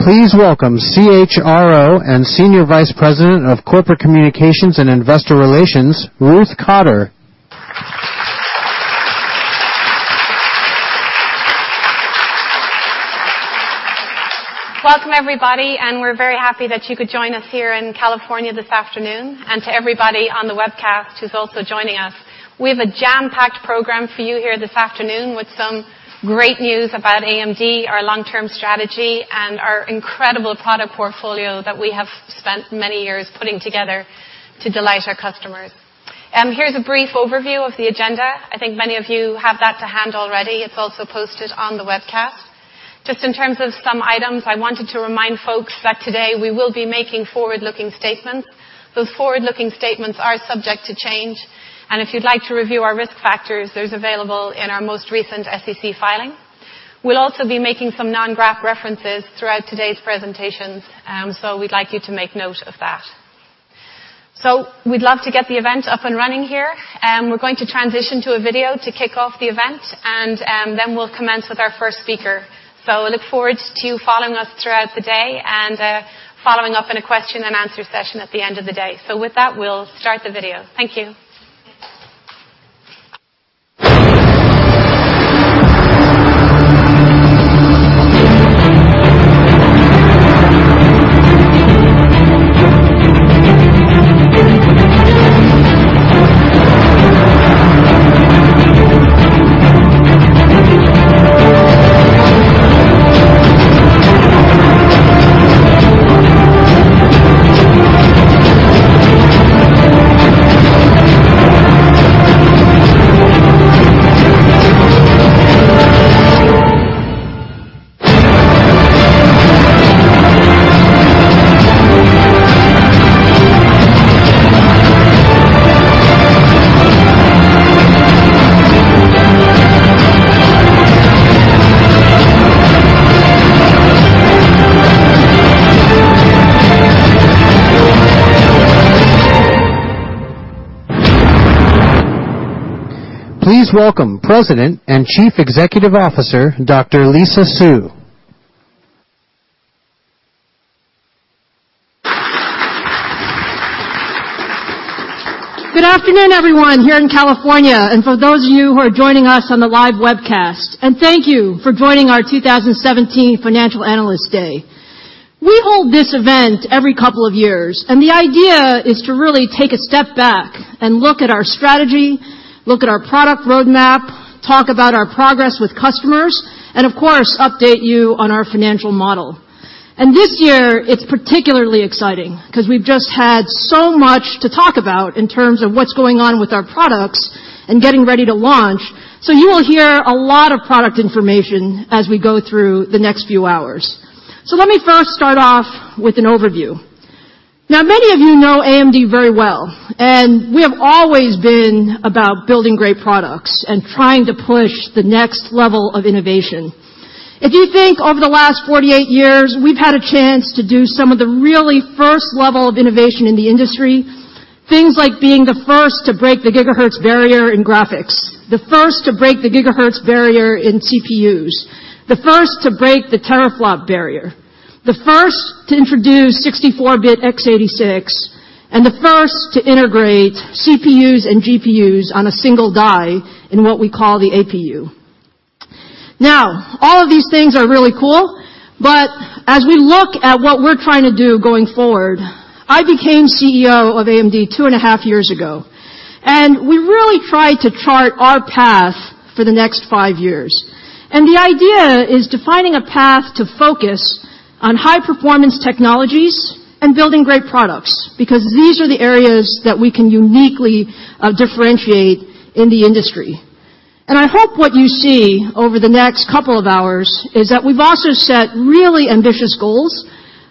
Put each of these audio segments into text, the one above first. Please welcome CHRO and Senior Vice President of Corporate Communications and Investor Relations, Ruth Cotter. Welcome, everybody, and we're very happy that you could join us here in California this afternoon. To everybody on the webcast who's also joining us, we have a jam-packed program for you here this afternoon with some great news about AMD, our long-term strategy, and our incredible product portfolio that we have spent many years putting together to delight our customers. Here's a brief overview of the agenda. I think many of you have that to hand already. It's also posted on the webcast. Just in terms of some items, I wanted to remind folks that today we will be making forward-looking statements. Those forward-looking statements are subject to change, and if you'd like to review our risk factors, those are available in our most recent SEC filing. We'll also be making some non-GAAP references throughout today's presentations, we'd like you to make note of that. We'd love to get the event up and running here. We're going to transition to a video to kick off the event, and then we'll commence with our first speaker. Look forward to following us throughout the day and following up in a question and answer session at the end of the day. With that, we'll start the video. Thank you. Please welcome President and Chief Executive Officer, Dr. Lisa Su. Good afternoon, everyone, here in California, and for those of you who are joining us on the live webcast. Thank you for joining our 2017 Financial Analyst Day. We hold this event every couple of years, and the idea is to really take a step back and look at our strategy, look at our product roadmap, talk about our progress with customers, and of course, update you on our financial model. This year, it's particularly exciting because we've just had so much to talk about in terms of what's going on with our products and getting ready to launch. You will hear a lot of product information as we go through the next few hours. Let me first start off with an overview. Many of you know AMD very well, and we have always been about building great products and trying to push the next level of innovation. If you think over the last 48 years, we've had a chance to do some of the really first level of innovation in the industry. Things like being the first to break the gigahertz barrier in graphics, the first to break the gigahertz barrier in CPUs, the first to break the teraflop barrier, the first to introduce 64-bit x86, and the first to integrate CPUs and GPUs on a single die in what we call the APU. All of these things are really cool, but as we look at what we're trying to do going forward, I became CEO of AMD two and a half years ago, and we really tried to chart our path for the next five years. The idea is defining a path to focus on high-performance technologies and building great products because these are the areas that we can uniquely differentiate in the industry. I hope what you see over the next couple of hours is that we've also set really ambitious goals,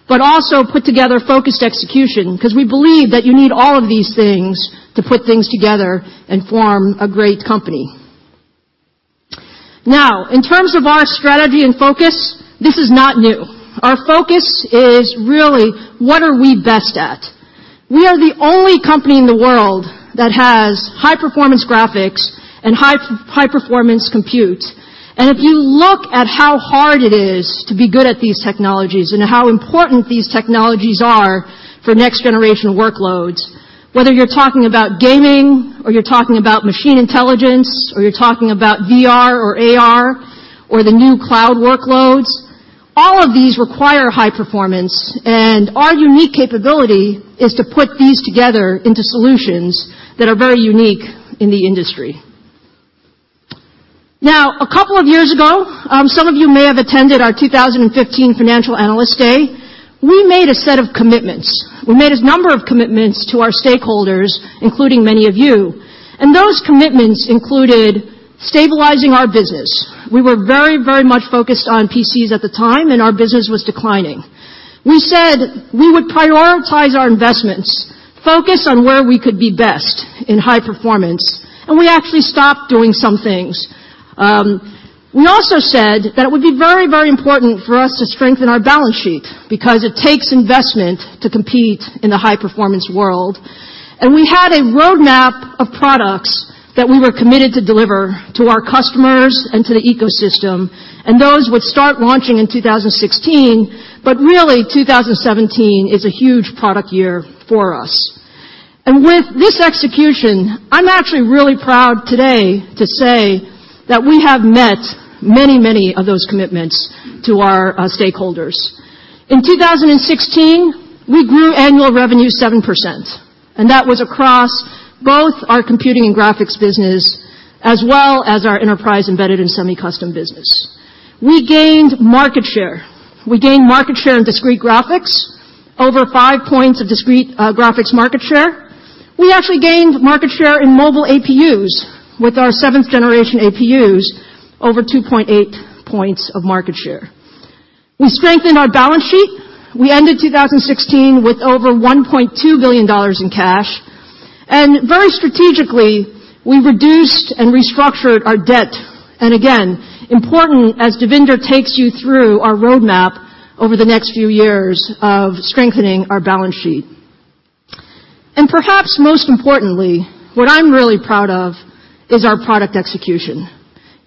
but also put together focused execution because we believe that you need all of these things to put things together and form a great company. In terms of our strategy and focus, this is not new. Our focus is really: what are we best at? We are the only company in the world that has high-performance graphics and high-performance compute. If you look at how hard it is to be good at these technologies and how important these technologies are for next-generation workloads, whether you're talking about gaming or you're talking about machine intelligence or you're talking about VR or AR or the new cloud workloads, all of these require high performance. Our unique capability is to put these together into solutions that are very unique in the industry. A couple of years ago, some of you may have attended our 2015 Financial Analyst Day. We made a set of commitments. We made a number of commitments to our stakeholders, including many of you. Those commitments included stabilizing our business. We were very, very much focused on PCs at the time, and our business was declining. We said we would prioritize our investments, focus on where we could be best in high performance, and we actually stopped doing some things. We also said that it would be very, very important for us to strengthen our balance sheet because it takes investment to compete in the high-performance world. We had a roadmap of products that we were committed to deliver to our customers and to the ecosystem, and those would start launching in 2016. Really, 2017 is a huge product year for us. With this execution, I'm actually really proud today to say that we have met many of those commitments to our stakeholders. In 2016, we grew annual revenue 7%, and that was across both our Computing and Graphics Business, as well as our Enterprise, Embedded and Semi-Custom Business. We gained market share. We gained market share in discrete graphics, over five points of discrete graphics market share. We actually gained market share in mobile APUs with our 7th generation APUs, over 2.8 points of market share. We strengthened our balance sheet. We ended 2016 with over $1.2 billion in cash, and very strategically, we reduced and restructured our debt. Again, important as Devinder takes you through our roadmap over the next few years of strengthening our balance sheet. Perhaps most importantly, what I'm really proud of is our product execution.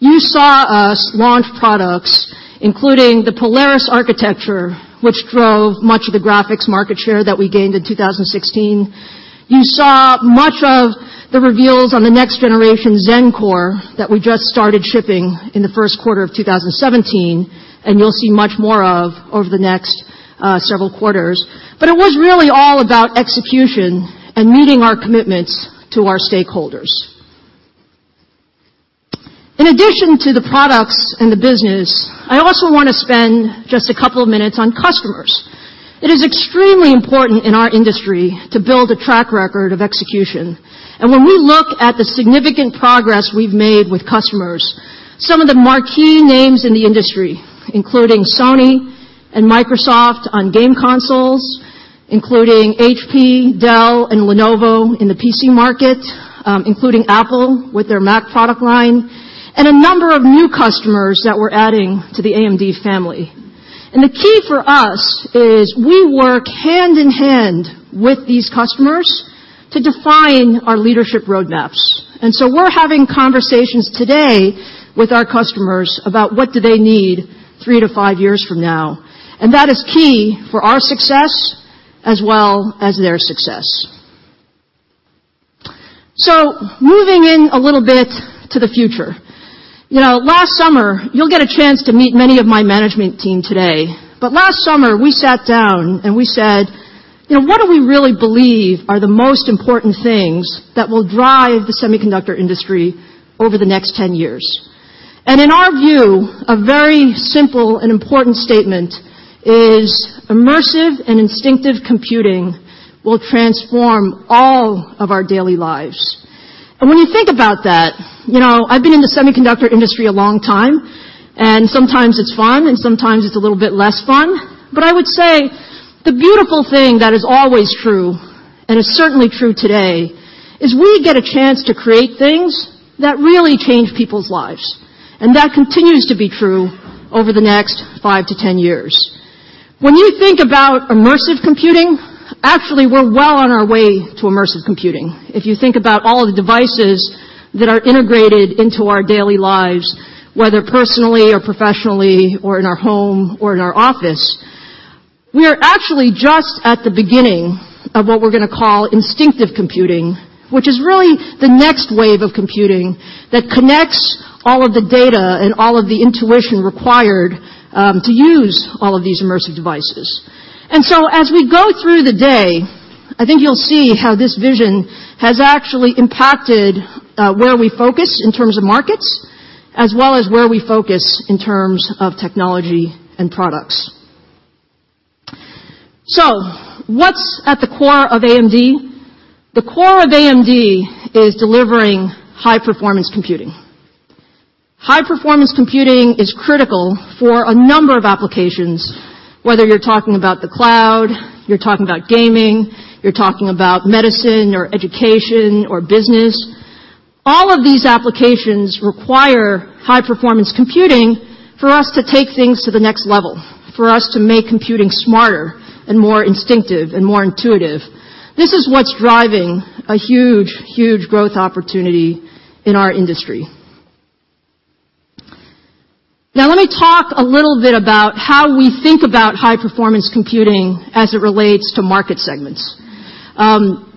You saw us launch products, including the Polaris architecture, which drove much of the graphics market share that we gained in 2016. You saw much of the reveals on the next generation Zen core that we just started shipping in the first quarter of 2017, and you'll see much more of over the next several quarters. It was really all about execution and meeting our commitments to our stakeholders. In addition to the products and the business, I also want to spend just a couple of minutes on customers. It is extremely important in our industry to build a track record of execution. When we look at the significant progress we've made with customers, some of the marquee names in the industry, including Sony and Microsoft on game consoles, including HP, Dell, and Lenovo in the PC market, including Apple with their Mac product line, and a number of new customers that we're adding to the AMD family. The key for us is we work hand-in-hand with these customers to define our leadership roadmaps. We're having conversations today with our customers about what do they need three to five years from now. That is key for our success as well as their success. Moving in a little bit to the future. You'll get a chance to meet many of my management team today. Last summer, we sat down and we said, "What do we really believe are the most important things that will drive the semiconductor industry over the next 10 years?" In our view, a very simple and important statement is immersive and instinctive computing will transform all of our daily lives. When you think about that, I've been in the semiconductor industry a long time, and sometimes it's fun and sometimes it's a little bit less fun. I would say the beautiful thing that is always true, and is certainly true today, is we get a chance to create things that really change people's lives. That continues to be true over the next 5 to 10 years. When you think about immersive computing, actually, we're well on our way to immersive computing. If you think about all of the devices that are integrated into our daily lives, whether personally or professionally or in our home or in our office, we are actually just at the beginning of what we're going to call instinctive computing, which is really the next wave of computing that connects all of the data and all of the intuition required to use all of these immersive devices. As we go through the day, I think you'll see how this vision has actually impacted where we focus in terms of markets, as well as where we focus in terms of technology and products. What's at the core of AMD? The core of AMD is delivering high-performance computing. High-performance computing is critical for a number of applications, whether you're talking about the cloud, you're talking about gaming, you're talking about medicine or education or business. All of these applications require high-performance computing for us to take things to the next level, for us to make computing smarter and more instinctive and more intuitive. This is what's driving a huge growth opportunity in our industry. Let me talk a little bit about how we think about high-performance computing as it relates to market segments.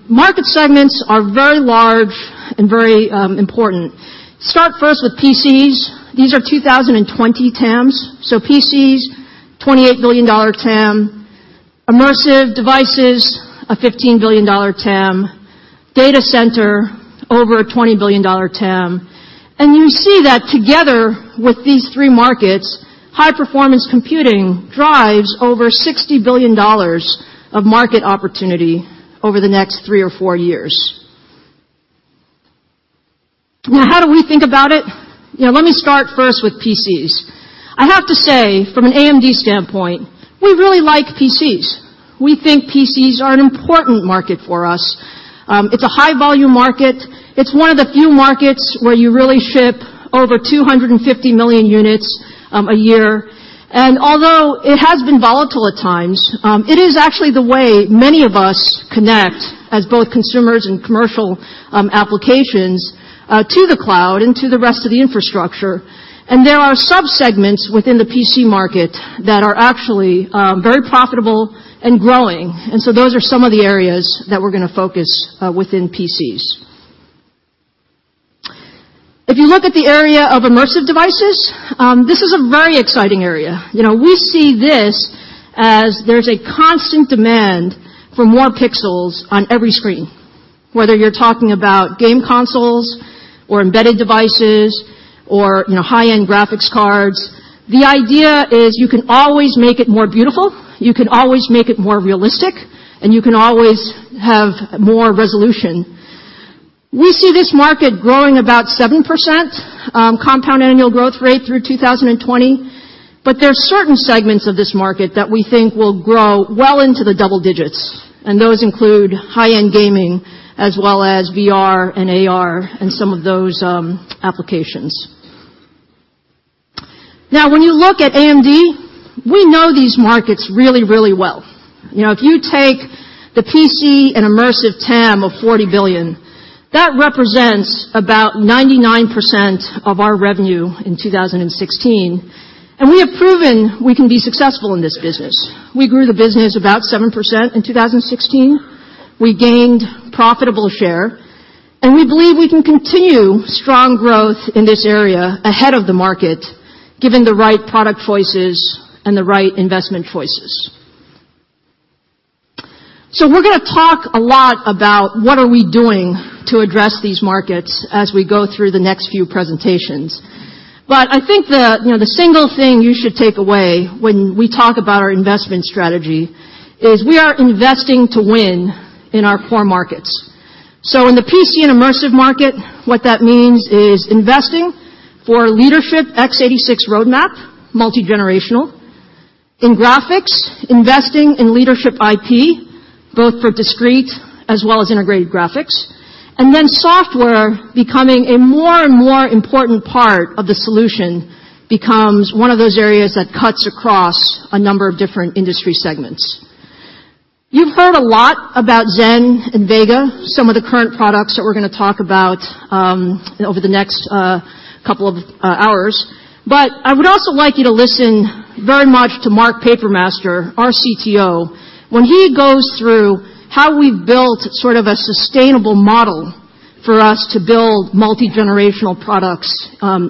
Market segments are very large and very important. Start first with PCs. These are 2020 TAMs. PCs, $28 billion TAM. Immersive devices, a $15 billion TAM. Data center, over a $20 billion TAM. You see that together with these three markets, high-performance computing drives over $60 billion of market opportunity over the next 3 or 4 years. How do we think about it? Let me start first with PCs. I have to say, from an AMD standpoint, we really like PCs. We think PCs are an important market for us. It's a high-volume market. It's one of the few markets where you really ship over 250 million units a year. Although it has been volatile at times, it is actually the way many of us connect as both consumers and commercial applications to the cloud and to the rest of the infrastructure. There are subsegments within the PC market that are actually very profitable and growing. Those are some of the areas that we're going to focus within PCs. If you look at the area of immersive devices, this is a very exciting area. We see this as there's a constant demand for more pixels on every screen, whether you're talking about game consoles or embedded devices or high-end graphics cards. The idea is you can always make it more beautiful, you can always make it more realistic, and you can always have more resolution. We see this market growing about 7% compound annual growth rate through 2020, there's certain segments of this market that we think will grow well into the double digits, and those include high-end gaming as well as VR and AR and some of those applications. When you look at AMD, we know these markets really, really well. If you take the PC and immersive TAM of $40 billion, that represents about 99% of our revenue in 2016, we have proven we can be successful in this business. We grew the business about 7% in 2016. We gained profitable share, we believe we can continue strong growth in this area ahead of the market, given the right product choices and the right investment choices. We're going to talk a lot about what are we doing to address these markets as we go through the next few presentations. I think the single thing you should take away when we talk about our investment strategy is we are investing to win in our core markets. In the PC and immersive market, what that means is investing for leadership x86 roadmap, multi-generational. In graphics, investing in leadership IP, both for discrete as well as integrated graphics. Then software becoming a more and more important part of the solution becomes one of those areas that cuts across a number of different industry segments. You've heard a lot about Zen and Vega, some of the current products that we're going to talk about over the next couple of hours. I would also like you to listen very much to Mark Papermaster, our CTO, when he goes through how we've built sort of a sustainable model for us to build multi-generational products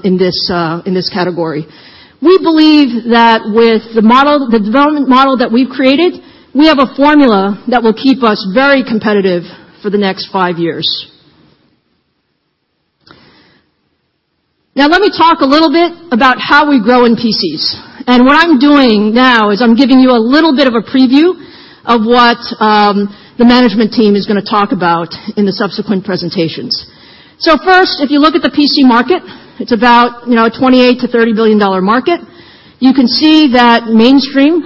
in this category. We believe that with the development model that we've created, we have a formula that will keep us very competitive for the next five years. Let me talk a little bit about how we grow in PCs. What I'm doing now is I'm giving you a little bit of a preview of what the management team is going to talk about in the subsequent presentations. First, if you look at the PC market, it's about a $28 billion-$30 billion market. You can see that mainstream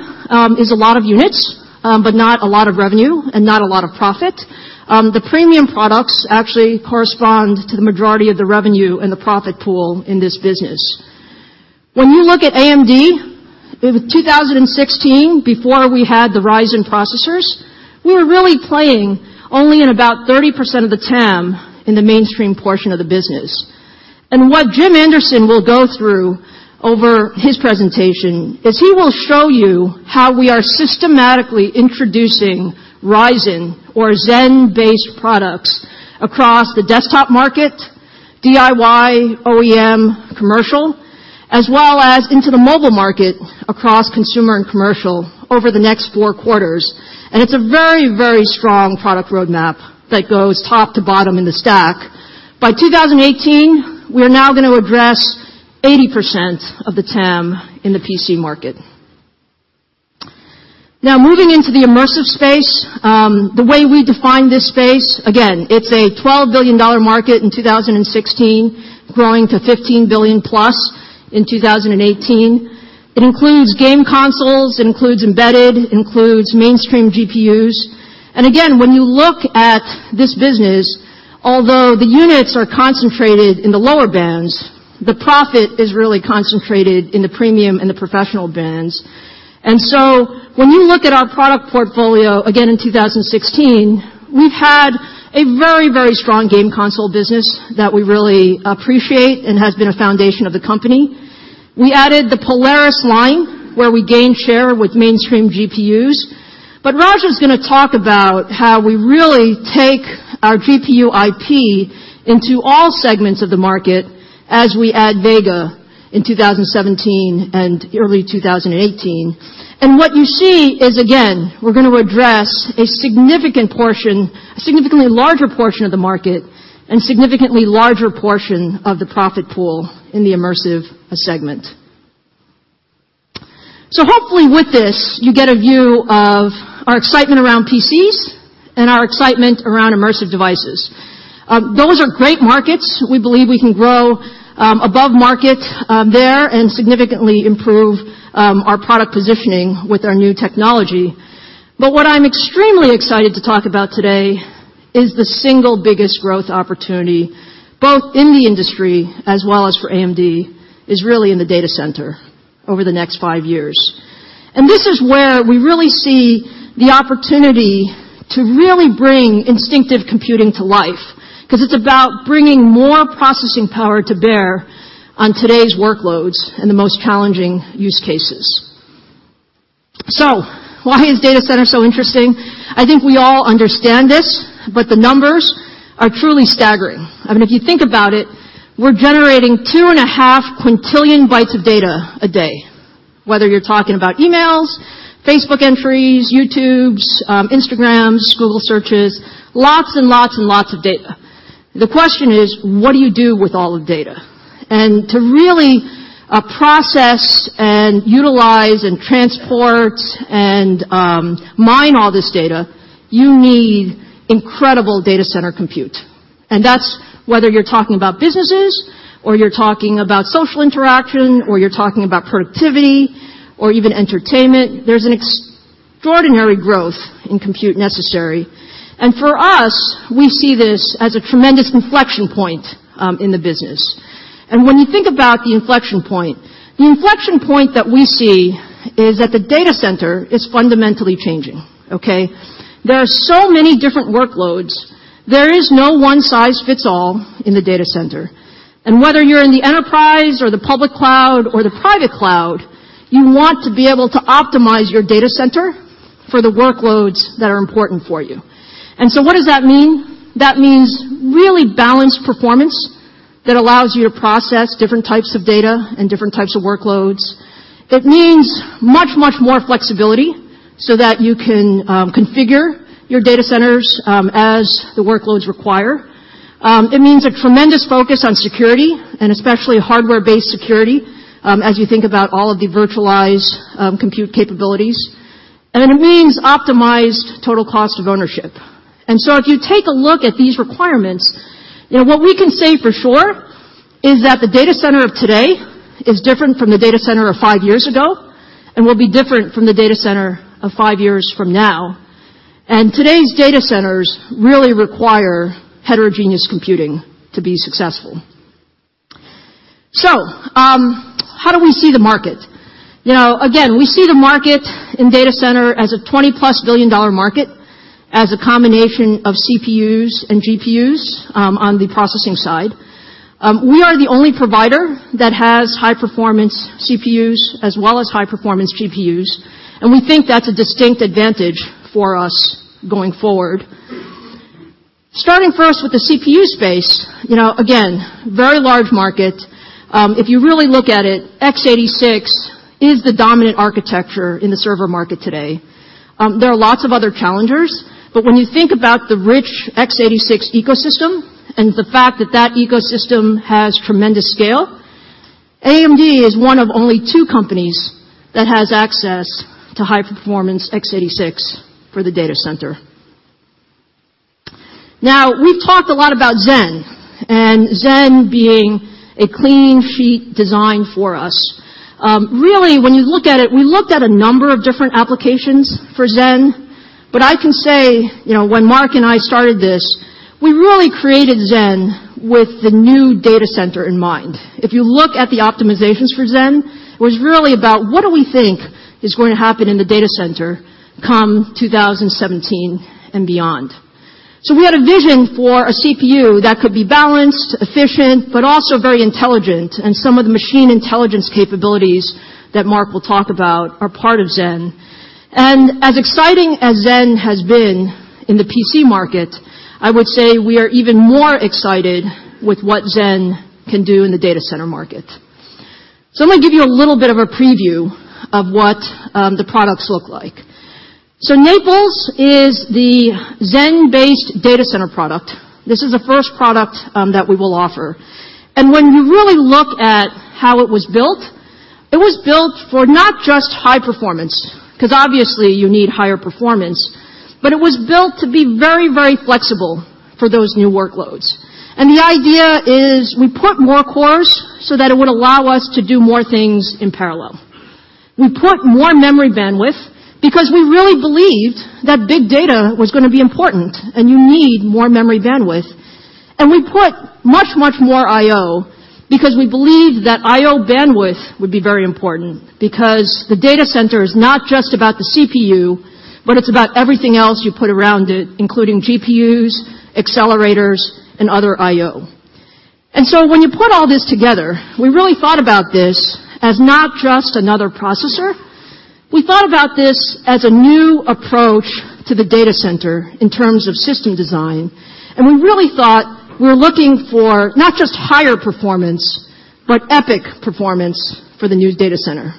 is a lot of units, but not a lot of revenue and not a lot of profit. The premium products actually correspond to the majority of the revenue and the profit pool in this business. When you look at AMD, in 2016, before we had the Ryzen processors, we were really playing only in about 30% of the TAM in the mainstream portion of the business. What Jim Anderson will go through over his presentation is he will show you how we are systematically introducing Ryzen or Zen-based products across the desktop market, DIY, OEM, commercial, as well as into the mobile market across consumer and commercial over the next four quarters. It's a very, very strong product roadmap that goes top to bottom in the stack. By 2018, we are now going to address 80% of the TAM in the PC market. Moving into the immersive space, the way we define this space, again, it's a $12 billion market in 2016, growing to $15 billion plus in 2018. It includes game consoles, it includes embedded, it includes mainstream GPUs. Again, when you look at this business, although the units are concentrated in the lower bands, the profit is really concentrated in the premium and the professional bands. When you look at our product portfolio, again in 2016, we've had a very, very strong game console business that we really appreciate and has been a foundation of the company. We added the Polaris line, where we gained share with mainstream GPUs. Raja's going to talk about how we really take our GPU IP into all segments of the market as we add Vega in 2017 and early 2018. What you see is, again, we're going to address a significantly larger portion of the market and significantly larger portion of the profit pool in the immersive segment. Hopefully with this, you get a view of our excitement around PCs and our excitement around immersive devices. Those are great markets. We believe we can grow above market there and significantly improve our product positioning with our new technology. What I'm extremely excited to talk about today is the single biggest growth opportunity, both in the industry as well as for AMD, is really in the data center over the next 5 years. This is where we really see the opportunity to really bring instinctive computing to life because it's about bringing more processing power to bear on today's workloads and the most challenging use cases. Why is data center so interesting? I think we all understand this, the numbers are truly staggering. If you think about it, we're generating 2.5 quintillion bytes of data a day, whether you're talking about emails, Facebook entries, YouTube, Instagram, Google searches, lots and lots and lots of data. The question is, what do you do with all the data? To really process and utilize and transport and mine all this data, you need incredible data center compute. That's whether you're talking about businesses or you're talking about social interaction or you're talking about productivity or even entertainment. There's an extraordinary growth in compute necessary. For us, we see this as a tremendous inflection point in the business. When you think about the inflection point, the inflection point that we see is that the data center is fundamentally changing, okay? There are so many different workloads. There is no one-size-fits-all in the data center. Whether you're in the enterprise or the public cloud or the private cloud, you want to be able to optimize your data center for the workloads that are important for you. What does that mean? That means really balanced performance that allows you to process different types of data and different types of workloads. It means much, much more flexibility so that you can configure your data centers as the workloads require. It means a tremendous focus on security, especially hardware-based security, as you think about all of the virtualized compute capabilities. It means optimized total cost of ownership. If you take a look at these requirements, what we can say for sure is that the data center of today is different from the data center of 5 years ago and will be different from the data center of 5 years from now. Today's data centers really require heterogeneous computing to be successful. How do we see the market? Again, we see the market in data center as a $20-plus billion market, as a combination of CPUs and GPUs on the processing side. We are the only provider that has high-performance CPUs as well as high-performance GPUs, and we think that's a distinct advantage for us going forward. Starting first with the CPU space, again, very large market. If you really look at it, x86 is the dominant architecture in the server market today. There are lots of other challengers, but when you think about the rich x86 ecosystem and the fact that that ecosystem has tremendous scale, AMD is one of only two companies that has access to high-performance x86 for the data center. We've talked a lot about Zen, and Zen being a clean sheet design for us. When you look at it, we looked at a number of different applications for Zen, but I can say, when Mark and I started this, we really created Zen with the new data center in mind. If you look at the optimizations for Zen, it was really about what do we think is going to happen in the data center come 2017 and beyond. We had a vision for a CPU that could be balanced, efficient, but also very intelligent, and some of the machine intelligence capabilities that Mark will talk about are part of Zen. As exciting as Zen has been in the PC market, I would say we are even more excited with what Zen can do in the data center market. I'm going to give you a little bit of a preview of what the products look like. Naples is the Zen-based data center product. This is the first product that we will offer. When you really look at how it was built, it was built for not just high performance, because obviously, you need higher performance, but it was built to be very, very flexible for those new workloads. The idea is we put more cores so that it would allow us to do more things in parallel. We put more memory bandwidth because we really believed that big data was going to be important, and you need more memory bandwidth. We put much, much more I/O because we believed that I/O bandwidth would be very important because the data center is not just about the CPU, but it's about everything else you put around it, including GPUs, accelerators, and other I/O. When you put all this together, we really thought about this as not just another processor. We thought about this as a new approach to the data center in terms of system design. We really thought we were looking for not just higher performance, but epic performance for the new data center.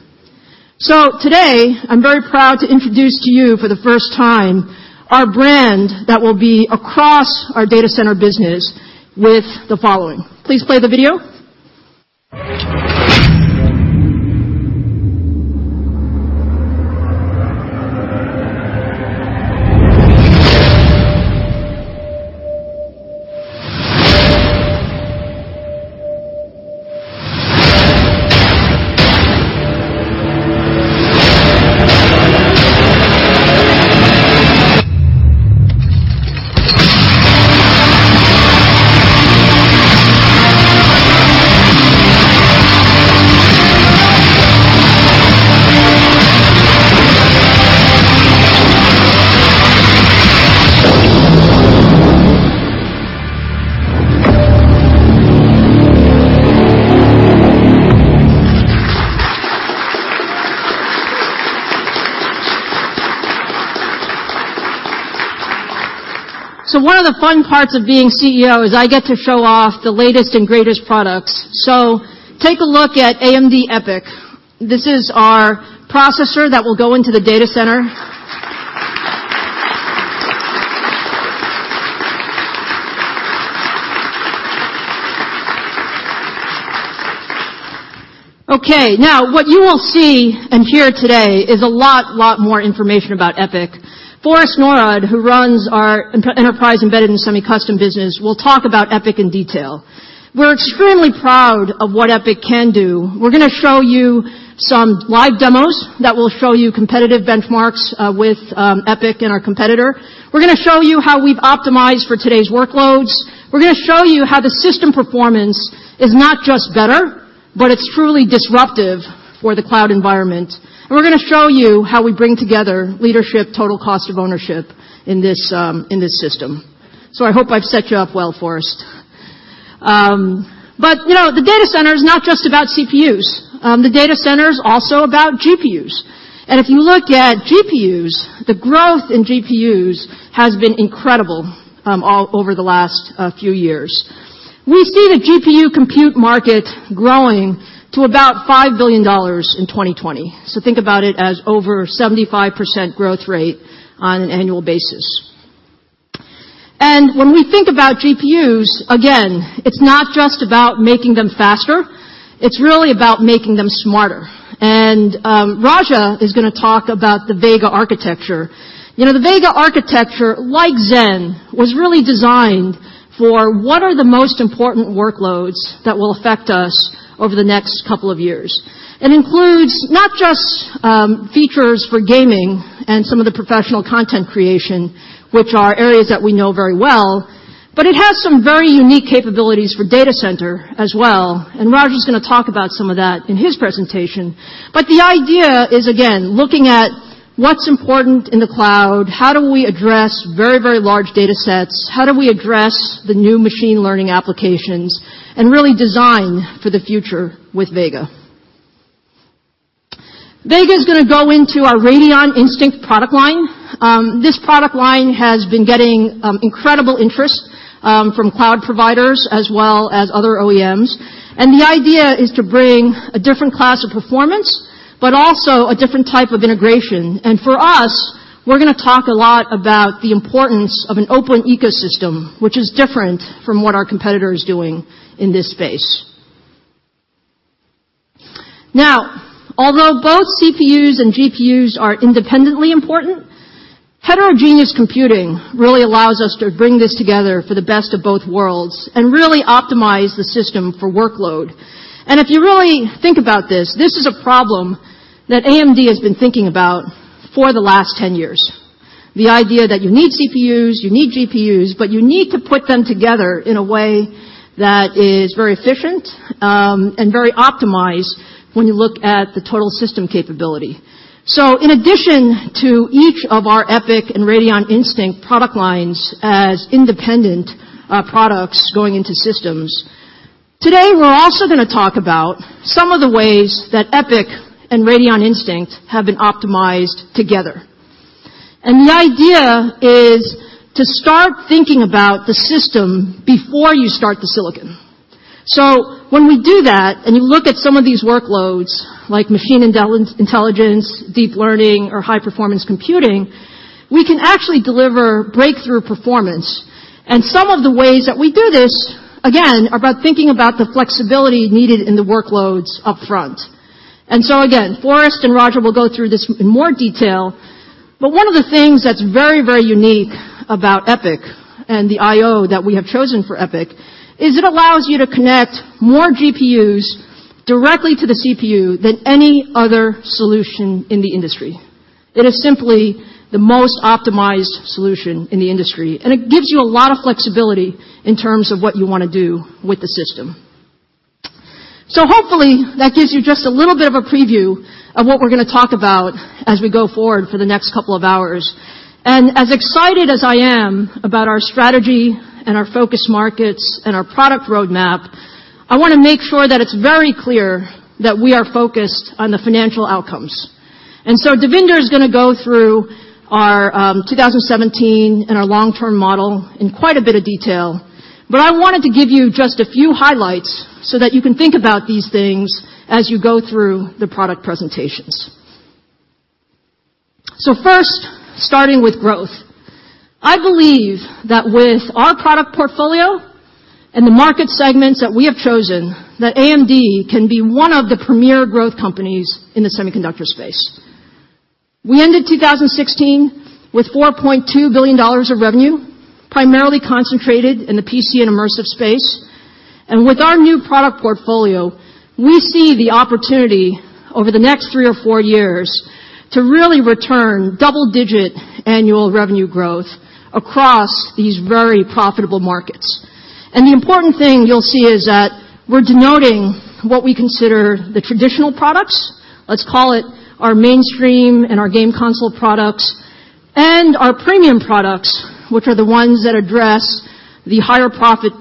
Today, I'm very proud to introduce to you for the first time our brand that will be across our data center business with the following. Please play the video. One of the fun parts of being CEO is I get to show off the latest and greatest products. Take a look at AMD EPYC. This is our processor that will go into the data center. Okay. What you will see and hear today is a lot more information about EPYC. Forrest Norrod, who runs our Enterprise, Embedded and Semi-Custom Business, will talk about EPYC in detail. We're extremely proud of what EPYC can do. We're going to show you some live demos that will show you competitive benchmarks with EPYC and our competitor. We're going to show you how we've optimized for today's workloads. We're going to show you how the system performance is not just better, but it's truly disruptive for the cloud environment. We're going to show you how we bring together leadership total cost of ownership in this system. I hope I've set you up well, Forrest. The data center is not just about CPUs. The data center is also about GPUs. If you look at GPUs, the growth in GPUs has been incredible over the last few years. We see the GPU compute market growing to about $5 billion in 2020. Think about it as over 75% growth rate on an annual basis. When we think about GPUs, again, it's not just about making them faster, it's really about making them smarter. Raja is going to talk about the Vega architecture. The Vega architecture, like Zen, was really designed for what are the most important workloads that will affect us over the next couple of years. It includes not just features for gaming and some of the professional content creation, which are areas that we know very well, but it has some very unique capabilities for data center as well, Raja's going to talk about some of that in his presentation. The idea is, again, looking at what's important in the cloud, how do we address very large datasets, how do we address the new machine learning applications, and really design for the future with Vega. Vega's going to go into our Radeon Instinct product line. This product line has been getting incredible interest from cloud providers as well as other OEMs. The idea is to bring a different class of performance, but also a different type of integration. For us, we're going to talk a lot about the importance of an open ecosystem, which is different from what our competitor is doing in this space. Now, although both CPUs and GPUs are independently important, heterogeneous computing really allows us to bring this together for the best of both worlds and really optimize the system for workload. If you really think about this is a problem that AMD has been thinking about for the last 10 years. The idea that you need CPUs, you need GPUs, but you need to put them together in a way that is very efficient, and very optimized when you look at the total system capability. In addition to each of our EPYC and Radeon Instinct product lines as independent products going into systems, today, we're also going to talk about some of the ways that EPYC and Radeon Instinct have been optimized together. The idea is to start thinking about the system before you start the silicon. When we do that, and you look at some of these workloads, like machine intelligence, deep learning, or high-performance computing, we can actually deliver breakthrough performance. Some of the ways that we do this, again, are about thinking about the flexibility needed in the workloads upfront. Again, Forrest and Raja will go through this in more detail, but one of the things that's very unique about EPYC and the I/O that we have chosen for EPYC is it allows you to connect more GPUs directly to the CPU than any other solution in the industry. It is simply the most optimized solution in the industry, and it gives you a lot of flexibility in terms of what you want to do with the system. Hopefully, that gives you just a little bit of a preview of what we're going to talk about as we go forward for the next couple of hours. As excited as I am about our strategy and our focus markets and our product roadmap, I want to make sure that it's very clear that we are focused on the financial outcomes. Devinder is going to go through our 2017 and our long-term model in quite a bit of detail. I wanted to give you just a few highlights so that you can think about these things as you go through the product presentations. First, starting with growth. I believe that with our product portfolio and the market segments that we have chosen, that AMD can be one of the premier growth companies in the semiconductor space. We ended 2016 with $4.2 billion of revenue, primarily concentrated in the PC and immersive space. With our new product portfolio, we see the opportunity over the next three or four years to really return double-digit annual revenue growth across these very profitable markets. The important thing you'll see is that we're denoting what we consider the traditional products. Let's call it our mainstream and our game console products. Our premium products, which are the ones that address the higher profit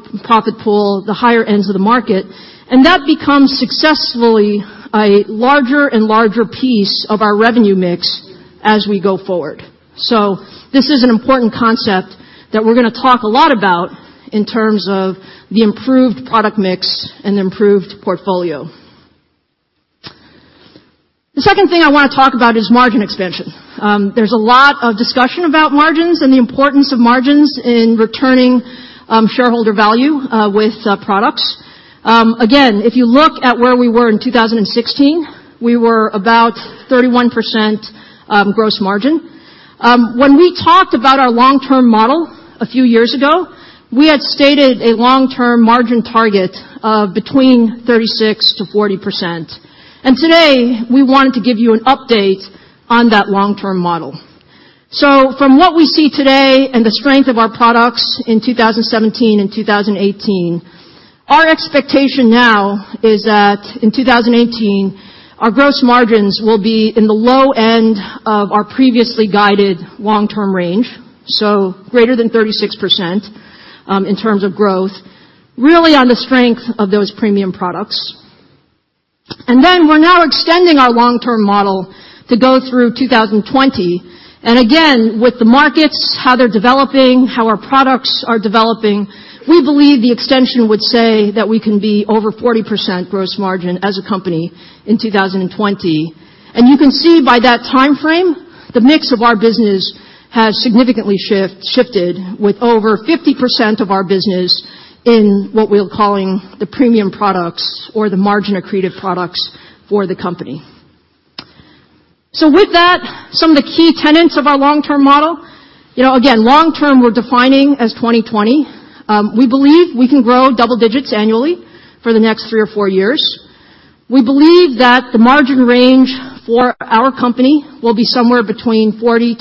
pool, the higher ends of the market. That becomes successfully a larger and larger piece of our revenue mix as we go forward. This is an important concept that we're going to talk a lot about in terms of the improved product mix and improved portfolio. The second thing I want to talk about is margin expansion. There's a lot of discussion about margins and the importance of margins in returning shareholder value with products. Again, if you look at where we were in 2016, we were about 31% gross margin. When we talked about our long-term model a few years ago, we had stated a long-term margin target of between 36%-40%. Today, we wanted to give you an update on that long-term model. From what we see today and the strength of our products in 2017 and 2018, our expectation now is that in 2018, our gross margins will be in the low end of our previously guided long-term range. Greater than 36% in terms of growth, really on the strength of those premium products. We're now extending our long-term model to go through 2020. Again, with the markets, how they're developing, how our products are developing, we believe the extension would say that we can be over 40% gross margin as a company in 2020. You can see by that timeframe, the mix of our business has significantly shifted, with over 50% of our business in what we're calling the premium products or the margin-accretive products for the company. With that, some of the key tenets of our long-term model. Again, long term, we're defining as 2020. We believe we can grow double digits annually for the next three or four years. We believe that the margin range for our company will be somewhere between 40%-44%.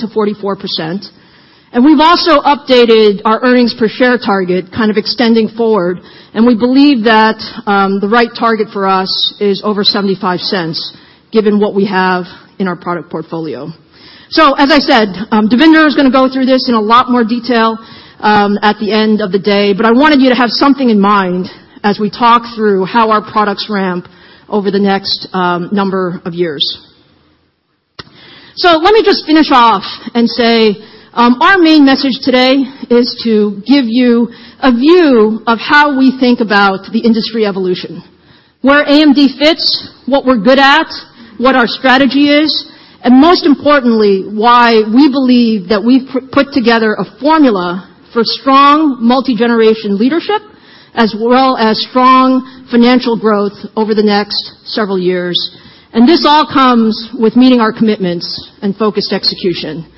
We've also updated our EPS target, kind of extending forward, and we believe that the right target for us is over $0.75, given what we have in our product portfolio. As I said, Devinder is going to go through this in a lot more detail at the end of the day, but I wanted you to have something in mind as we talk through how our products ramp over the next number of years. Let me just finish off and say our main message today is to give you a view of how we think about the industry evolution, where AMD fits, what we're good at, what our strategy is, and most importantly, why we believe that we've put together a formula for strong multi-generation leadership, as well as strong financial growth over the next several years. This all comes with meeting our commitments and focused execution.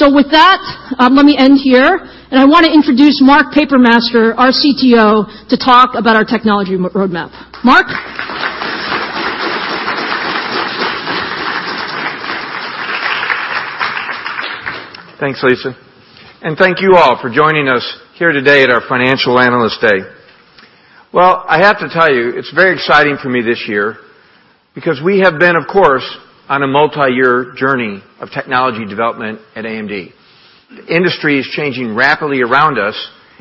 With that, let me end here, and I want to introduce Mark Papermaster, our CTO, to talk about our technology roadmap. Mark? Thanks, Lisa. Thank you all for joining us here today at our Financial Analyst Day. Well, I have to tell you, it's very exciting for me this year because we have been, of course, on a multi-year journey of technology development at AMD. The industry is changing rapidly around us,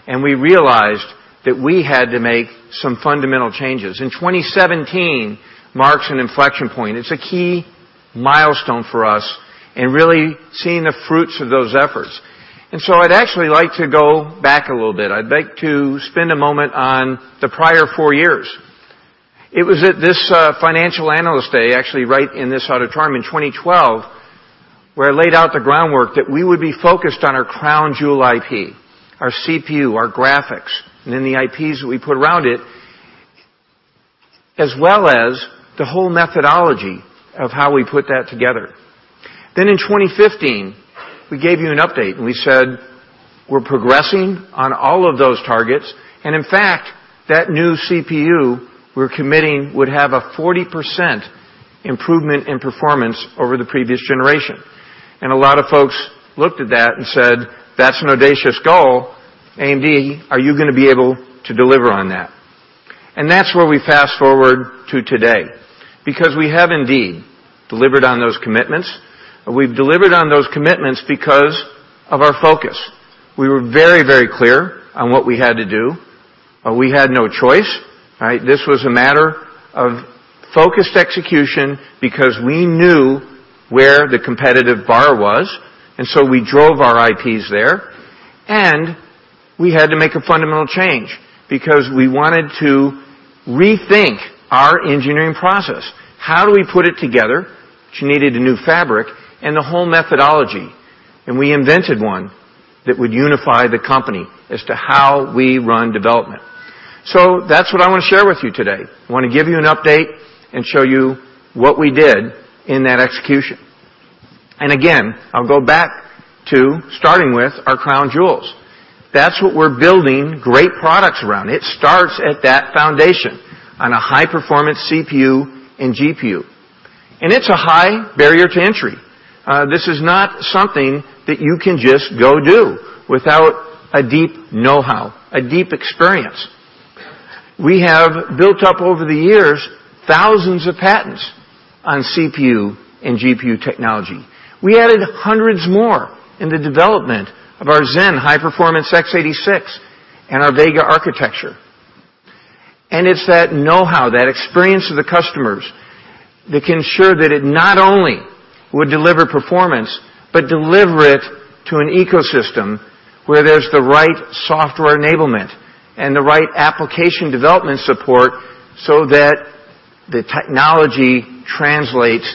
and we realized that we had to make some fundamental changes. 2017 marks an inflection point. It's a key milestone for us in really seeing the fruits of those efforts. I'd actually like to go back a little bit. I'd like to spend a moment on the prior four years. It was at this Financial Analyst Day, actually, right in this auditorium in 2012, where I laid out the groundwork that we would be focused on our crown jewel IP, our CPU, our graphics, and then the IPs that we put around it, as well as the whole methodology of how we put that together. In 2015, we gave you an update and we said we're progressing on all of those targets. In fact, that new CPU we're committing would have a 40% improvement in performance over the previous generation. A lot of folks looked at that and said, "That's an audacious goal. AMD, are you going to be able to deliver on that?" That's where we fast-forward to today, because we have indeed delivered on those commitments. We've delivered on those commitments because of our focus. We were very, very clear on what we had to do. We had no choice, right? This was a matter of focused execution because we knew where the competitive bar was. We drove our IPs there. We had to make a fundamental change because we wanted to rethink our engineering process. How do we put it together? We needed a new fabric and a whole methodology. We invented one that would unify the company as to how we run development. That's what I want to share with you today. I want to give you an update and show you what we did in that execution. Again, I'll go back to starting with our crown jewels. That's what we're building great products around. It starts at that foundation on a high-performance CPU and GPU, and it's a high barrier to entry. This is not something that you can just go do without a deep knowhow, a deep experience. We have built up over the years thousands of patents on CPU and GPU technology. We added hundreds more in the development of our Zen high-performance x86 and our Vega architecture. It's that knowhow, that experience of the customers that can ensure that it not only would deliver performance, but deliver it to an ecosystem where there's the right software enablement and the right application development support so that the technology translates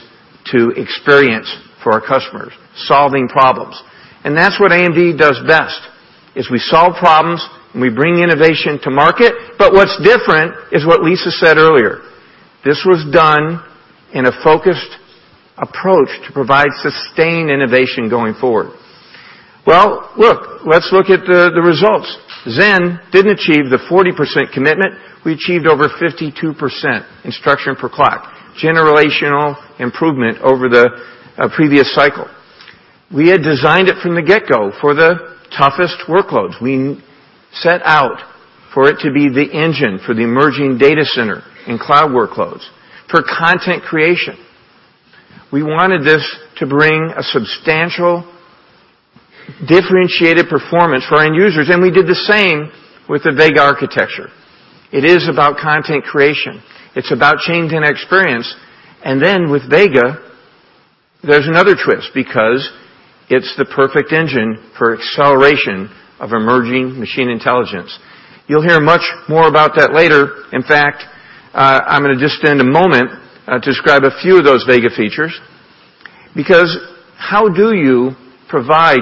to experience for our customers, solving problems. That's what AMD does best, is we solve problems and we bring innovation to market. What's different is what Lisa said earlier. This was done in a focused approach to provide sustained innovation going forward. Look, let's look at the results. Zen didn't achieve the 40% commitment. We achieved over 52% instruction per clock, generational improvement over the previous cycle. We had designed it from the get-go for the toughest workloads. We set out for it to be the engine for the emerging data center and cloud workloads, for content creation. We wanted this to bring a substantial differentiated performance for our end users. We did the same with the Vega architecture. It is about content creation. It's about changing experience. With Vega, there's another twist because it's the perfect engine for acceleration of emerging machine intelligence. You'll hear much more about that later. In fact, I'm going to just spend a moment to describe a few of those Vega features, because how do you provide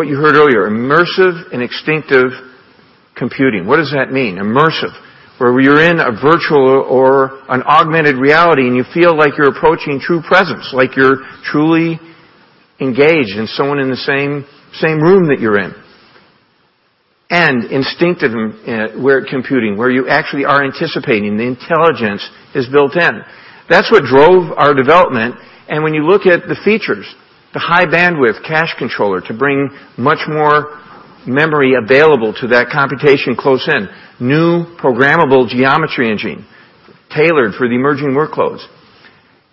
what you heard earlier: immersive and instinctive computing? What does that mean? Immersive, where you're in a virtual or an augmented reality, and you feel like you're approaching true presence, like you're truly engaged, and someone in the same room that you're in. Instinctive computing, where you actually are anticipating. The intelligence is built in. That's what drove our development. When you look at the features, the high bandwidth cache controller to bring much more memory available to that computation close in. New programmable geometry engine tailored for the emerging workloads.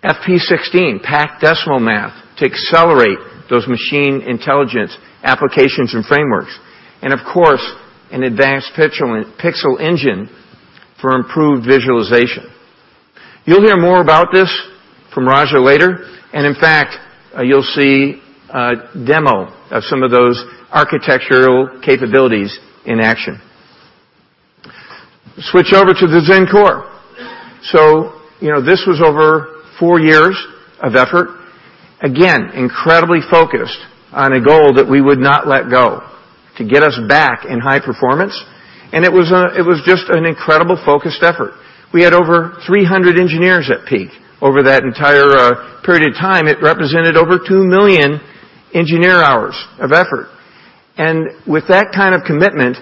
FP16, packed math to accelerate those machine intelligence applications and frameworks. An advanced pixel engine for improved visualization. You'll hear more about this from Raja later, and in fact, you'll see a demo of some of those architectural capabilities in action. Switch over to the Zen core. This was over four years of effort. Incredibly focused on a goal that we would not let go to get us back in high performance. It was just an incredible focused effort. We had over 300 engineers at peak over that entire period of time. It represented over 2 million engineer hours of effort. With that kind of commitment,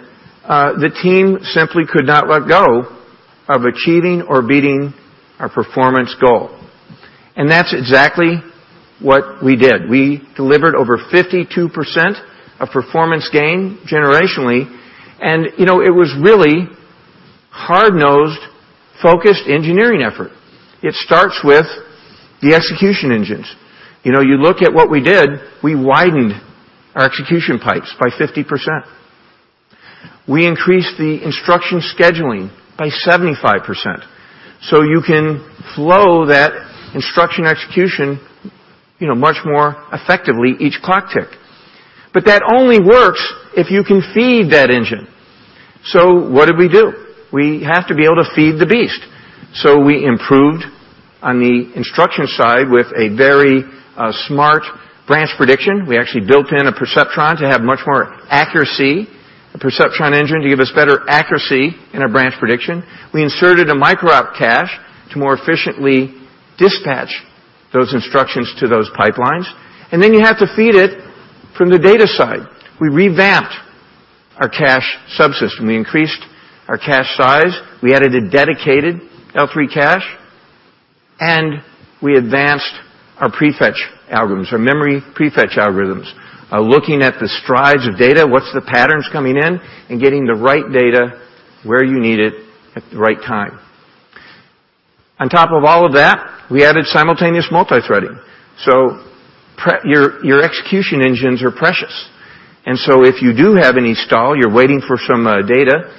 the team simply could not let go of achieving or beating our performance goal. That's exactly what we did. We delivered over 52% of performance gain generationally, and it was really hard-nosed, focused engineering effort. It starts with the execution engines. You look at what we did, we widened our execution pipes by 50%. We increased the instruction scheduling by 75%, so you can flow that instruction execution much more effectively each clock tick. That only works if you can feed that engine. What did we do? We have to be able to feed the beast. We improved on the instruction side with a very smart branch prediction. We actually built in a perceptron to have much more accuracy, a perceptron engine to give us better accuracy in our branch prediction. We inserted a micro-op cache to more efficiently dispatch those instructions to those pipelines. Then you have to feed it from the data side. We revamped our cache subsystem. We increased our cache size. We added a dedicated L3 cache. We advanced our prefetch algorithms, our memory prefetch algorithms, looking at the strides of data, what's the patterns coming in, and getting the right data where you need it at the right time. On top of all of that, we added simultaneous multithreading. Your execution engines are precious. If you do have any stall, you're waiting for some data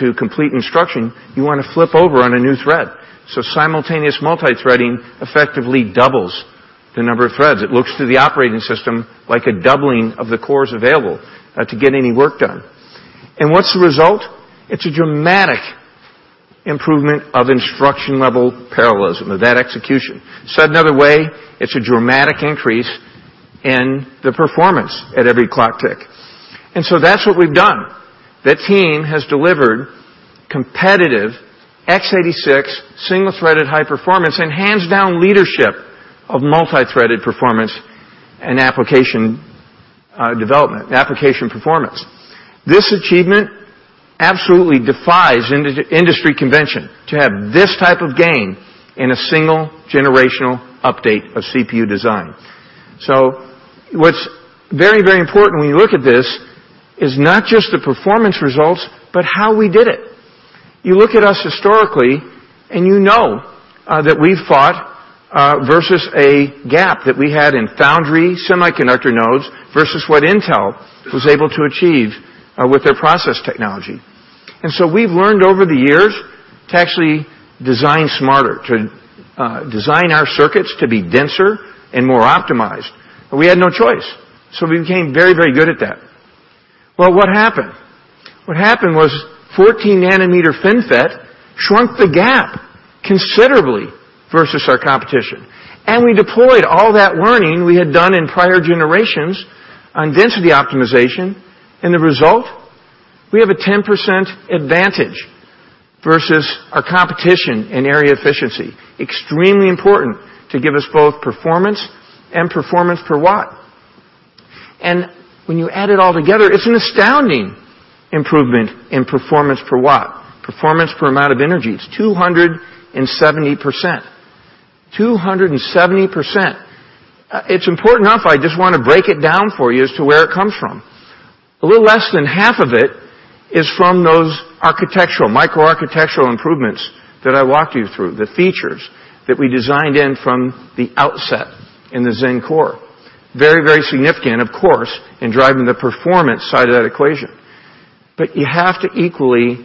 to complete instruction, you want to flip over on a new thread. Simultaneous multithreading effectively doubles the number of threads. It looks to the operating system like a doubling of the cores available to get any work done. What's the result? It's a dramatic improvement of instruction-level parallelism of that execution. Said another way, it's a dramatic increase in the performance at every clock tick. That's what we've done. The team has delivered competitive x86 single-threaded high performance and hands-down leadership of multi-threaded performance and application development, application performance. This achievement absolutely defies industry convention to have this type of gain in a single generational update of CPU design. What's very, very important when you look at this is not just the performance results, but how we did it. You look at us historically, you know that we fought versus a gap that we had in foundry semiconductor nodes versus what Intel was able to achieve with their process technology. We've learned over the years to actually design smarter, to design our circuits to be denser and more optimized. We had no choice. We became very, very good at that. Well, what happened? What happened was 14 nanometer FinFET shrunk the gap considerably versus our competition. We deployed all that learning we had done in prior generations on density optimization, and the result, we have a 10% advantage versus our competition in area efficiency. Extremely important to give us both performance and performance per watt. When you add it all together, it's an astounding improvement in performance per watt. Performance per amount of energy. It's 270%. 270%. It's important enough, I just want to break it down for you as to where it comes from. A little less than half of it is from those architectural, micro-architectural improvements that I walked you through, the features that we designed in from the outset in the Zen core. Very, very significant, of course, in driving the performance side of that equation. You have to equally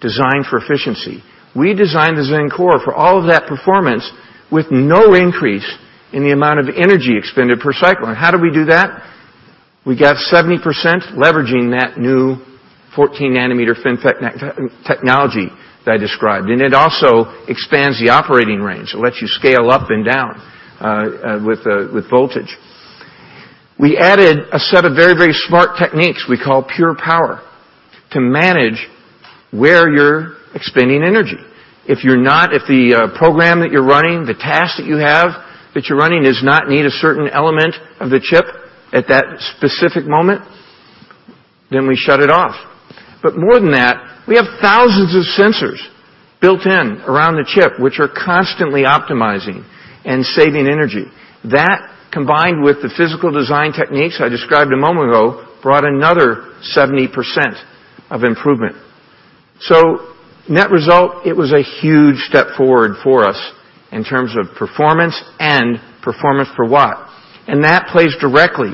design for efficiency. We designed the Zen core for all of that performance with no increase in the amount of energy expended per cycle. How did we do that? We got 70% leveraging that new 14 nanometer FinFET technology that I described. It also expands the operating range. It lets you scale up and down with voltage. We added a set of very, very smart techniques we call Pure Power to manage where you're expending energy. If the program that you're running, the task that you have that you're running does not need a certain element of the chip at that specific moment, then we shut it off. More than that, we have thousands of sensors built in around the chip, which are constantly optimizing and saving energy. That, combined with the physical design techniques I described a moment ago, brought another 70% of improvement. Net result, it was a huge step forward for us in terms of performance and performance per watt. That plays directly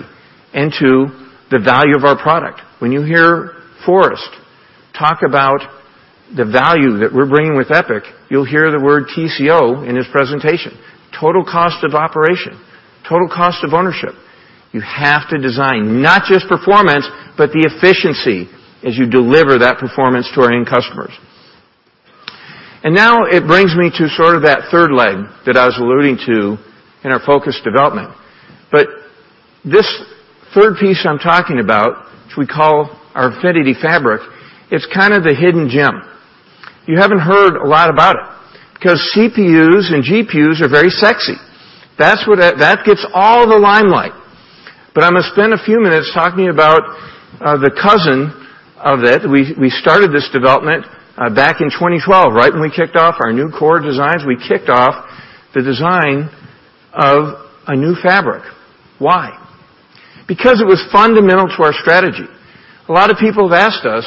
into the value of our product. When you hear Forrest talk about the value that we're bringing with EPYC, you'll hear the word TCO in his presentation. Total cost of operation, total cost of ownership. You have to design not just performance, but the efficiency as you deliver that performance to our end customers. Now it brings me to sort of that third leg that I was alluding to in our focused development. This third piece I'm talking about, which we call our Infinity Fabric, it's kind of the hidden gem. You haven't heard a lot about it because CPUs and GPUs are very sexy. That gets all the limelight. I'm going to spend a few minutes talking about the cousin of it. We started this development back in 2012, right when we kicked off our new core designs. We kicked off the design of a new fabric. Why? Because it was fundamental to our strategy. A lot of people have asked us,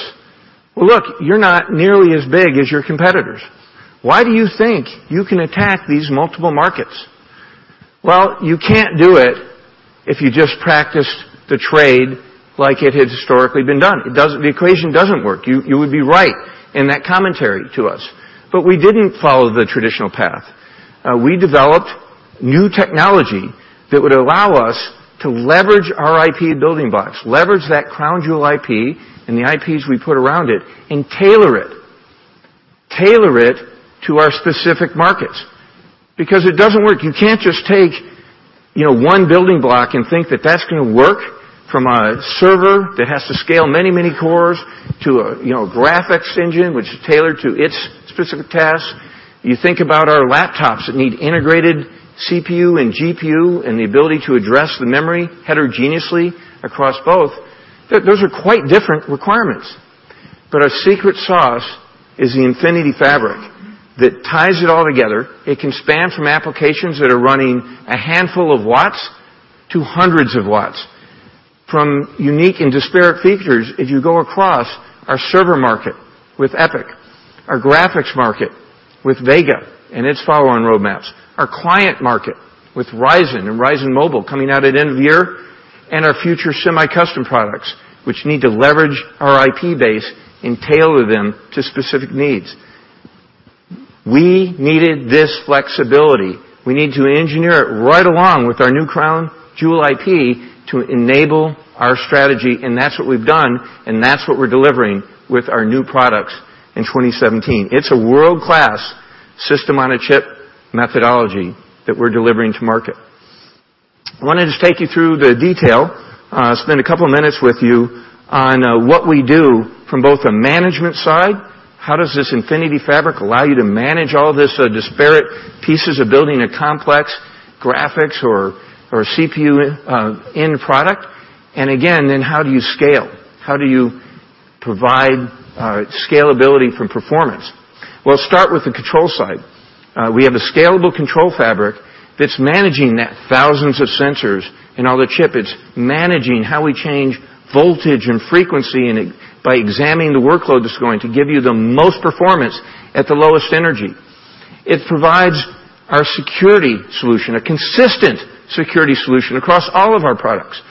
"Well, look, you're not nearly as big as your competitors. Why do you think you can attack these multiple markets?" You can't do it if you just practiced the trade like it had historically been done. The equation doesn't work. You would be right in that commentary to us. We didn't follow the traditional path. We developed new technology that would allow us to leverage our IP building blocks, leverage that crown jewel IP and the IPs we put around it, and tailor it. Tailor it to our specific markets because it doesn't work. You can't just take one building block and think that that's going to work from a server that has to scale many, many cores to a graphics engine, which is tailored to its specific tasks. You think about our laptops that need integrated CPU and GPU and the ability to address the memory heterogeneously across both. Those are quite different requirements. Our secret sauce is the Infinity Fabric that ties it all together. It can span from applications that are running a handful of watts to hundreds of watts. From unique and disparate features, if you go across our server market with EPYC, our graphics market with Vega and its follow-on roadmaps, our client market with Ryzen and Ryzen Mobile coming out at end of the year, and our future semi-custom products, which need to leverage our IP base and tailor them to specific needs. We needed this flexibility. We need to engineer it right along with our new crown jewel IP to enable our strategy, that's what we've done, that's what we're delivering with our new products in 2017. It's a world-class System on a Chip methodology that we're delivering to market. I want to just take you through the detail, spend a couple of minutes with you on what we do from both a management side. How does this Infinity Fabric allow you to manage all this disparate pieces of building a complex graphics or CPU end product? How do you scale? How do you provide scalability from performance? Let's start with the control side. We have a scalable control fabric that's managing that thousands of sensors in all the chip. It's managing how we change voltage and frequency by examining the workload that's going to give you the most performance at the lowest energy. It provides our security solution, a consistent security solution across all of our products.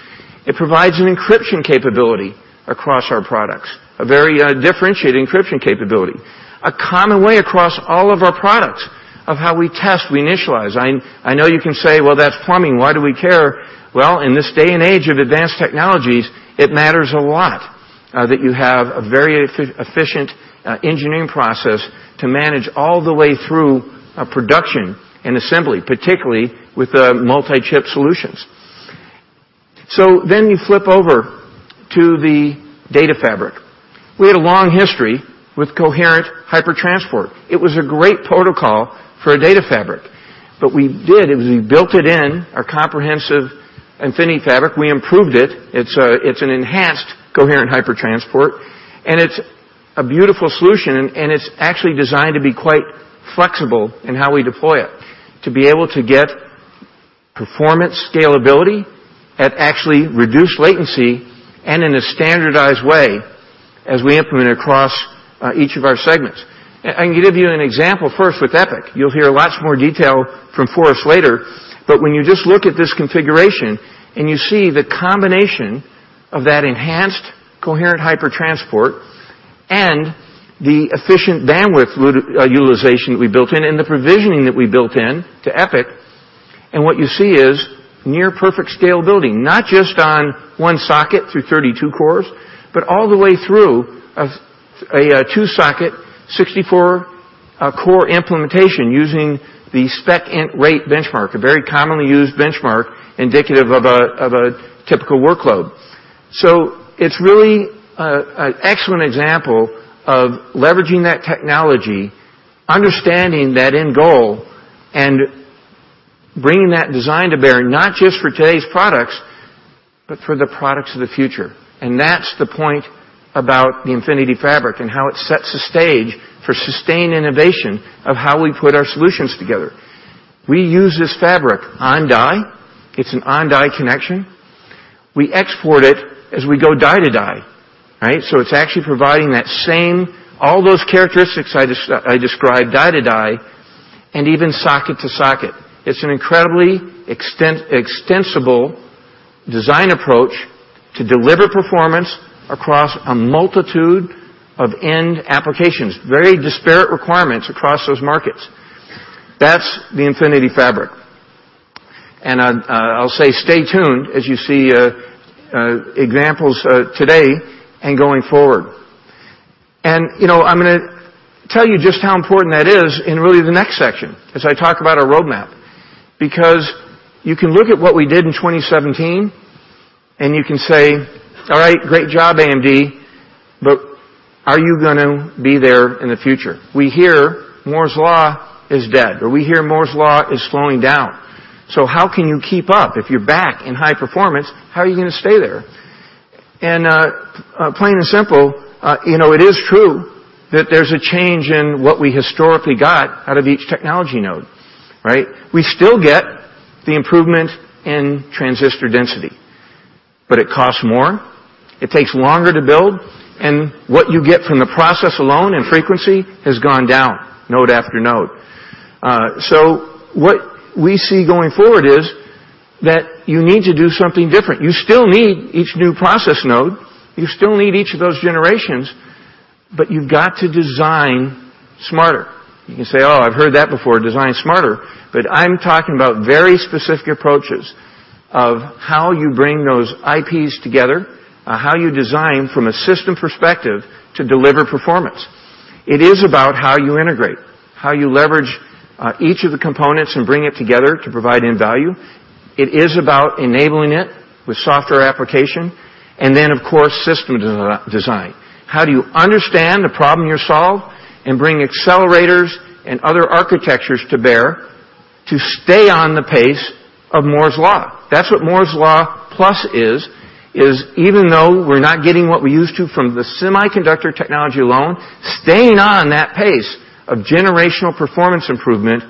It provides an encryption capability across our products, a very differentiated encryption capability. A common way across all of our products of how we test, we initialize. I know you can say, "Well, that's plumbing. Why do we care?" In this day and age of advanced technologies, it matters a lot that you have a very efficient engineering process to manage all the way through a production and assembly, particularly with the multi-chip modules. You flip over to the data fabric. We had a long history with coherent HyperTransport. It was a great protocol for a data fabric. We did, is we built it in our comprehensive Infinity Fabric. We improved it. It's an enhanced coherent HyperTransport, it's a beautiful solution, it's actually designed to be quite flexible in how we deploy it. To be able to get performance scalability at actually reduced latency and in a standardized way as we implement across each of our segments. I can give you an example first with EPYC. You'll hear lots more detail from Forrest later. When you just look at this configuration and you see the combination of that enhanced coherent HyperTransport and the efficient bandwidth utilization that we built in and the provisioning that we built in to EPYC, and what you see is near perfect scalability, not just on one socket through 32 cores, but all the way through a two-socket 64-core implementation using the SPECint_rate benchmark, a very commonly used benchmark indicative of a typical workload. It's really an excellent example of leveraging that technology, understanding that end goal, and bringing that design to bear, not just for today's products, but for the products of the future. That's the point about the Infinity Fabric and how it sets the stage for sustained innovation of how we put our solutions together. We use this fabric on-die. It's an on-die connection. We export it as we go die to die, right? It's actually providing that same, all those characteristics I described die to die and even socket to socket. It's an incredibly extensible design approach to deliver performance across a multitude of end applications. Very disparate requirements across those markets. That's the Infinity Fabric. I'll say stay tuned as you see examples today and going forward. I'm going to tell you just how important that is in really the next section as I talk about our roadmap. You can look at what we did in 2017 and you can say, "All right, great job, AMD, but are you going to be there in the future?" We hear Moore's Law is dead, or we hear Moore's Law is slowing down. How can you keep up? If you're back in high performance, how are you going to stay there? Plain and simple, it is true that there's a change in what we historically got out of each technology node, right? We still get the improvement in transistor density, but it costs more. It takes longer to build, and what you get from the process alone and frequency has gone down node after node. What we see going forward is that you need to do something different. You still need each new process node. You still need each of those generations, but you've got to design smarter. You can say, "Oh, I've heard that before, design smarter." I'm talking about very specific approaches of how you bring those IPs together, how you design from a system perspective to deliver performance. It is about how you integrate, how you leverage each of the components and bring it together to provide end value. It is about enabling it with software application, and then, of course, system design. How do you understand the problem you solve and bring accelerators and other architectures to bear to stay on the pace of Moore's Law? That's what Moore's Law plus is even though we're not getting what we used to from the semiconductor technology alone, staying on that pace of generational performance improvement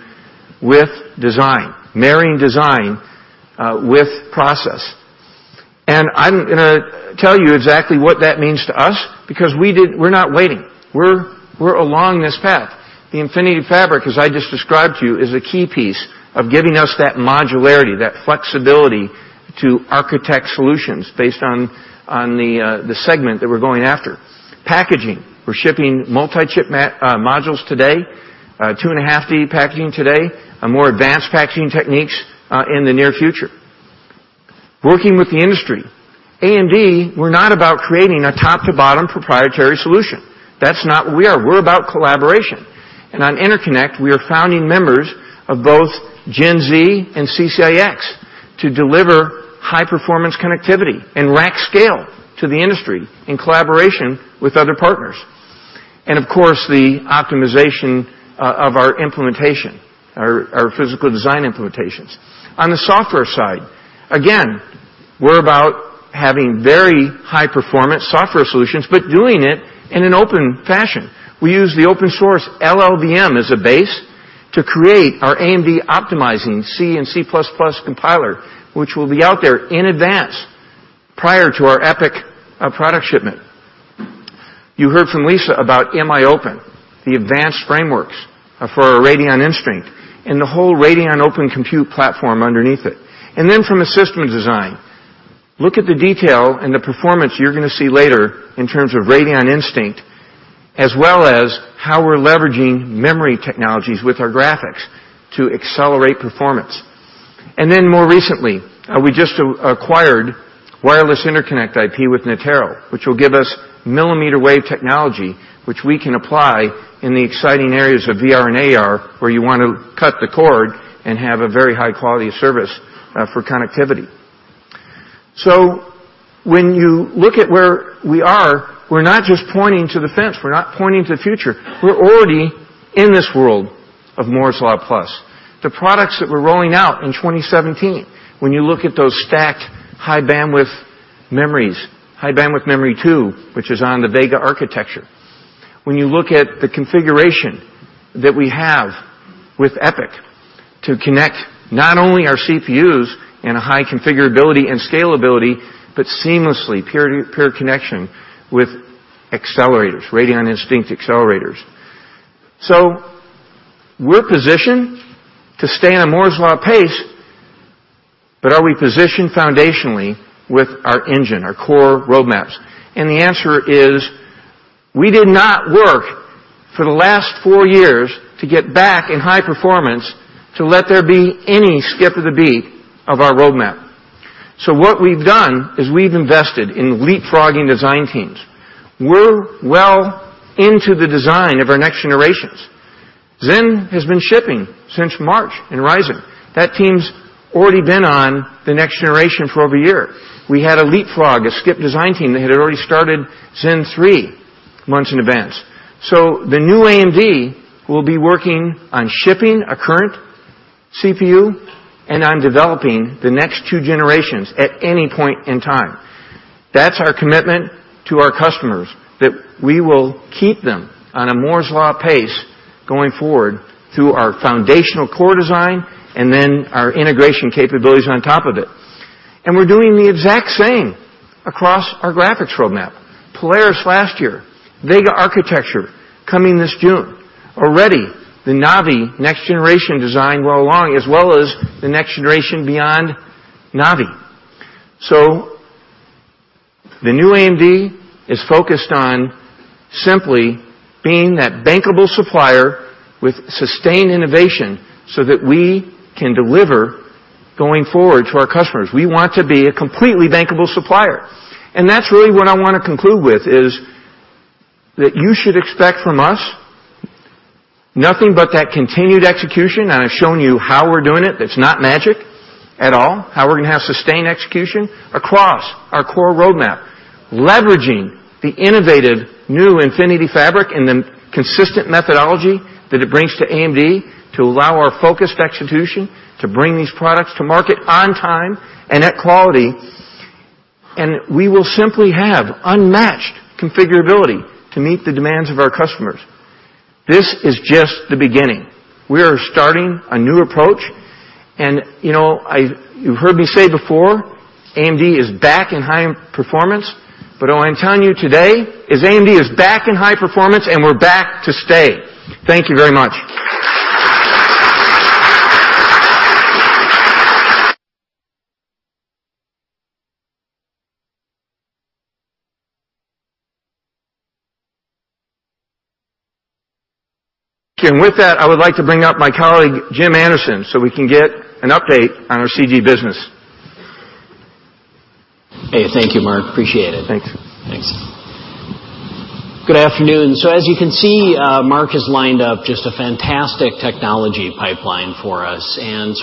with design, marrying design with process. I'm going to tell you exactly what that means to us because we're not waiting. We're along this path. The Infinity Fabric, as I just described to you, is a key piece of giving us that modularity, that flexibility to architect solutions based on the segment that we're going after. Packaging. We're shipping multi-chip modules today, two-and-a-half D packaging today, and more advanced packaging techniques in the near future. Working with the industry. AMD, we're not about creating a top-to-bottom proprietary solution. That's not what we are. We're about collaboration. On interconnect, we are founding members of both Gen-Z and CCIX to deliver high-performance connectivity and rack scale to the industry in collaboration with other partners. Of course, the optimization of our implementation, our physical design implementations. On the software side, again, we're about having very high-performance software solutions, but doing it in an open fashion. We use the open source LLVM as a base to create our AMD optimizing C and C++ compiler, which will be out there in advance prior to our EPYC product shipment. You heard from Lisa about MIOpen, the advanced frameworks for our Radeon Instinct, and the whole Radeon Open Compute Platform underneath it. From a systems design, look at the detail and the performance you're going to see later in terms of Radeon Instinct, as well as how we're leveraging memory technologies with our graphics to accelerate performance. More recently, we just acquired wireless interconnect IP with Nitero, which will give us millimeter-wave technology, which we can apply in the exciting areas of VR and AR, where you want to cut the cord and have a very high quality of service for connectivity. When you look at where we are, we're not just pointing to the fence, we're not pointing to the future. We're already in this world of Moore's Law plus. The products that we're rolling out in 2017, when you look at those stacked high-bandwidth memories, high-bandwidth memory 2, which is on the Vega architecture. When you look at the configuration that we have with EPYC to connect not only our CPUs in a high configurability and scalability, but seamlessly peer-to-peer connection with accelerators, Radeon Instinct accelerators. We're positioned to stay on a Moore's Law pace, but are we positioned foundationally with our engine, our core roadmaps? The answer is, we did not work for the last four years to get back in high performance to let there be any skip of the beat of our roadmap. What we've done is we've invested in leapfrogging design teams. We're well into the design of our next generations. Zen has been shipping since March in Ryzen. That team's already been on the next generation for over a year. We had a leapfrog, a skip design team that had already started Zen three months in advance. The new AMD will be working on shipping a current CPU and on developing the next two generations at any point in time. That's our commitment to our customers, that we will keep them on a Moore's Law pace going forward through our foundational core design and then our integration capabilities on top of it. We're doing the exact same across our graphics roadmap. Polaris last year, Vega architecture coming this June. Already, the Navi next-generation design well along, as well as the next generation beyond Navi. The new AMD is focused on simply being that bankable supplier with sustained innovation so that we can deliver going forward to our customers. We want to be a completely bankable supplier. That's really what I want to conclude with is that you should expect from us nothing but that continued execution. I've shown you how we're doing it. It's not magic at all, how we're going to have sustained execution across our core roadmap, leveraging the innovative new Infinity Fabric and the consistent methodology that it brings to AMD to allow our focused execution to bring these products to market on time and at quality. We will simply have unmatched configurability to meet the demands of our customers. This is just the beginning. We are starting a new approach. You've heard me say before, AMD is back in high performance. What I'm telling you today is AMD is back in high performance, and we're back to stay. Thank you very much. With that, I would like to bring up my colleague, Jim Anderson, so we can get an update on our CG business. Hey, thank you, Mark. Appreciate it. Thanks. Thanks. Good afternoon. As you can see, Mark has lined up just a fantastic technology pipeline for us.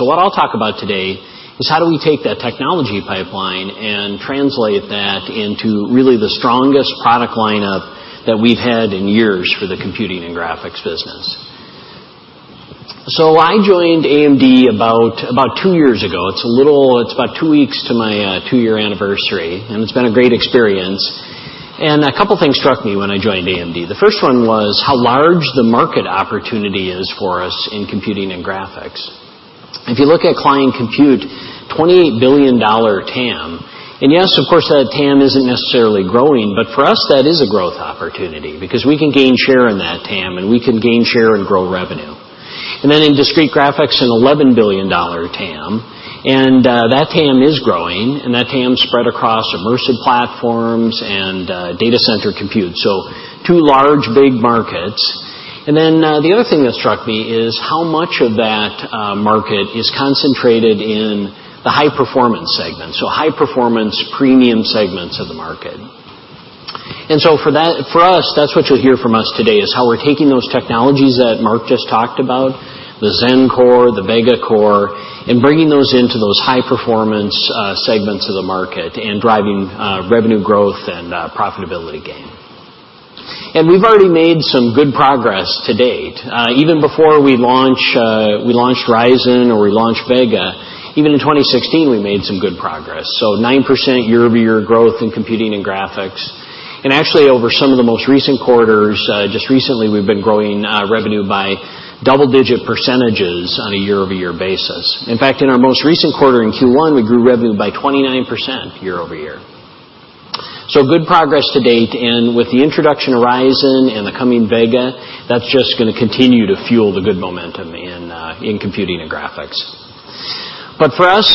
What I'll talk about today is how do we take that technology pipeline and translate that into really the strongest product lineup that we've had in years for the computing and graphics business. I joined AMD about two years ago. It's about two weeks to my two-year anniversary, and it's been a great experience. A couple of things struck me when I joined AMD. The first one was how large the market opportunity is for us in computing and graphics. If you look at client compute, $28 billion TAM. Yes, of course, that TAM isn't necessarily growing, but for us, that is a growth opportunity because we can gain share in that TAM, and we can gain share and grow revenue. In discrete graphics, an $11 billion TAM. That TAM is growing, and that TAM is spread across immersive platforms and data center compute. Two large, big markets. The other thing that struck me is how much of that market is concentrated in the high-performance segment. High-performance premium segments of the market. For us, that's what you'll hear from us today, is how we're taking those technologies that Mark just talked about, the Zen core, the Vega core, and bringing those into those high-performance segments of the market and driving revenue growth and profitability gain. We've already made some good progress to date. Even before we launched Ryzen or we launched Vega, even in 2016, we made some good progress. 9% year-over-year growth in computing and graphics. Actually, over some of the most recent quarters, just recently, we've been growing revenue by double-digit percentages on a year-over-year basis. In fact, in our most recent quarter in Q1, we grew revenue by 29% year-over-year. Good progress to date. With the introduction of Ryzen and the coming Vega, that's just going to continue to fuel the good momentum in computing and graphics. For us,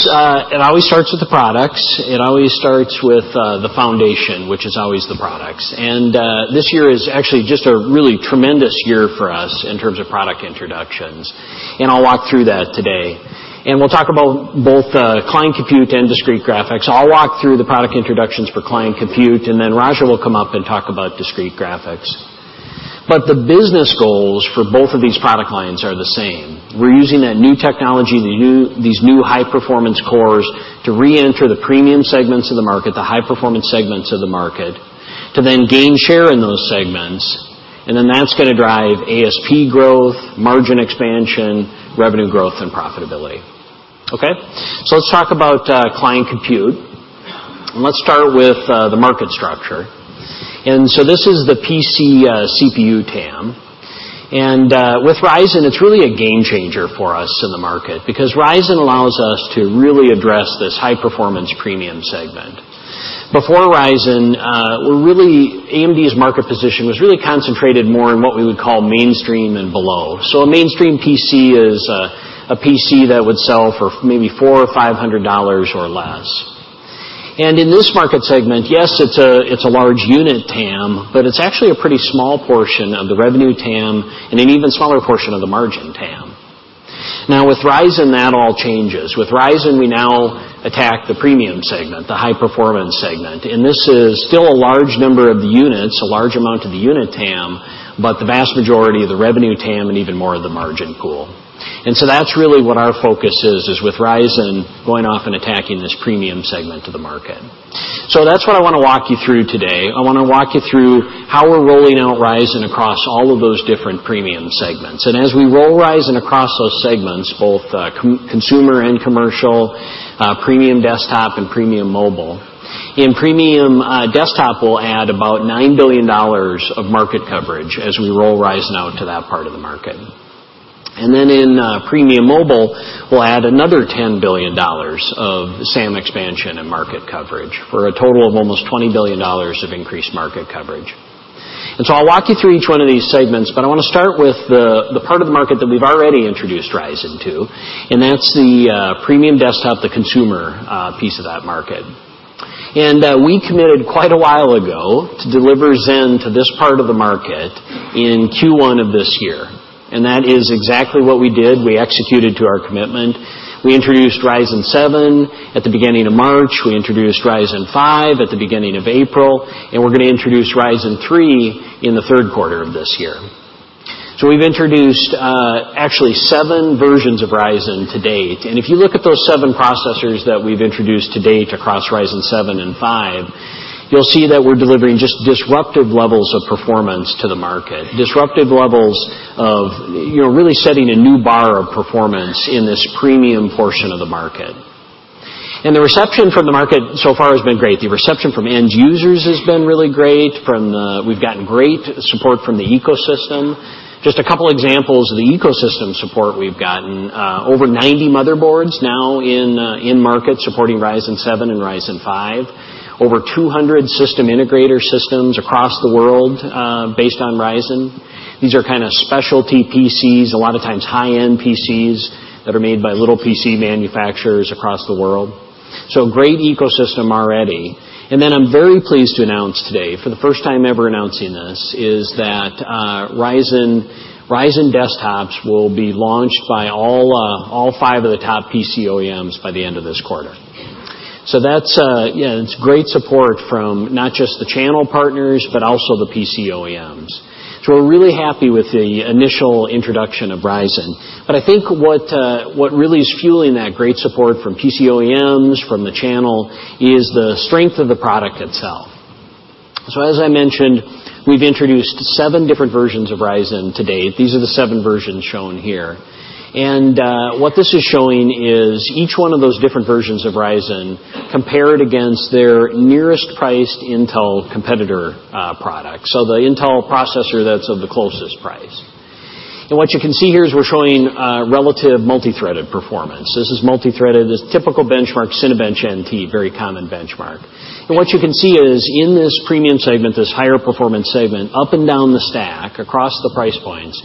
it always starts with the products. It always starts with the foundation, which is always the products. This year is actually just a really tremendous year for us in terms of product introductions, and I'll walk through that today. We'll talk about both client compute and discrete graphics. I'll walk through the product introductions for client compute, Raja will come up and talk about discrete graphics. The business goals for both of these product lines are the same. We're using that new technology, these new high-performance cores, to reenter the premium segments of the market, the high-performance segments of the market, to gain share in those segments, that's going to drive ASP growth, margin expansion, revenue growth, and profitability. Okay. Let's talk about client compute, and let's start with the market structure. This is the PC CPU TAM. With Ryzen, it's really a game changer for us in the market because Ryzen allows us to really address this high-performance premium segment. Before Ryzen, AMD's market position was really concentrated more on what we would call mainstream and below. A mainstream PC is a PC that would sell for maybe $400 or $500 or less. In this market segment, yes, it's a large unit TAM, but it's actually a pretty small portion of the revenue TAM and an even smaller portion of the margin TAM. With Ryzen, that all changes. With Ryzen, we now attack the premium segment, the high-performance segment. This is still a large number of the units, a large amount of the unit TAM, but the vast majority of the revenue TAM and even more of the margin pool. That's really what our focus is with Ryzen going off and attacking this premium segment of the market. That's what I want to walk you through today. I want to walk you through how we're rolling out Ryzen across all of those different premium segments. As we roll Ryzen across those segments, both consumer and commercial, premium desktop and premium mobile. In premium desktop, we'll add about $9 billion of market coverage as we roll Ryzen out to that part of the market. In premium mobile, we'll add another $10 billion of the same expansion and market coverage for a total of almost $20 billion of increased market coverage. I'll walk you through each one of these segments, but I want to start with the part of the market that we've already introduced Ryzen to, and that's the premium desktop, the consumer piece of that market. We committed quite a while ago to deliver Zen to this part of the market in Q1 of this year, and that is exactly what we did. We executed to our commitment. We introduced Ryzen 7 at the beginning of March. We introduced Ryzen 5 at the beginning of April, we're going to introduce Ryzen 3 in the third quarter of this year. We've introduced actually seven versions of Ryzen to date. If you look at those seven processors that we've introduced to date across Ryzen 7 and 5, you'll see that we're delivering just disruptive levels of performance to the market. Disruptive levels of really setting a new bar of performance in this premium portion of the market. The reception from the market so far has been great. The reception from end users has been really great. We've gotten great support from the ecosystem. Just a couple examples of the ecosystem support we've gotten. Over 90 motherboards now in market supporting Ryzen 7 and Ryzen 5. Over 200 system integrator systems across the world based on Ryzen. These are kind of specialty PCs, a lot of times high-end PCs that are made by little PC manufacturers across the world. Great ecosystem already. I'm very pleased to announce today, for the first time ever announcing this, is that Ryzen desktops will be launched by all five of the top PC OEMs by the end of this quarter. That's great support from not just the channel partners, but also the PC OEMs. We're really happy with the initial introduction of Ryzen. I think what really is fueling that great support from PC OEMs, from the channel, is the strength of the product itself. As I mentioned, we've introduced seven different versions of Ryzen to date. These are the seven versions shown here. What this is showing is each one of those different versions of Ryzen compared against their nearest priced Intel competitor product. The Intel processor that's of the closest price. What you can see here is we're showing relative multithreaded performance. This is multithreaded. This typical benchmark, Cinebench NT, very common benchmark. What you can see is in this premium segment, this higher performance segment, up and down the stack, across the price points,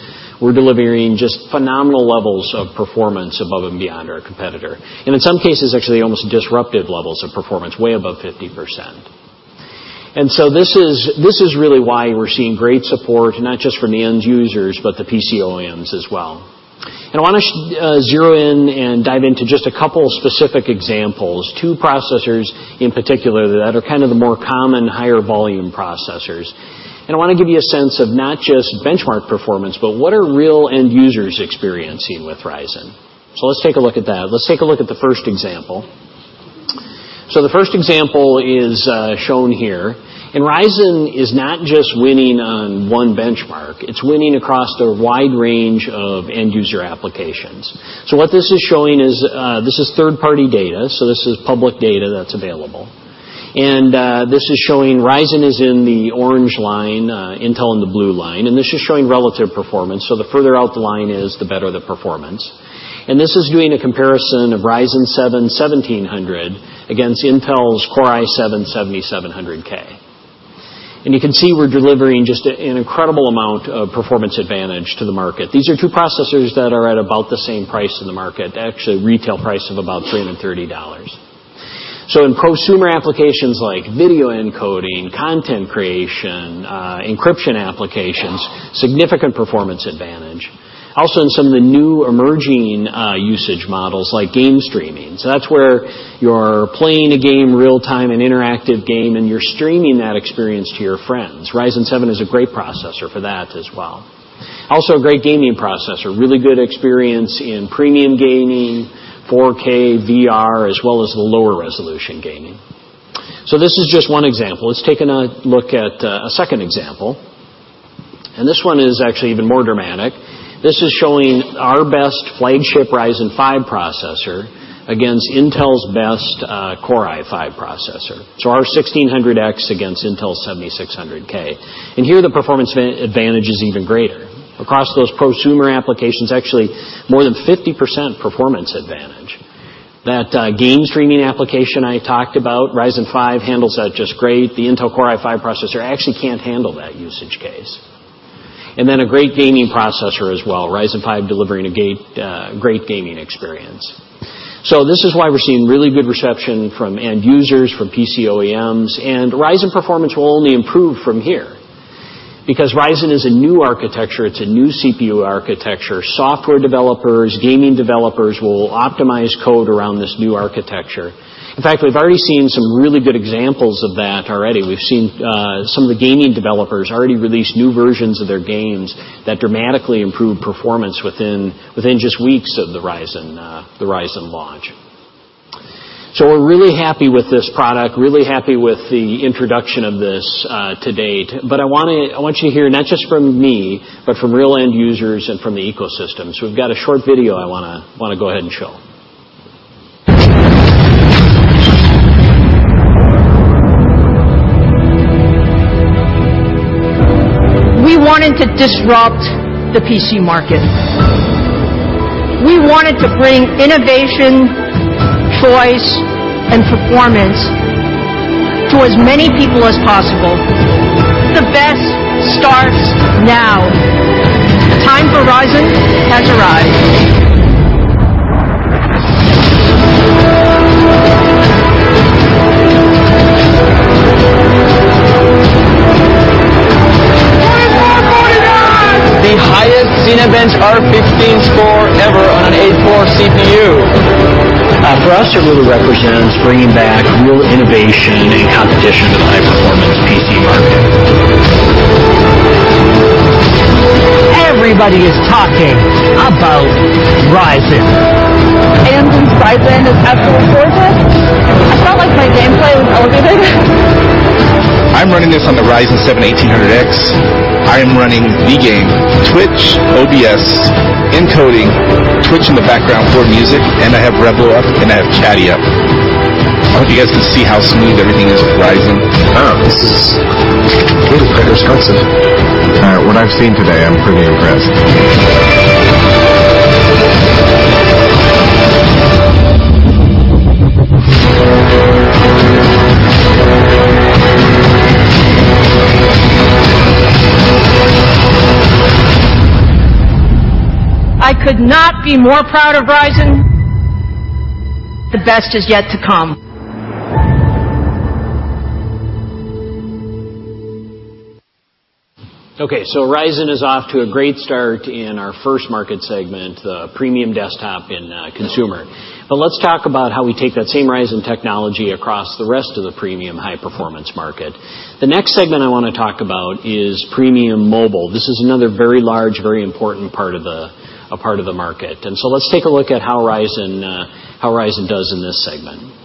we're delivering just phenomenal levels of performance above and beyond our competitor. In some cases, actually almost disruptive levels of performance, way above 50%. This is really why we're seeing great support, not just from the end users, but the PC OEMs as well. I want to zero in and dive into just a couple specific examples, two processors in particular that are kind of the more common, higher volume processors. I want to give you a sense of not just benchmark performance, but what are real end users experiencing with Ryzen? Let's take a look at that. Let's take a look at the first example. The first example is shown here. Ryzen is not just winning on one benchmark. It's winning across a wide range of end-user applications. What this is showing is, this is third-party data. This is public data that's available. This is showing Ryzen is in the orange line, Intel in the blue line. This is showing relative performance. The further out the line is, the better the performance. This is doing a comparison of Ryzen 7 1700 against Intel's Core i7-7700K. You can see we're delivering just an incredible amount of performance advantage to the market. These are two processors that are at about the same price in the market. Actually, retail price of about $330. In prosumer applications like video encoding, content creation, encryption applications, significant performance advantage. Also, in some of the new emerging usage models like game streaming. That's where you're playing a game real-time, an interactive game, and you're streaming that experience to your friends. Ryzen 7 is a great processor for that as well. Also, a great gaming processor. Really good experience in premium gaming, 4K, VR, as well as lower-resolution gaming. This is just one example. Let's take a look at a second example. This one is actually even more dramatic. This is showing our best flagship Ryzen 5 processor against Intel's best Core i5 processor, so our 1600X against Intel's 7600K. Here, the performance advantage is even greater. Across those prosumer applications, actually, more than 50% performance advantage. That game streaming application I talked about, Ryzen 5 handles that just great. The Intel Core i5 processor actually can't handle that usage case. A great gaming processor as well. Ryzen 5 delivering a great gaming experience. This is why we're seeing really good reception from end users, from PC OEMs, and Ryzen performance will only improve from here. Ryzen is a new architecture, it's a new CPU architecture. Software developers, gaming developers will optimize code around this new architecture. In fact, we've already seen some really good examples of that already. We've seen some of the gaming developers already release new versions of their games that dramatically improve performance within just weeks of the Ryzen launch. We're really happy with this product, really happy with the introduction of this to date. I want you to hear not just from me, but from real end users and from the ecosystem. We've got a short video I want to go ahead and show. We wanted to disrupt the PC market. We wanted to bring innovation, choice, and performance to as many people as possible. The best starts now. The time for Ryzen has arrived. 4449. The highest Cinebench R15 score ever on an eight-core CPU. A processor really represents bringing back real innovation and competition to the high-performance PC market. Everybody is talking about Ryzen. AMD's Ryzen is absolutely worth it. I felt like my gameplay was elevated. I'm running this on the Ryzen 7 1800X. I am running the game, Twitch, OBS, encoding, Twitch in the background for music, and I have Rebel up and I have Chatty up. I want you guys to see how smooth everything is with Ryzen. Oh, this is really pretty responsive. What I've seen today, I'm pretty impressed. I could not be more proud of Ryzen. The best is yet to come. Okay, Ryzen is off to a great start in our first market segment, premium desktop and consumer. Let's talk about how we take that same Ryzen technology across the rest of the premium high-performance market. The next segment I want to talk about is premium mobile. This is another very large, very important part of the market. Let's take a look at how Ryzen does in this segment.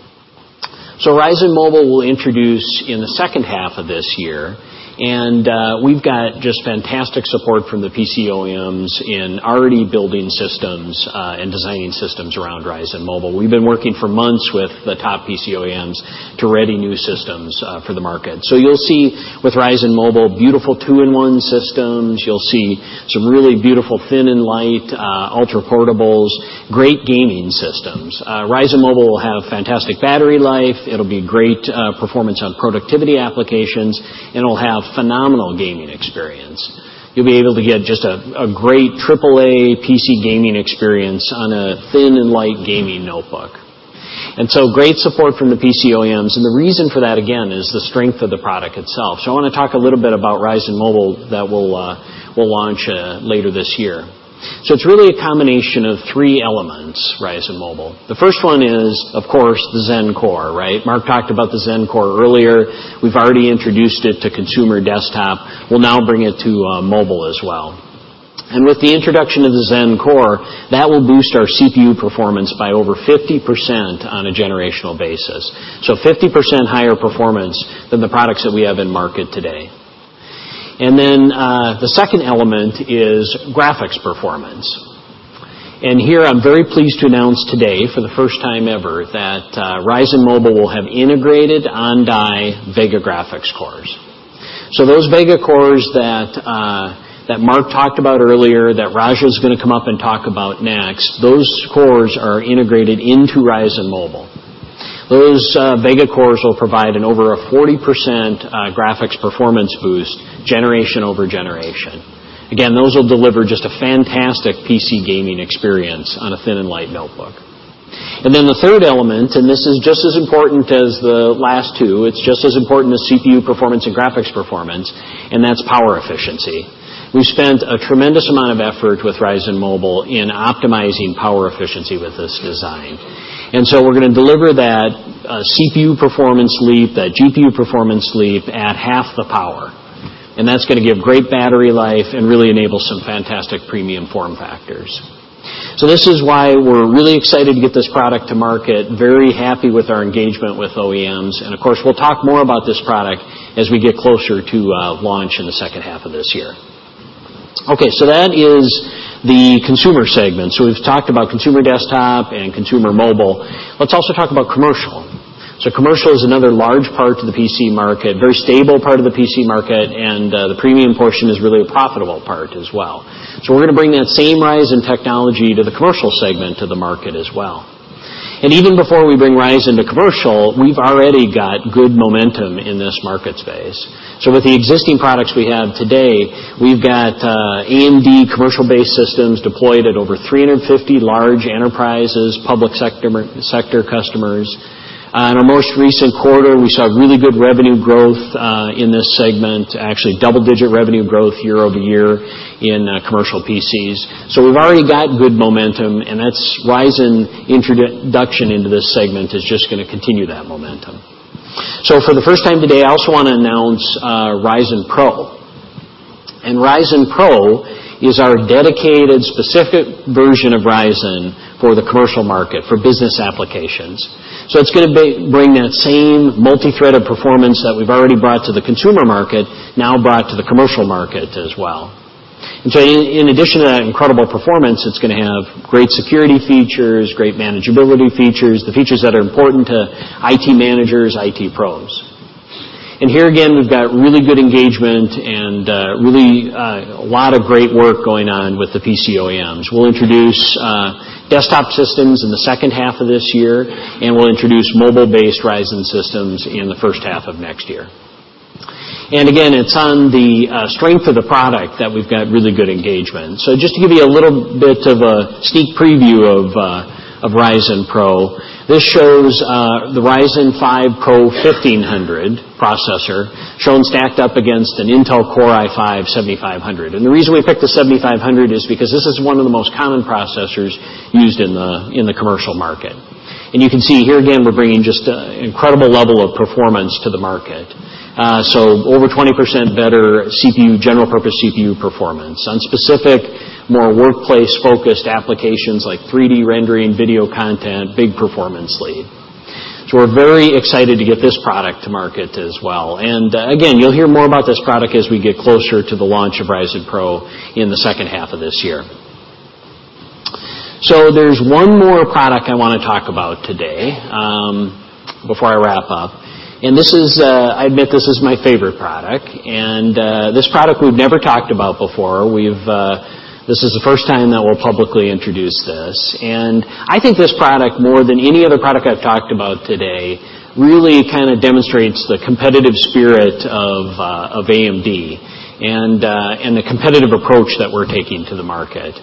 Ryzen Mobile we'll introduce in the second half of this year, and we've got just fantastic support from the PC OEMs in already building systems and designing systems around Ryzen Mobile. We've been working for months with the top PC OEMs to ready new systems for the market. You'll see with Ryzen Mobile, beautiful two-in-one systems. You'll see some really beautiful thin and light ultra-portables, great gaming systems. Ryzen Mobile will have fantastic battery life. It'll be great performance on productivity applications, and it'll have phenomenal gaming experience. You'll be able to get just a great AAA PC gaming experience on a thin and light gaming notebook. Great support from the PC OEMs. The reason for that, again, is the strength of the product itself. I want to talk a little bit about Ryzen Mobile that we'll launch later this year. It's really a combination of three elements, Ryzen Mobile. The first one is, of course, the Zen core. Mark talked about the Zen core earlier. We've already introduced it to consumer desktop. We'll now bring it to mobile as well. With the introduction of the Zen core, that will boost our CPU performance by over 50% on a generational basis. 50% higher performance than the products that we have in market today. The second element is graphics performance. Here, I'm very pleased to announce today, for the first time ever, that Ryzen Mobile will have integrated on-die Vega graphics cores. Those Vega cores that Mark talked about earlier, that Raja's going to come up and talk about next, those cores are integrated into Ryzen Mobile. Those Vega cores will provide an over a 40% graphics performance boost generation over generation. Those will deliver just a fantastic PC gaming experience on a thin and light notebook. The third element, and this is just as important as the last two, it's just as important as CPU performance and graphics performance, and that's power efficiency. We've spent a tremendous amount of effort with Ryzen Mobile in optimizing power efficiency with this design. We're going to deliver that CPU performance leap, that GPU performance leap at half the power. That's going to give great battery life and really enable some fantastic premium form factors. This is why we're really excited to get this product to market, very happy with our engagement with OEMs, and of course, we'll talk more about this product as we get closer to launch in the second half of this year. That is the consumer segment. We've talked about consumer desktop and consumer mobile. Let's also talk about commercial. Commercial is another large part of the PC market, very stable part of the PC market, and the premium portion is really a profitable part as well. We're going to bring that same Ryzen technology to the commercial segment of the market as well. Even before we bring Ryzen to commercial, we've already got good momentum in this market space. With the existing products we have today, we've got AMD commercial-based systems deployed at over 350 large enterprises, public sector customers. In our most recent quarter, we saw really good revenue growth in this segment, actually double-digit revenue growth year-over-year in commercial PCs. We've already got good momentum, and that's Ryzen introduction into this segment is just going to continue that momentum. For the first time today, I also want to announce Ryzen PRO. Ryzen PRO is our dedicated specific version of Ryzen for the commercial market, for business applications. It's going to bring that same multi-threaded performance that we've already brought to the consumer market, now brought to the commercial market as well. In addition to that incredible performance, it's going to have great security features, great manageability features, the features that are important to IT managers, IT pros. Here again, we've got really good engagement and really a lot of great work going on with the PC OEMs. We'll introduce desktop systems in the second half of this year, and we'll introduce mobile-based Ryzen systems in the first half of next year. Again, it's on the strength of the product that we've got really good engagement. Just to give you a little bit of a sneak preview of Ryzen PRO, this shows the Ryzen 5 PRO 1500 processor shown stacked up against an Intel Core i5-7500. The reason we picked the 7500 is because this is one of the most common processors used in the commercial market. You can see here again, we're bringing just an incredible level of performance to the market. Over 20% better general purpose CPU performance. On specific, more workplace-focused applications like 3D rendering, video content, big performance lead. We're very excited to get this product to market as well. Again, you'll hear more about this product as we get closer to the launch of Ryzen PRO in the second half of this year. There's one more product I want to talk about today before I wrap up. I admit, this is my favorite product. This product we've never talked about before. This is the first time that we'll publicly introduce this. I think this product, more than any other product I've talked about today, really kind of demonstrates the competitive spirit of AMD and the competitive approach that we're taking to the market.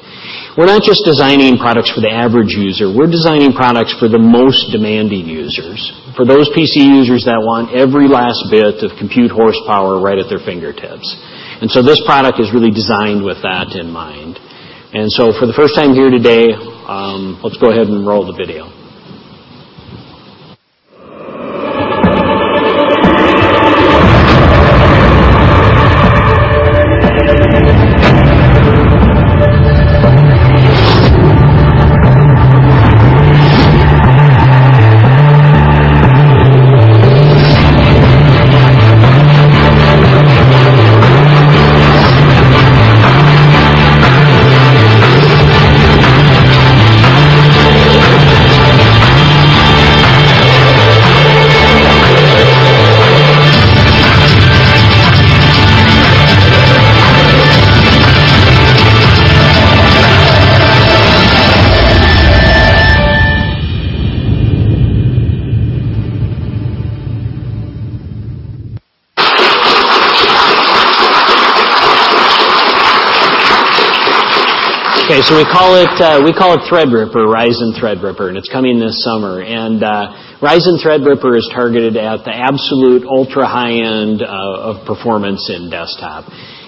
We're not just designing products for the average user. We're designing products for the most demanding users, for those PC users that want every last bit of compute horsepower right at their fingertips. This product is really designed with that in mind. For the first time here today, let's go ahead and roll the video. Okay. We call it Threadripper, Ryzen Threadripper, it's coming this summer. Ryzen Threadripper is targeted at the absolute ultra-high end of performance in desktop.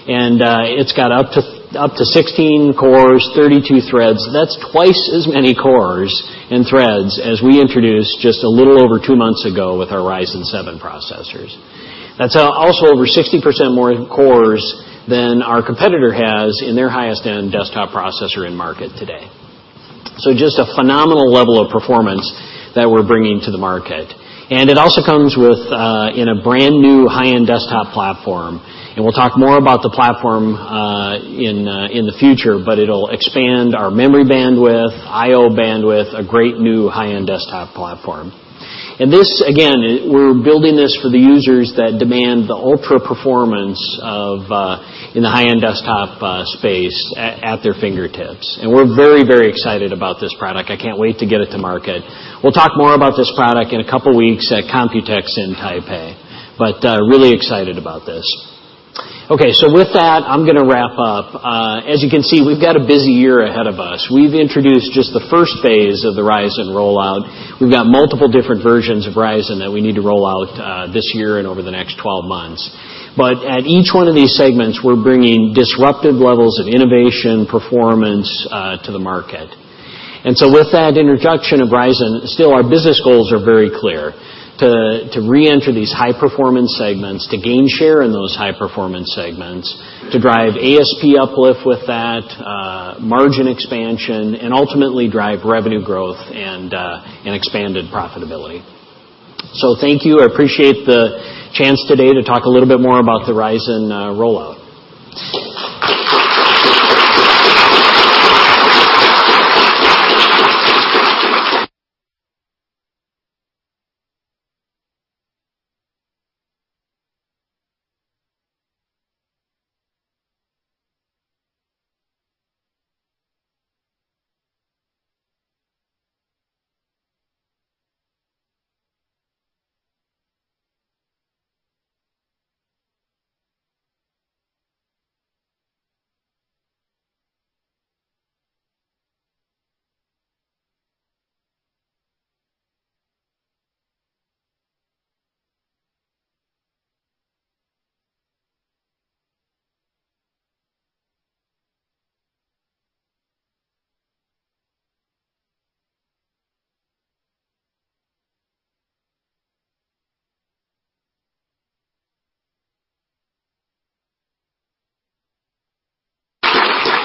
It's got up to 16 cores, 32 threads. That's twice as many cores and threads as we introduced just a little over two months ago with our Ryzen 7 processors. That's also over 60% more cores than our competitor has in their highest-end desktop processor in market today. Just a phenomenal level of performance that we're bringing to the market. It also comes in a brand-new high-end desktop platform, we'll talk more about the platform in the future, but it'll expand our memory bandwidth, IO bandwidth, a great new high-end desktop platform. This, again, we're building this for the users that demand the ultra performance in the high-end desktop space at their fingertips. We're very excited about this product. I can't wait to get it to market. We'll talk more about this product in a couple of weeks at Computex in Taipei, but really excited about this. Okay. With that, I'm going to wrap up. As you can see, we've got a busy year ahead of us. We've introduced just the first phase of the Ryzen rollout. We've got multiple different versions of Ryzen that we need to roll out this year and over the next 12 months. At each one of these segments, we're bringing disruptive levels of innovation, performance, to the market. With that introduction of Ryzen, still our business goals are very clear: to reenter these high-performance segments, to gain share in those high-performance segments, to drive ASP uplift with that, margin expansion, and ultimately drive revenue growth and expanded profitability. Thank you. I appreciate the chance today to talk a little bit more about the Ryzen rollout.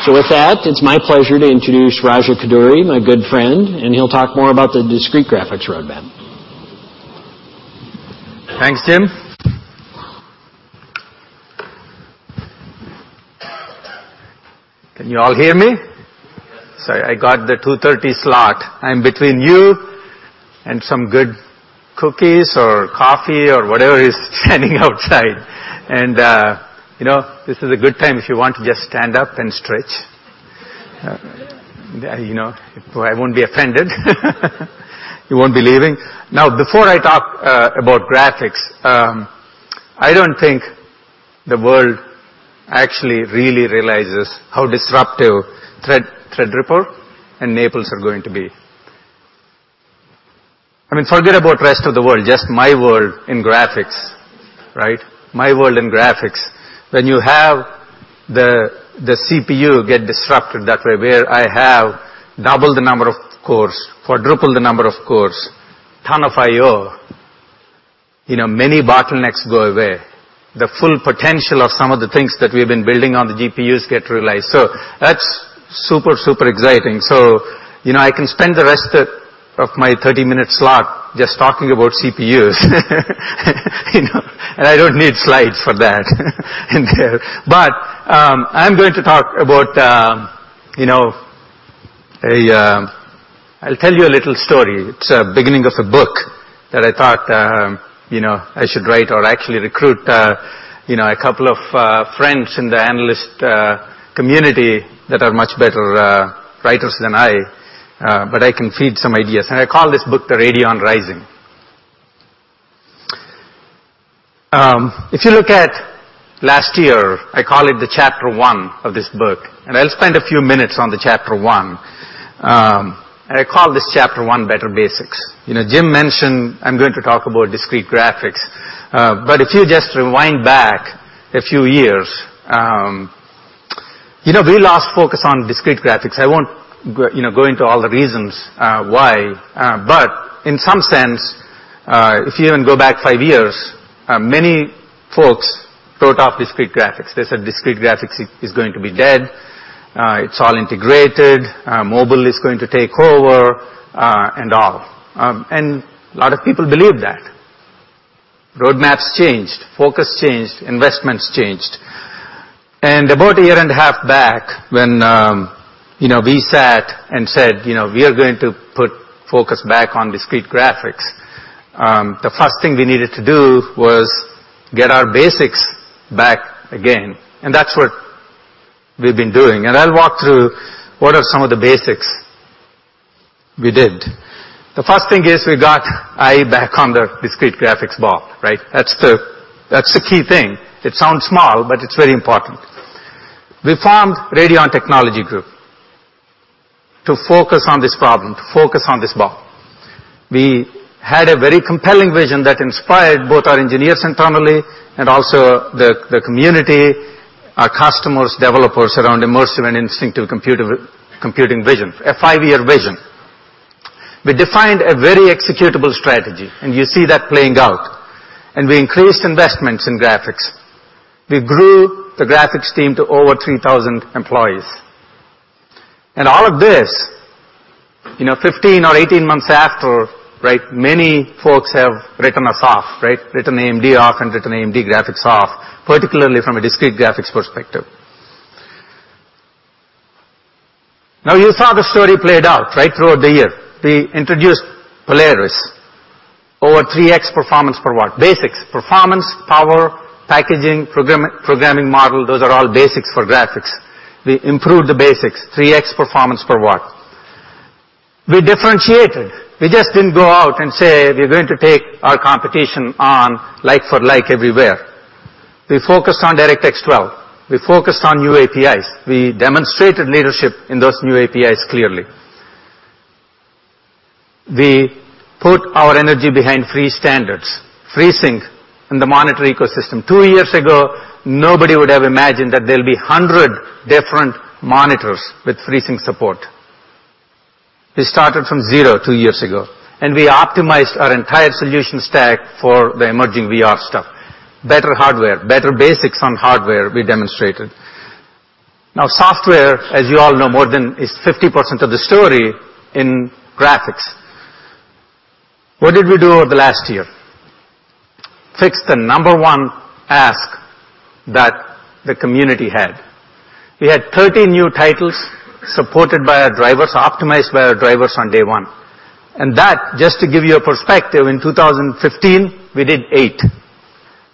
With that, it's my pleasure to introduce Raja Koduri, my good friend, and he'll talk more about the discrete graphics roadmap. Thanks, Jim. Can you all hear me? Yes. Sorry, I got the 2:30 P.M. slot. I'm between you and some good cookies or coffee or whatever is standing outside. This is a good time if you want to just stand up and stretch. I won't be offended. You won't be leaving. Now, before I talk about graphics, I don't think the world actually really realizes how disruptive Threadripper and Naples are going to be. Forget about rest of the world, just my world in graphics. When you have the CPU get disrupted that way, where I have double the number of cores, quadruple the number of cores, ton of I/O, many bottlenecks go away. The full potential of some of the things that we've been building on the GPUs get realized. That's super exciting. I can spend the rest of my 30-minute slot just talking about CPUs, and I don't need slides for that in here. I'll tell you a little story. It's a beginning of a book that I thought I should write or actually recruit a couple of friends in the analyst community that are much better writers than I, but I can feed some ideas. I call this book the "Radeon Rising." If you look at last year, I call it the chapter one of this book, I'll spend a few minutes on the chapter one. I call this chapter one, better basics. Jim mentioned I'm going to talk about discrete graphics. If you just rewind back a few years, we lost focus on discrete graphics. I won't go into all the reasons why. But in some sense, if you even go back five years, many folks wrote off discrete graphics. They said discrete graphics is going to be dead. It's all integrated. Mobile is going to take over, and all. A lot of people believed that. Roadmaps changed, focus changed, investments changed. About a year and a half back, when we sat and said, "We are going to put focus back on discrete graphics," the first thing we needed to do was get our basics back again, and that's what we've been doing. I'll walk through what are some of the basics we did. The first thing is we got IE back on the discrete graphics bar, right? That's the key thing. It sounds small, but it's very important. We formed Radeon Technologies Group to focus on this problem, to focus on this bar. We had a very compelling vision that inspired both our engineers internally and also the community, our customers, developers around immersive and instinctive computing vision, a five-year vision. We defined a very executable strategy, and you see that playing out. We increased investments in graphics. We grew the graphics team to over 3,000 employees. All of this, 15 or 18 months after, many folks have written us off. Written AMD off and written AMD graphics off, particularly from a discrete graphics perspective. You saw the story played out throughout the year. We introduced Polaris, over 3X performance per watt. Basics, performance, power, packaging, programming model, those are all basics for graphics. We improved the basics, 3X performance per watt. We differentiated. We just didn't go out and say we're going to take our competition on like for like everywhere. We focused on DirectX 12. We focused on new APIs. We demonstrated leadership in those new APIs clearly. We put our energy behind free standards, FreeSync in the monitor ecosystem. Two years ago, nobody would have imagined that there'll be 100 different monitors with FreeSync support. We started from zero two years ago, and we optimized our entire solution stack for the emerging VR stuff. Better hardware, better basics on hardware we demonstrated. Now, software, as you all know, more than is 50% of the story in graphics. What did we do over the last year? Fixed the number one ask that the community had. We had 30 new titles supported by our drivers, optimized by our drivers on day one. That, just to give you a perspective, in 2015, we did eight.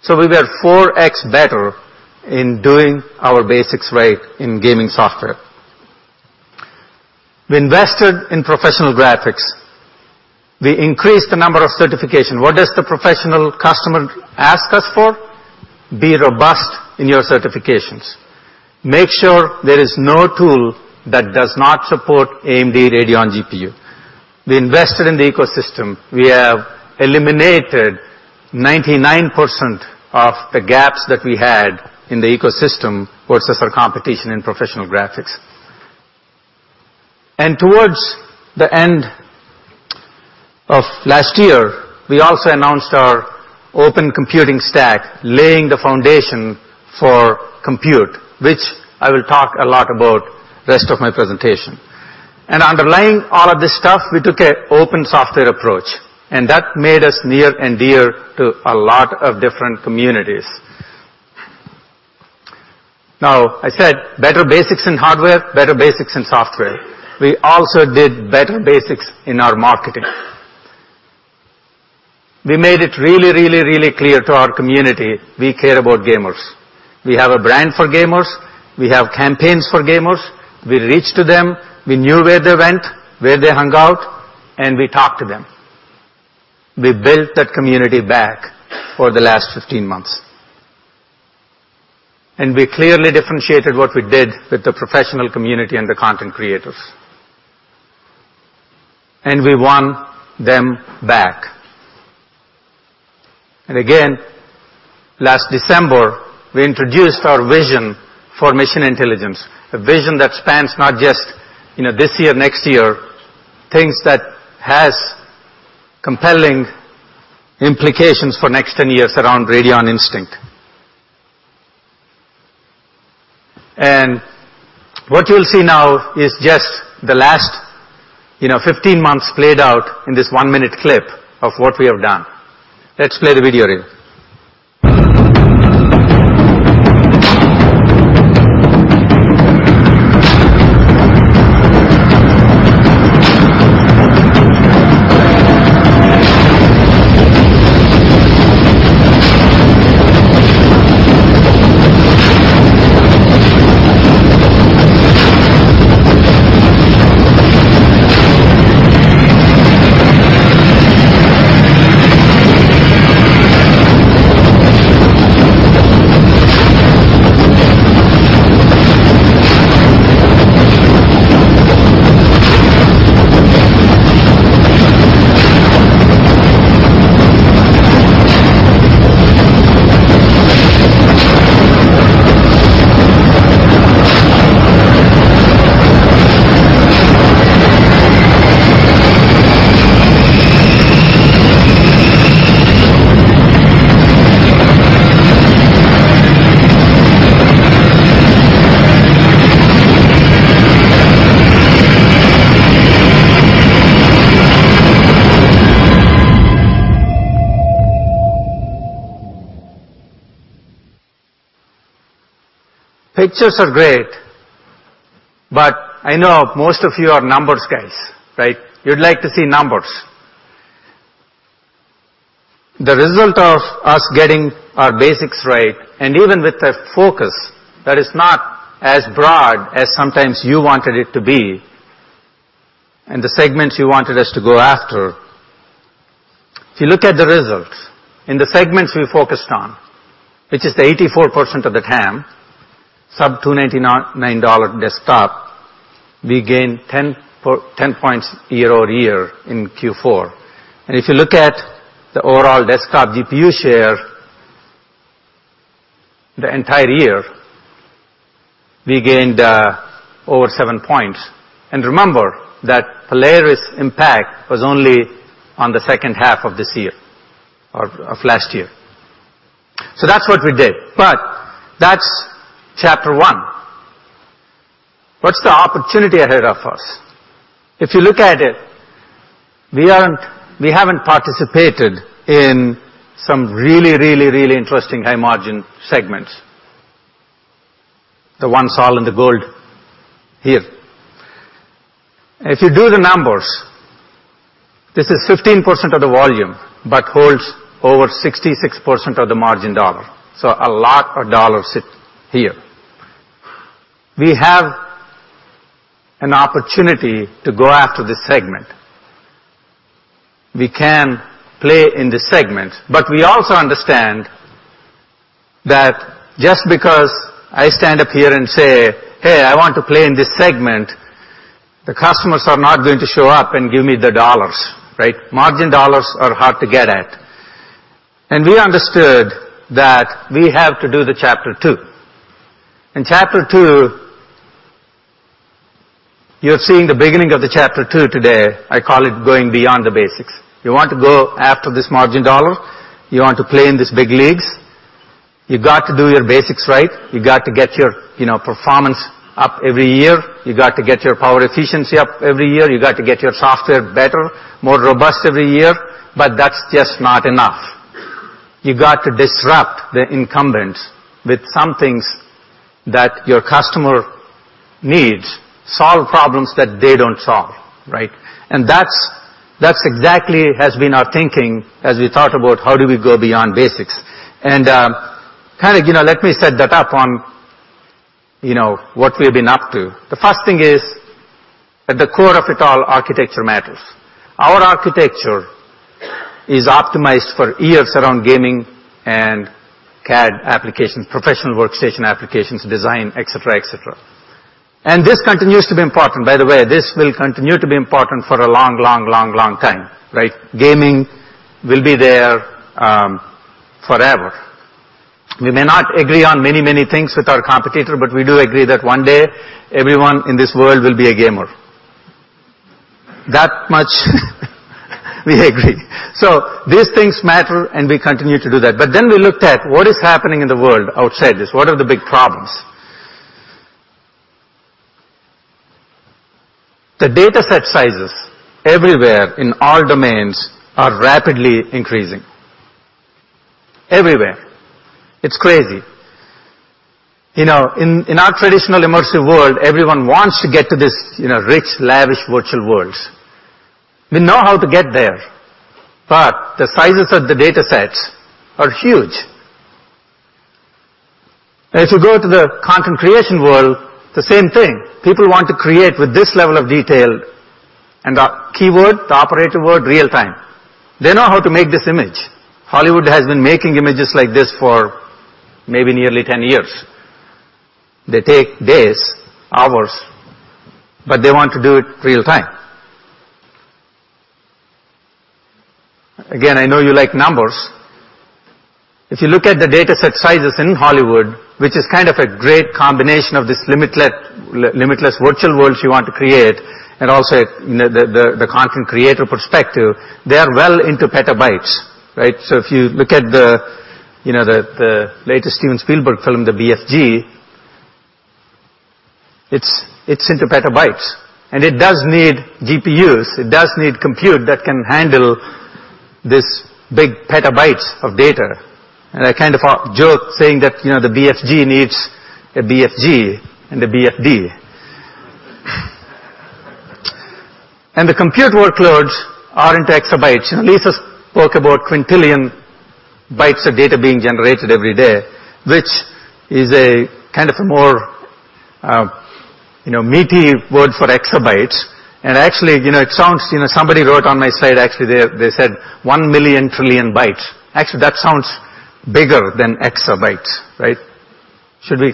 We were 4X better in doing our basics right in gaming software. We invested in professional graphics. We increased the number of certification. What does the professional customer ask us for? Be robust in your certifications. Make sure there is no tool that does not support AMD Radeon GPU. We invested in the ecosystem. We have eliminated 99% of the gaps that we had in the ecosystem versus our competition in professional graphics. Towards the end of last year, we also announced our open computing stack, laying the foundation for compute, which I will talk a lot about rest of my presentation. Underlying all of this stuff, we took an open software approach, and that made us near and dear to a lot of different communities. Now, I said better basics in hardware, better basics in software. We also did better basics in our marketing. We made it really, really, really clear to our community, we care about gamers. We have a brand for gamers. We have campaigns for gamers. We reached to them. We knew where they went, where they hung out, and we talked to them. We built that community back for the last 15 months. We clearly differentiated what we did with the professional community and the content creators. We won them back. Again, last December, we introduced our vision for machine intelligence, a vision that spans not just this year, next year, things that has compelling implications for next 10 years around Radeon Instinct. What you'll see now is just the last 15 months played out in this one-minute clip of what we have done. Let's play the video reel. Pictures are great, I know most of you are numbers guys, right? You'd like to see numbers. The result of us getting our basics right, even with a focus that is not as broad as sometimes you wanted it to be, the segments you wanted us to go after. If you look at the results, in the segments we focused on, which is the 84% of the TAM, sub-$299 desktop, we gained 10 points year-over-year in Q4. If you look at the overall desktop GPU share, the entire year, we gained over seven points. Remember that Polaris impact was only on the second half of last year. That's what we did. That's chapter one. What's the opportunity ahead of us? If you look at it, we haven't participated in some really interesting high margin segments, the ones all in the gold here. If you do the numbers, this is 15% of the volume, holds over 66% of the margin dollar. A lot of dollars sit here. We have an opportunity to go after this segment. We can play in this segment, we also understand that just because I stand up here and say, "Hey, I want to play in this segment," the customers are not going to show up and give me the dollars. Margin dollars are hard to get at. We understood that we have to do the chapter two. In chapter two, you're seeing the beginning of the chapter two today, I call it going beyond the basics. You want to go after this margin dollar. You want to play in these big leagues. You've got to do your basics right. You've got to get your performance up every year. You've got to get your power efficiency up every year. You've got to get your software better, more robust every year, that's just not enough. You got to disrupt the incumbents with some things that your customer needs, solve problems that they don't solve. That's exactly has been our thinking as we thought about how do we go beyond basics. Let me set that up on what we've been up to. The first thing is, at the core of it all, architecture matters. Our architecture is optimized for years around gaming and CAD applications, professional workstation applications, design, et cetera. This continues to be important, by the way. This will continue to be important for a long time. Gaming will be there forever. We may not agree on many things with our competitor, we do agree that one day, everyone in this world will be a gamer. That much we agree. These things matter, and we continue to do that. We looked at what is happening in the world outside this. What are the big problems? The dataset sizes everywhere in all domains are rapidly increasing. Everywhere. It's crazy. In our traditional immersive world, everyone wants to get to this rich, lavish virtual worlds. We know how to get there, but the sizes of the datasets are huge. As you go to the content creation world, the same thing. People want to create with this level of detail and the keyword, the operator word, real-time. They know how to make this image. Hollywood has been making images like this for maybe nearly 10 years. They take days, hours, but they want to do it real-time. Again, I know you like numbers. If you look at the dataset sizes in Hollywood, which is a great combination of this limitless virtual worlds you want to create, and also the content creator perspective, they are well into petabytes. If you look at the latest Steven Spielberg film, "The BFG," it's into petabytes. It does need GPUs. It does need compute that can handle these big petabytes of data. I joke saying that the BFG needs a BFG and a BFD. The compute workloads are into exabytes. Lisa spoke about quintillion bytes of data being generated every day, which is a more meaty word for exabytes. Actually, it sounds. Somebody wrote on my site, actually, they said, "1 million trillion bytes." Actually, that sounds bigger than exabytes. Should we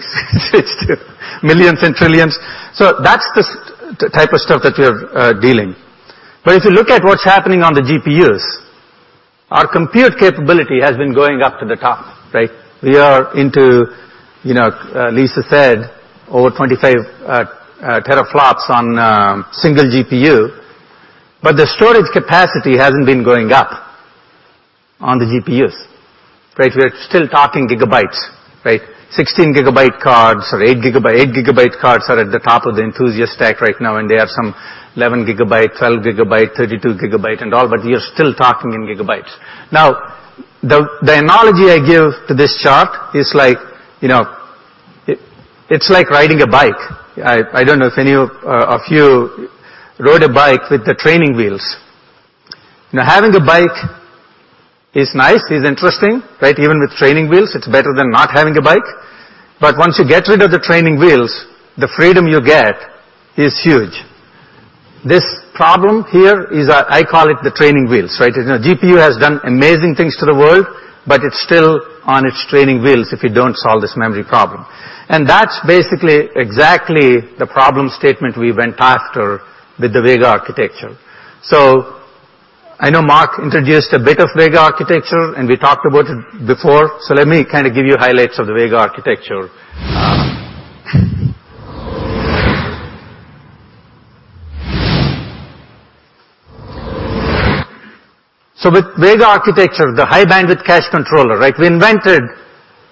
switch to millions and trillions? That's the type of stuff that we're dealing. If you look at what's happening on the GPUs, our compute capability has been going up to the top. We are into, Lisa said, over 25 teraflops on a single GPU, but the storage capacity hasn't been going up on the GPUs. We're still talking gigabytes. 16-gigabyte cards or 8-gigabyte cards are at the top of the enthusiast stack right now, and they have some 11 gigabyte, 12 gigabyte, 32 gigabyte and all, but you're still talking in gigabytes. The analogy I give to this chart is It's like riding a bike. I don't know if any of you rode a bike with the training wheels. Having a bike is nice, is interesting. Even with training wheels, it's better than not having a bike. Once you get rid of the training wheels, the freedom you get is huge. This problem here is, I call it the training wheels. GPU has done amazing things to the world, but it's still on its training wheels if we don't solve this memory problem. That's basically exactly the problem statement we went after with the Vega architecture. I know Mark introduced a bit of Vega architecture, and we talked about it before, let me give you highlights of the Vega architecture. With Vega architecture, the high bandwidth cache controller, we invented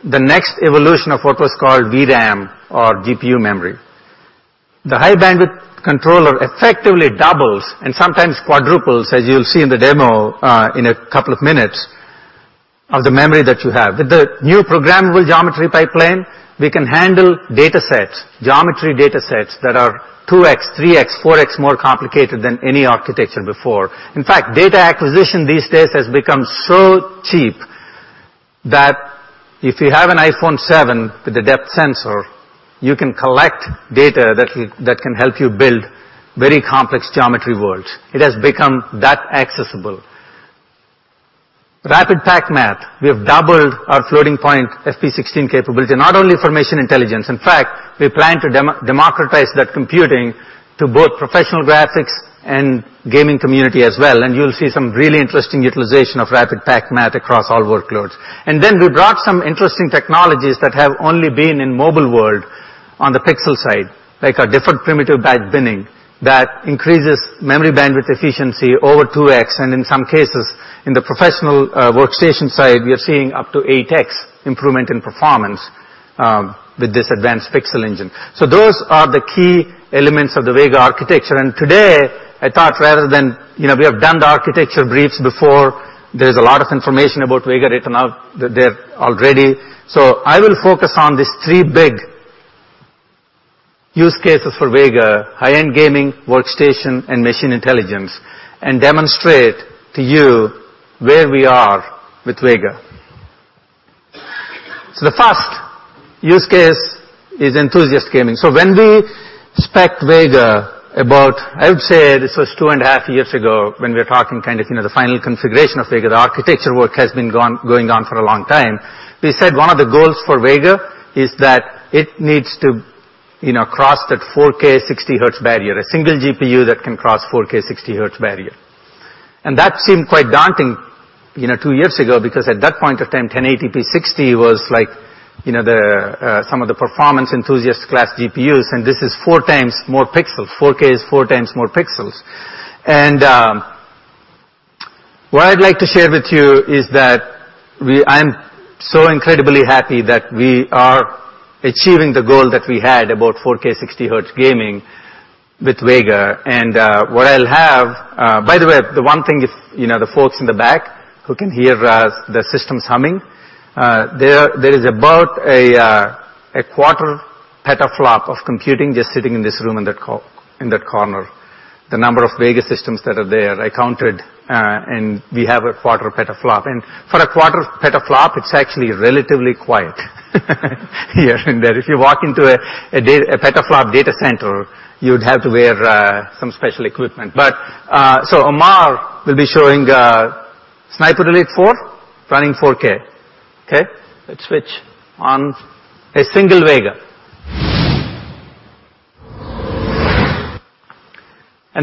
the next evolution of what was called VRAM or GPU memory. The high bandwidth controller effectively doubles and sometimes quadruples, as you'll see in the demo in a couple of minutes, of the memory that you have. With the new programmable geometry pipeline, we can handle datasets, geometry datasets that are 2X, 3X, 4X more complicated than any architecture before. In fact, data acquisition these days has become so cheap that if you have an iPhone 7 with a depth sensor, you can collect data that can help you build very complex geometry worlds. It has become that accessible. Rapid Packed Math, we have doubled our floating point FP16 capability, not only for machine intelligence. In fact, we plan to democratize that computing to both professional graphics and gaming community as well. You'll see some really interesting utilization of Rapid Packed Math across all workloads. Then we brought some interesting technologies that have only been in mobile world on the pixel side, like our deferred primitive batch binning that increases memory bandwidth efficiency over 2X and in some cases, in the professional workstation side, we are seeing up to 8X improvement in performance with this advanced pixel engine. Those are the key elements of the Vega architecture. Today, I thought rather than, we have done the architecture briefs before. There's a lot of information about Vega written out there already. I will focus on these three big use cases for Vega, high-end gaming, workstation, and machine intelligence, and demonstrate to you where we are with Vega. The first use case is enthusiast gaming. When we spec'd Vega about, I would say this was two and a half years ago when we were talking the final configuration of Vega. The architecture work has been going on for a long time. We said one of the goals for Vega is that it needs to cross that 4K 60 hertz barrier, a single GPU that can cross 4K 60 hertz barrier. That seemed quite daunting two years ago because at that point of time, 1080p 60 was some of the performance enthusiast class GPUs and this is four times more pixels. 4K is four times more pixels. What I'd like to share with you is that I'm so incredibly happy that we are achieving the goal that we had about 4K 60 hertz gaming with Vega. What I'll have By the way, the one thing, the folks in the back who can hear the systems humming, there is about a quarter petaflop of computing just sitting in this room in that corner. The number of Vega systems that are there, I counted and we have a quarter petaflop. For a quarter petaflop, it's actually relatively quiet here and there. If you walk into a petaflop data center, you'd have to wear some special equipment. Amar will be showing Sniper Elite 4 running 4K. Okay, let's switch on a single Vega.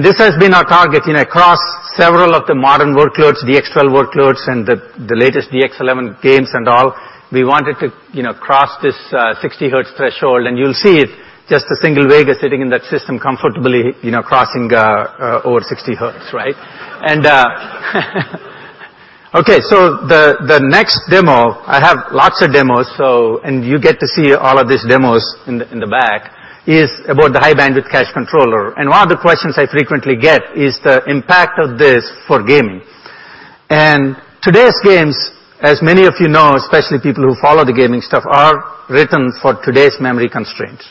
This has been our target across several of the modern workloads, the XL workloads, and the latest DX11 games and all. We wanted to cross this 60 hertz threshold and you'll see it, just a single Vega sitting in that system comfortably crossing over 60 hertz, right? The next demo, I have lots of demos and you get to see all of these demos in the back, is about the high bandwidth cache controller. One of the questions I frequently get is the impact of this for gaming. Today's games, as many of you know, especially people who follow the gaming stuff, are written for today's memory constraints.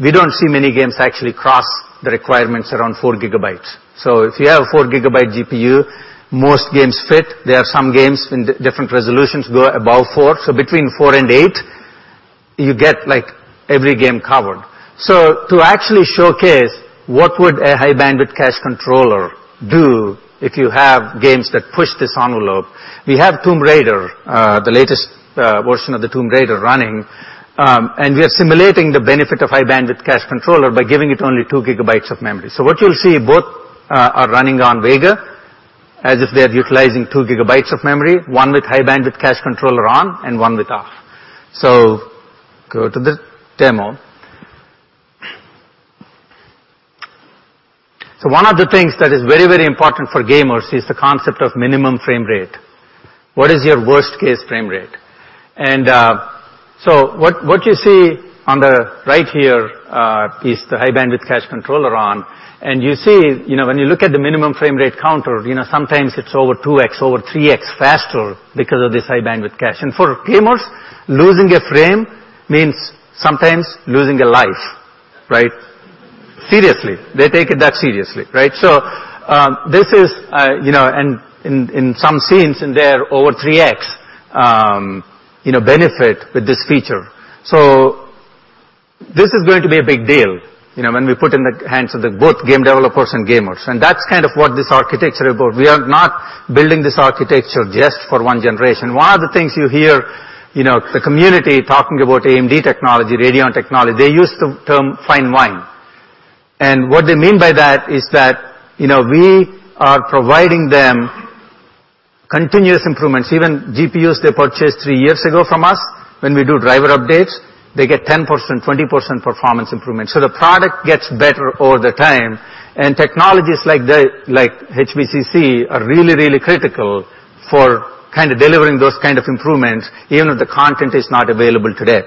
We don't see many games actually cross the requirements around four gigabytes. If you have a four-gigabyte GPU, most games fit. There are some games in different resolutions go above four, so between four and eight, you get every game covered. To actually showcase what would a high bandwidth cache controller do if you have games that push this envelope, we have Tomb Raider, the latest version of the Tomb Raider running, and we are simulating the benefit of high bandwidth cache controller by giving it only two gigabytes of memory. What you'll see, both are running on Vega as if they're utilizing two gigabytes of memory, one with high bandwidth cache controller on and one with off. Go to the demo. One of the things that is very, very important for gamers is the concept of minimum frame rate. What is your worst case frame rate? What you see on the right here is the high bandwidth cache controller on and you see when you look at the minimum frame rate counter, sometimes it's over 2x, over 3x faster because of this high bandwidth cache. For gamers, losing a frame means sometimes losing a life. Right? Seriously. They take it that seriously, right? In some scenes in there, over 3x benefit with this feature. This is going to be a big deal when we put it in the hands of both game developers and gamers. That's kind of what this architecture is about. We are not building this architecture just for one generation. One of the things you hear, the community talking about AMD technology, Radeon technology, they use the term Fine Wine. What they mean by that is that, we are providing them continuous improvements. Even GPUs they purchased three years ago from us, when we do driver updates, they get 10%, 20% performance improvement. The product gets better over the time, and technologies like HBCC are really, really critical for delivering those kind of improvements, even if the content is not available today.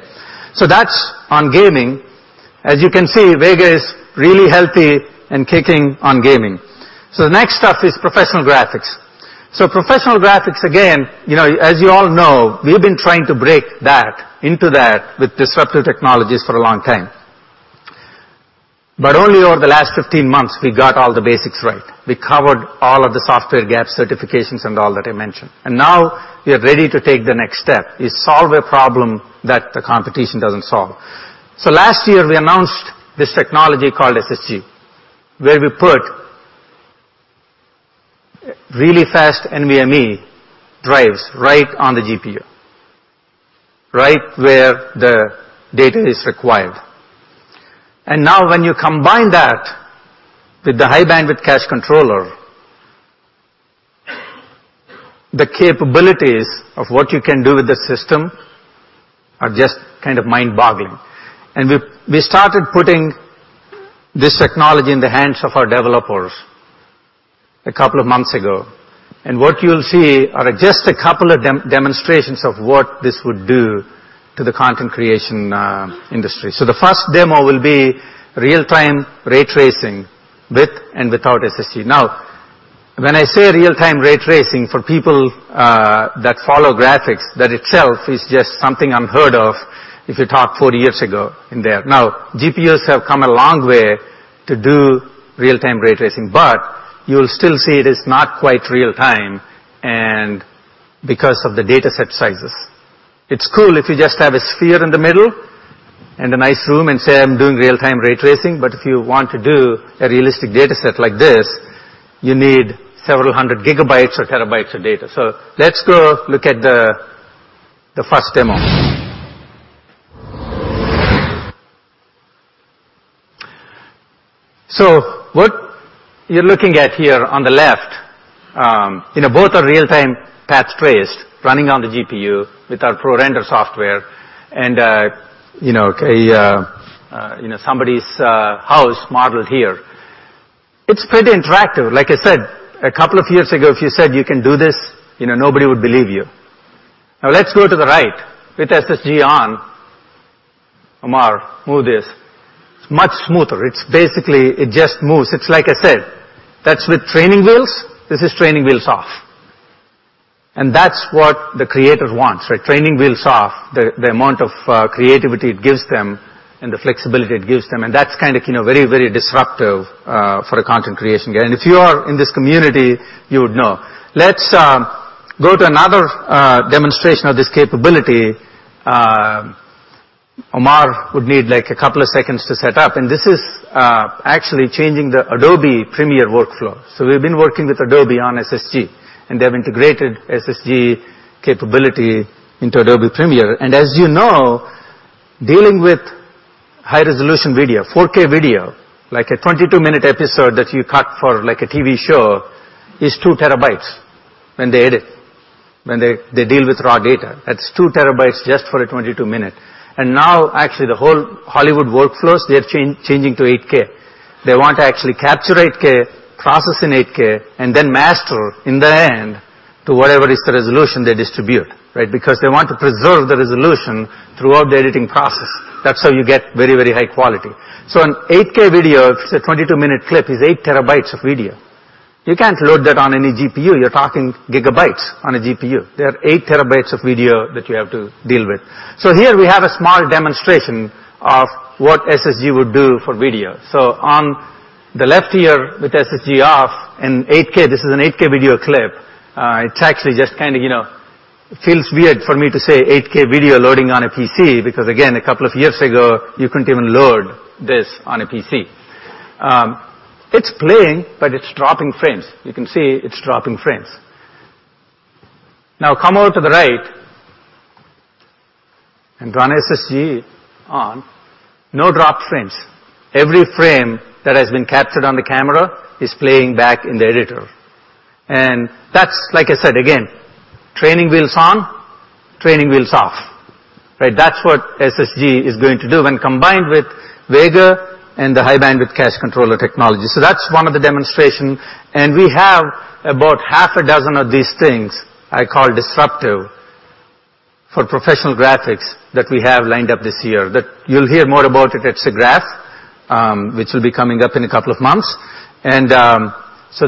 That's on gaming. As you can see, Vega is really healthy and kicking on gaming. The next stuff is professional graphics. Professional graphics, again, as you all know, we've been trying to break into that with disruptive technologies for a long time. Only over the last 15 months, we got all the basics right. We covered all of the software gaps, certifications, and all that I mentioned. Now we are ready to take the next step, is solve a problem that the competition doesn't solve. Last year, we announced this technology called SSG, where we put really fast NVMe drives right on the GPU, right where the data is required. Now when you combine that with the high-bandwidth cache controller, the capabilities of what you can do with the system are just kind of mind-boggling. We started putting this technology in the hands of our developers a couple of months ago. What you'll see are just a couple of demonstrations of what this would do to the content creation industry. The first demo will be real-time ray tracing with and without SSG. When I say real-time ray tracing, for people that follow graphics, that itself is just something unheard of if you talked 40 years ago in there. GPUs have come a long way to do real-time ray tracing, but you'll still see it is not quite real time, and because of the dataset sizes. It's cool if you just have a sphere in the middle in a nice room and say, "I'm doing real-time ray tracing," but if you want to do a realistic dataset like this, you need several hundred gigabytes or terabytes of data. Let's go look at the first demo. What you're looking at here on the left, both are real-time path traced, running on the GPU with our ProRender software, and somebody's house modeled here. It's pretty interactive. Like I said, a couple of years ago, if you said you can do this, nobody would believe you. Let's go to the right with SSG on. Amar, move this. It's much smoother. It's basically, it just moves. It's like I said, that's with training wheels, this is training wheels off. That's what the creators want, so training wheels off, the amount of creativity it gives them and the flexibility it gives them, and that's kind of very, very disruptive for a content creation. If you are in this community, you would know. Let's go to another demonstration of this capability. Amar would need a couple of seconds to set up. This is actually changing the Adobe Premiere workflow. We've been working with Adobe on SSG, and they have integrated SSG capability into Adobe Premiere. As you know, dealing with high-resolution video, 4K video, like a 22-minute episode that you cut for a TV show, is two terabytes when they edit, when they deal with raw data. That's two terabytes just for a 22-minute. Now, actually, the whole Hollywood workflows, they're changing to 8K. They want to actually capture 8K, process in 8K, and then master in the end to whatever is the resolution they distribute, because they want to preserve the resolution throughout the editing process. That's how you get very, very high quality. An 8K video, if it's a 22-minute clip, is eight terabytes of video. You can't load that on any GPU. You're talking gigabytes on a GPU. They are eight terabytes of video that you have to deal with. Here we have a small demonstration of what SSG would do for video. On the left here with SSG off, in 8K, this is an 8K video clip. It's actually just kind of feels weird for me to say 8K video loading on a PC because again, a couple of years ago, you couldn't even load this on a PC. It's playing, but it's dropping frames. You can see it's dropping frames. Come over to the right and run SSG on. No dropped frames. Every frame that has been captured on the camera is playing back in the editor. That's, like I said, again, training wheels on, training wheels off, right? That's what SSG is going to do when combined with Vega and the high-bandwidth cache controller technology. That's one of the demonstrations, and we have about half a dozen of these things I call disruptive for professional graphics that we have lined up this year. That you'll hear more about it at SIGGRAPH, which will be coming up in a couple of months. That's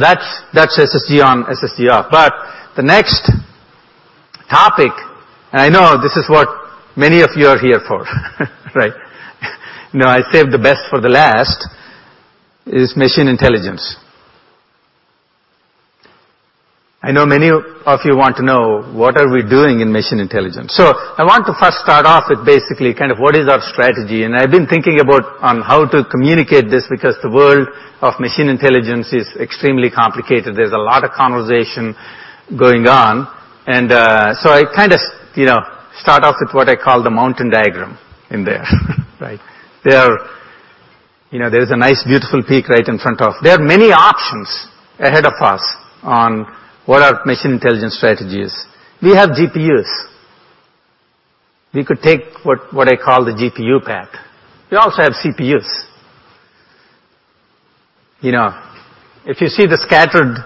SSG on, SSG off. The next topic, and I know this is what many of you are here for, right? I saved the best for the last, is machine intelligence. I know many of you want to know what are we doing in machine intelligence. I want to first start off with basically what is our strategy, and I've been thinking about on how to communicate this because the world of machine intelligence is extremely complicated. There's a lot of conversation going on. I start off with what I call the mountain diagram in there. There is a nice beautiful peak right in front of. There are many options ahead of us on what are machine intelligence strategies. We have GPUs. We could take what I call the GPU path. We also have CPUs. If you see the scattered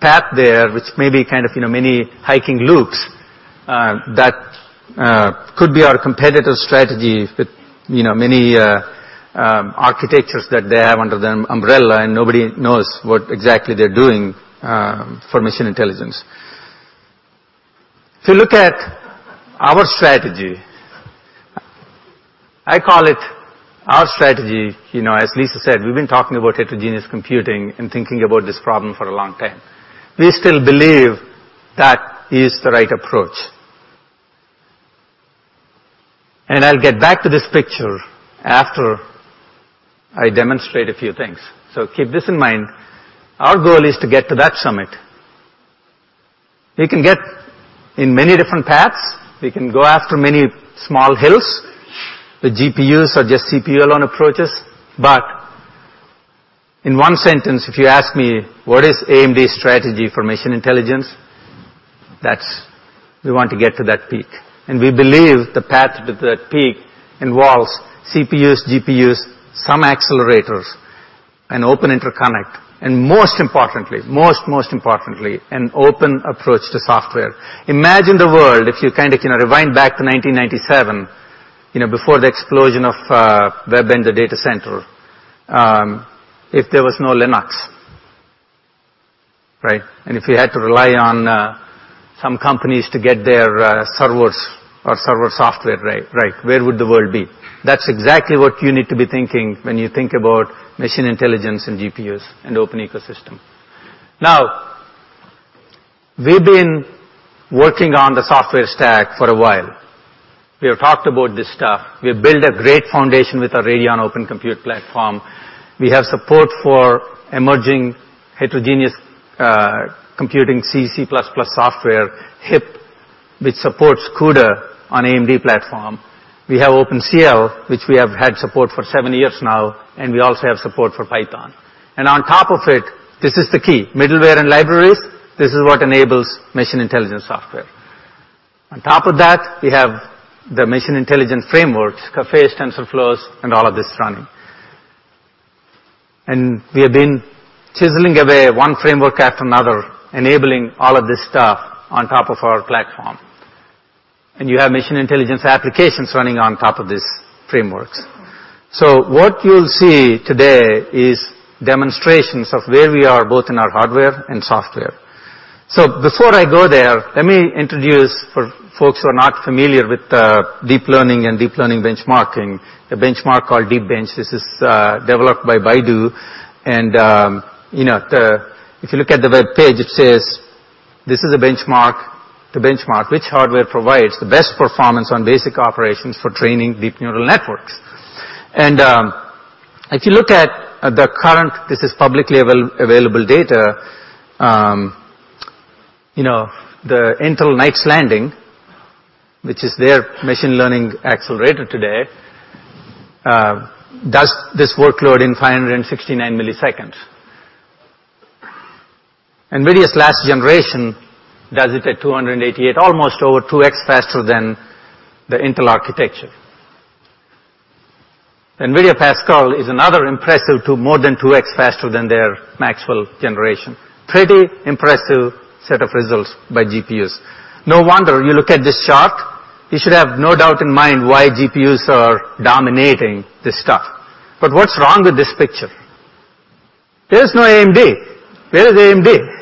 path there, which may be many hiking loops, that could be our competitive strategy with many architectures that they have under their umbrella, and nobody knows what exactly they are doing for machine intelligence. If you look at our strategy, I call it our strategy, as Lisa said, we've been talking about heterogeneous computing and thinking about this problem for a long time. We still believe that is the right approach. I'll get back to this picture after I demonstrate a few things. Keep this in mind. Our goal is to get to that summit. We can get in many different paths. We can go after many small hills with GPUs or just CPU-alone approaches. In one sentence, if you ask me, "What is AMD's strategy for machine intelligence?" We want to get to that peak. We believe the path to that peak involves CPUs, GPUs, some accelerators, an open interconnect, and most importantly, most importantly, an open approach to software. Imagine the world, if you rewind back to 1997, before the explosion of web in the data center, if there was no Linux, right? If we had to rely on some companies to get their servers or server software right, where would the world be? That's exactly what you need to be thinking when you think about machine intelligence and GPUs and open ecosystem. We've been working on the software stack for a while. We have talked about this stuff. We have built a great foundation with our Radeon Open Compute platform. We have support for emerging heterogeneous computing C/C++ software, HIP, which supports CUDA on AMD platform. We have OpenCL, which we have had support for seven years now, and we also have support for Python. On top of it, this is the key, middleware and libraries, this is what enables machine intelligence software. On top of that, we have the machine intelligence frameworks, Caffe, TensorFlow, and all of this running. We have been chiseling away one framework after another, enabling all of this stuff on top of our platform. You have machine intelligence applications running on top of these frameworks. What you'll see today is demonstrations of where we are, both in our hardware and software. Before I go there, let me introduce for folks who are not familiar with deep learning and deep learning benchmarking, a benchmark called DeepBench. This is developed by Baidu. If you look at the webpage, it says, "This is a benchmark to benchmark which hardware provides the best performance on basic operations for training deep neural networks." If you look at the current, this is publicly available data, the Intel Knights Landing, which is their machine learning accelerator today, does this workload in 569 milliseconds. NVIDIA's last generation does it at 288, almost over 2x faster than the Intel architecture. NVIDIA Pascal is another impressive to more than 2x faster than their Maxwell generation. Pretty impressive set of results by GPUs. No wonder, you look at this chart, you should have no doubt in mind why GPUs are dominating this stuff. What's wrong with this picture? There's no AMD. Where is AMD?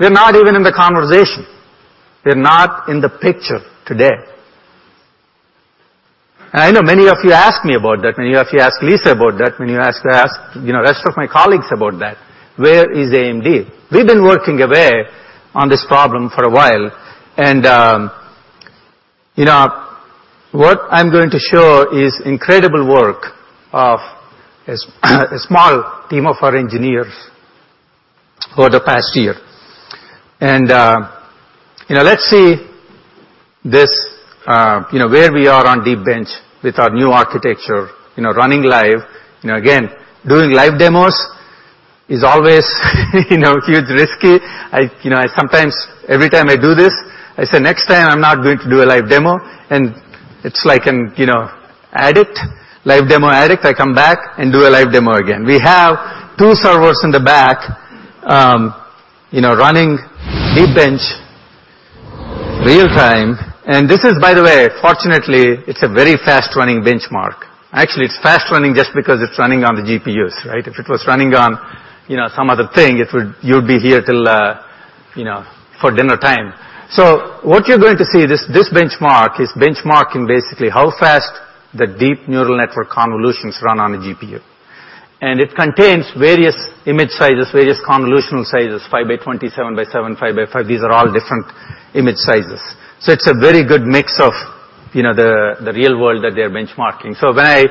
We're not even in the conversation. We're not in the picture today. I know many of you ask me about that, many of you ask Lisa about that, many of you ask the rest of my colleagues about that. Where is AMD? We've been working away on this problem for a while. What I'm going to show is incredible work of a small team of our engineers over the past year. Let's see where we are on DeepBench with our new architecture running live. Again, doing live demos is always risky. Every time I do this, I say, "Next time, I'm not going to do a live demo." It's like an addict, live demo addict, I come back and do a live demo again. We have two servers in the back running DeepBench. Real-time. This is, by the way, fortunately, it's a very fast-running benchmark. Actually, it's fast-running just because it's running on the GPUs, right? If it was running on some other thing, you'd be here till dinner time. What you're going to see, this benchmark is benchmarking basically how fast the deep neural network convolutions run on a GPU. It contains various image sizes, various convolutional sizes, 5 by 20, 7 by 7, 5 by 5. These are all different image sizes. It's a very good mix of the real world that they're benchmarking. When I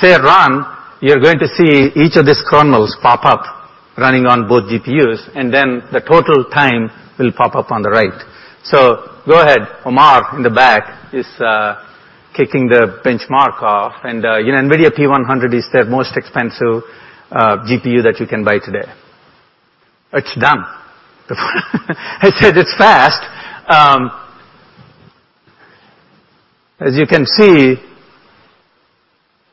say run, you're going to see each of these kernels pop up running on both GPUs, then the total time will pop up on the right. Go ahead. Omar in the back is kicking the benchmark off. NVIDIA P100 is their most expensive GPU that you can buy today. It's done. I said it's fast. As you can see,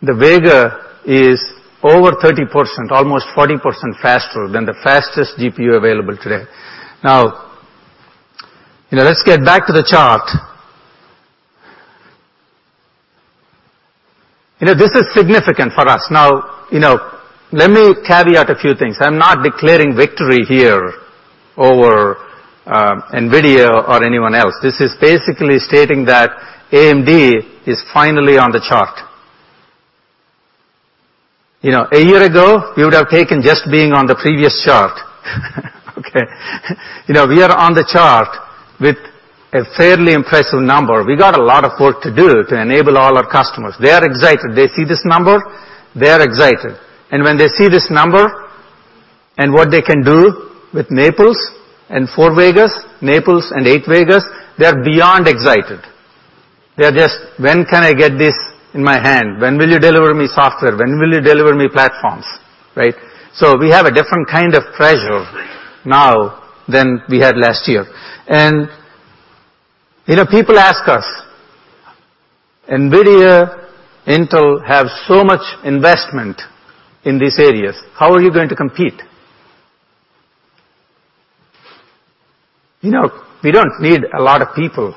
the Vega is over 30%, almost 40% faster than the fastest GPU available today. Let's get back to the chart. This is significant for us. Let me caveat a few things. I'm not declaring victory here over NVIDIA or anyone else. This is basically stating that AMD is finally on the chart. A year ago, we would have taken just being on the previous chart okay. We are on the chart with a fairly impressive number. We got a lot of work to do to enable all our customers. They are excited. They see this number, they are excited. When they see this number and what they can do with Naples and four Vegas, Naples and eight Vegas, they are beyond excited. They are just, "When can I get this in my hand? When will you deliver me software? When will you deliver me platforms?" Right? We have a different kind of pressure now than we had last year. People ask us, "NVIDIA, Intel have so much investment in these areas. How are you going to compete?" We don't need a lot of people.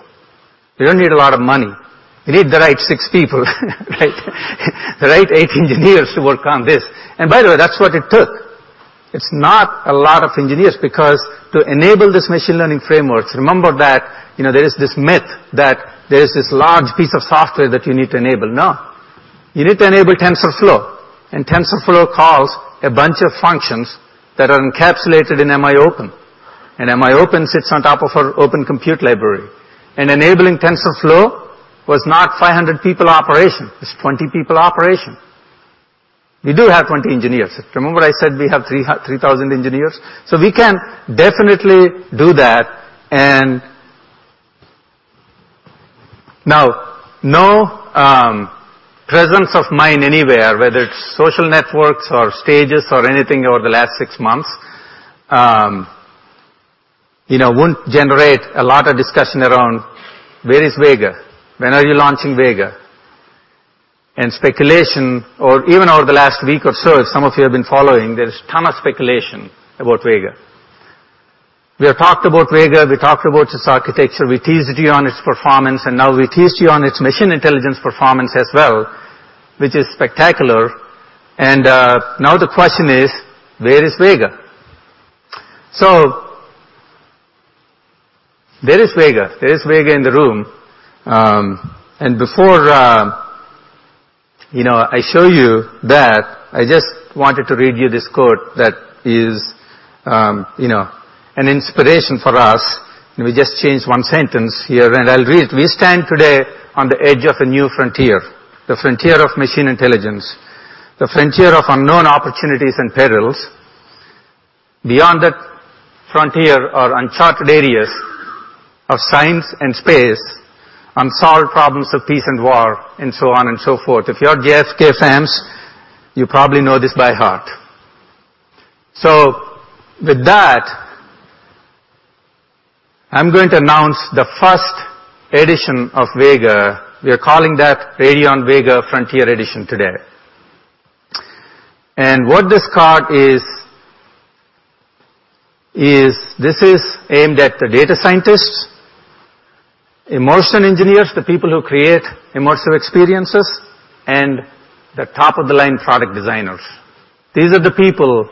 We don't need a lot of money. We need the right six people, right? The right eight engineers to work on this. By the way, that's what it took. It's not a lot of engineers because to enable these machine learning frameworks, remember that there is this myth that there is this large piece of software that you need to enable. No. You need to enable TensorFlow. TensorFlow calls a bunch of functions that are encapsulated in MIOpen. MIOpen sits on top of our Open Compute library. Enabling TensorFlow was not 500 people operation. It's 20 people operation. We do have 20 engineers. Remember I said we have 3,000 engineers? We can definitely do that and Now, no presence of mine anywhere, whether it's social networks or stages or anything over the last six months, wouldn't generate a lot of discussion around where is Vega? When are you launching Vega? Speculation, or even over the last week or so, some of you have been following, there is ton of speculation about Vega. We have talked about Vega, we talked about its architecture, we teased you on its performance. Now we teased you on its machine intelligence performance as well, which is spectacular. Now the question is: Where is Vega? There is Vega. There is Vega in the room. Before I show you that, I just wanted to read you this quote that is an inspiration for us. We just changed one sentence here, I'll read. "We stand today on the edge of a new frontier, the frontier of machine intelligence, the frontier of unknown opportunities and perils. Beyond that frontier are uncharted areas of science and space, unsolved problems of peace and war," and so on and so forth. If you're JFK fans, you probably know this by heart. With that, I'm going to announce the first edition of Vega. We are calling that Radeon Vega Frontier Edition today. What this card is, this is aimed at the data scientists, immersion engineers, the people who create immersive experiences, and the top-of-the-line product designers. These are the people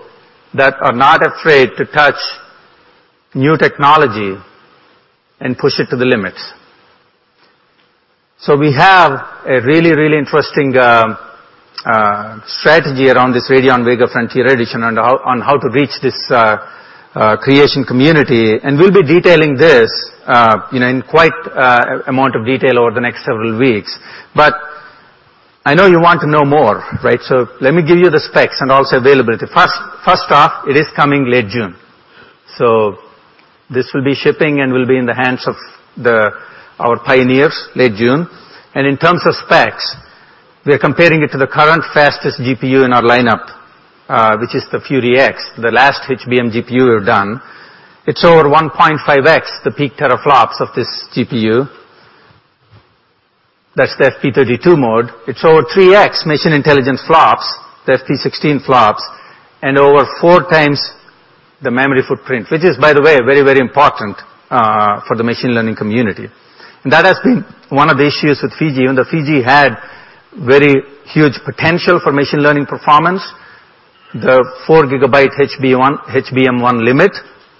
that are not afraid to touch new technology and push it to the limits. We have a really, really interesting strategy around this Radeon Vega Frontier Edition on how to reach this creation community. We'll be detailing this in quite amount of detail over the next several weeks. I know you want to know more, right? Let me give you the specs and also availability. First off, it is coming late June. This will be shipping and will be in the hands of our pioneers late June. In terms of specs, we are comparing it to the current fastest GPU in our lineup, which is the Fury X, the last HBM GPU we've done. It's over 1.5x the peak teraflops of this GPU. That's the FP32 mode. It's over 3x machine intelligence flops, the FP16 flops, and over four times the memory footprint, which is, by the way, very, very important for the machine learning community. That has been one of the issues with Fiji. Even though Fiji had very huge potential for machine learning performance, the four gigabyte HBM1 limit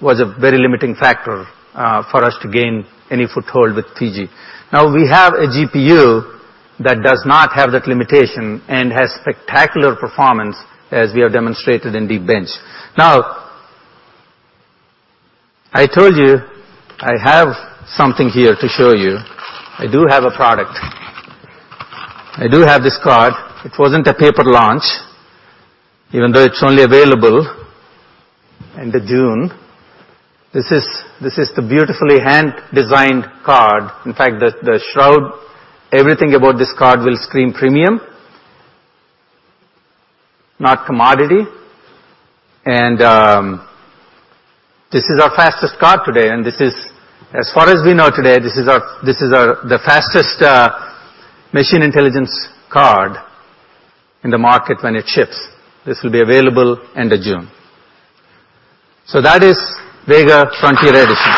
was a very limiting factor for us to gain any foothold with Fiji. Now we have a GPU that does not have that limitation and has spectacular performance, as we have demonstrated in DeepBench. I told you I have something here to show you. I do have a product. I do have this card. It wasn't a paper launch, even though it's only available end of June. This is the beautifully hand-designed card. In fact, the shroud, everything about this card will scream premium, not commodity. This is our fastest card today, and as far as we know today, this is the fastest machine intelligence card in the market when it ships. This will be available end of June. That is Vega Frontier Edition.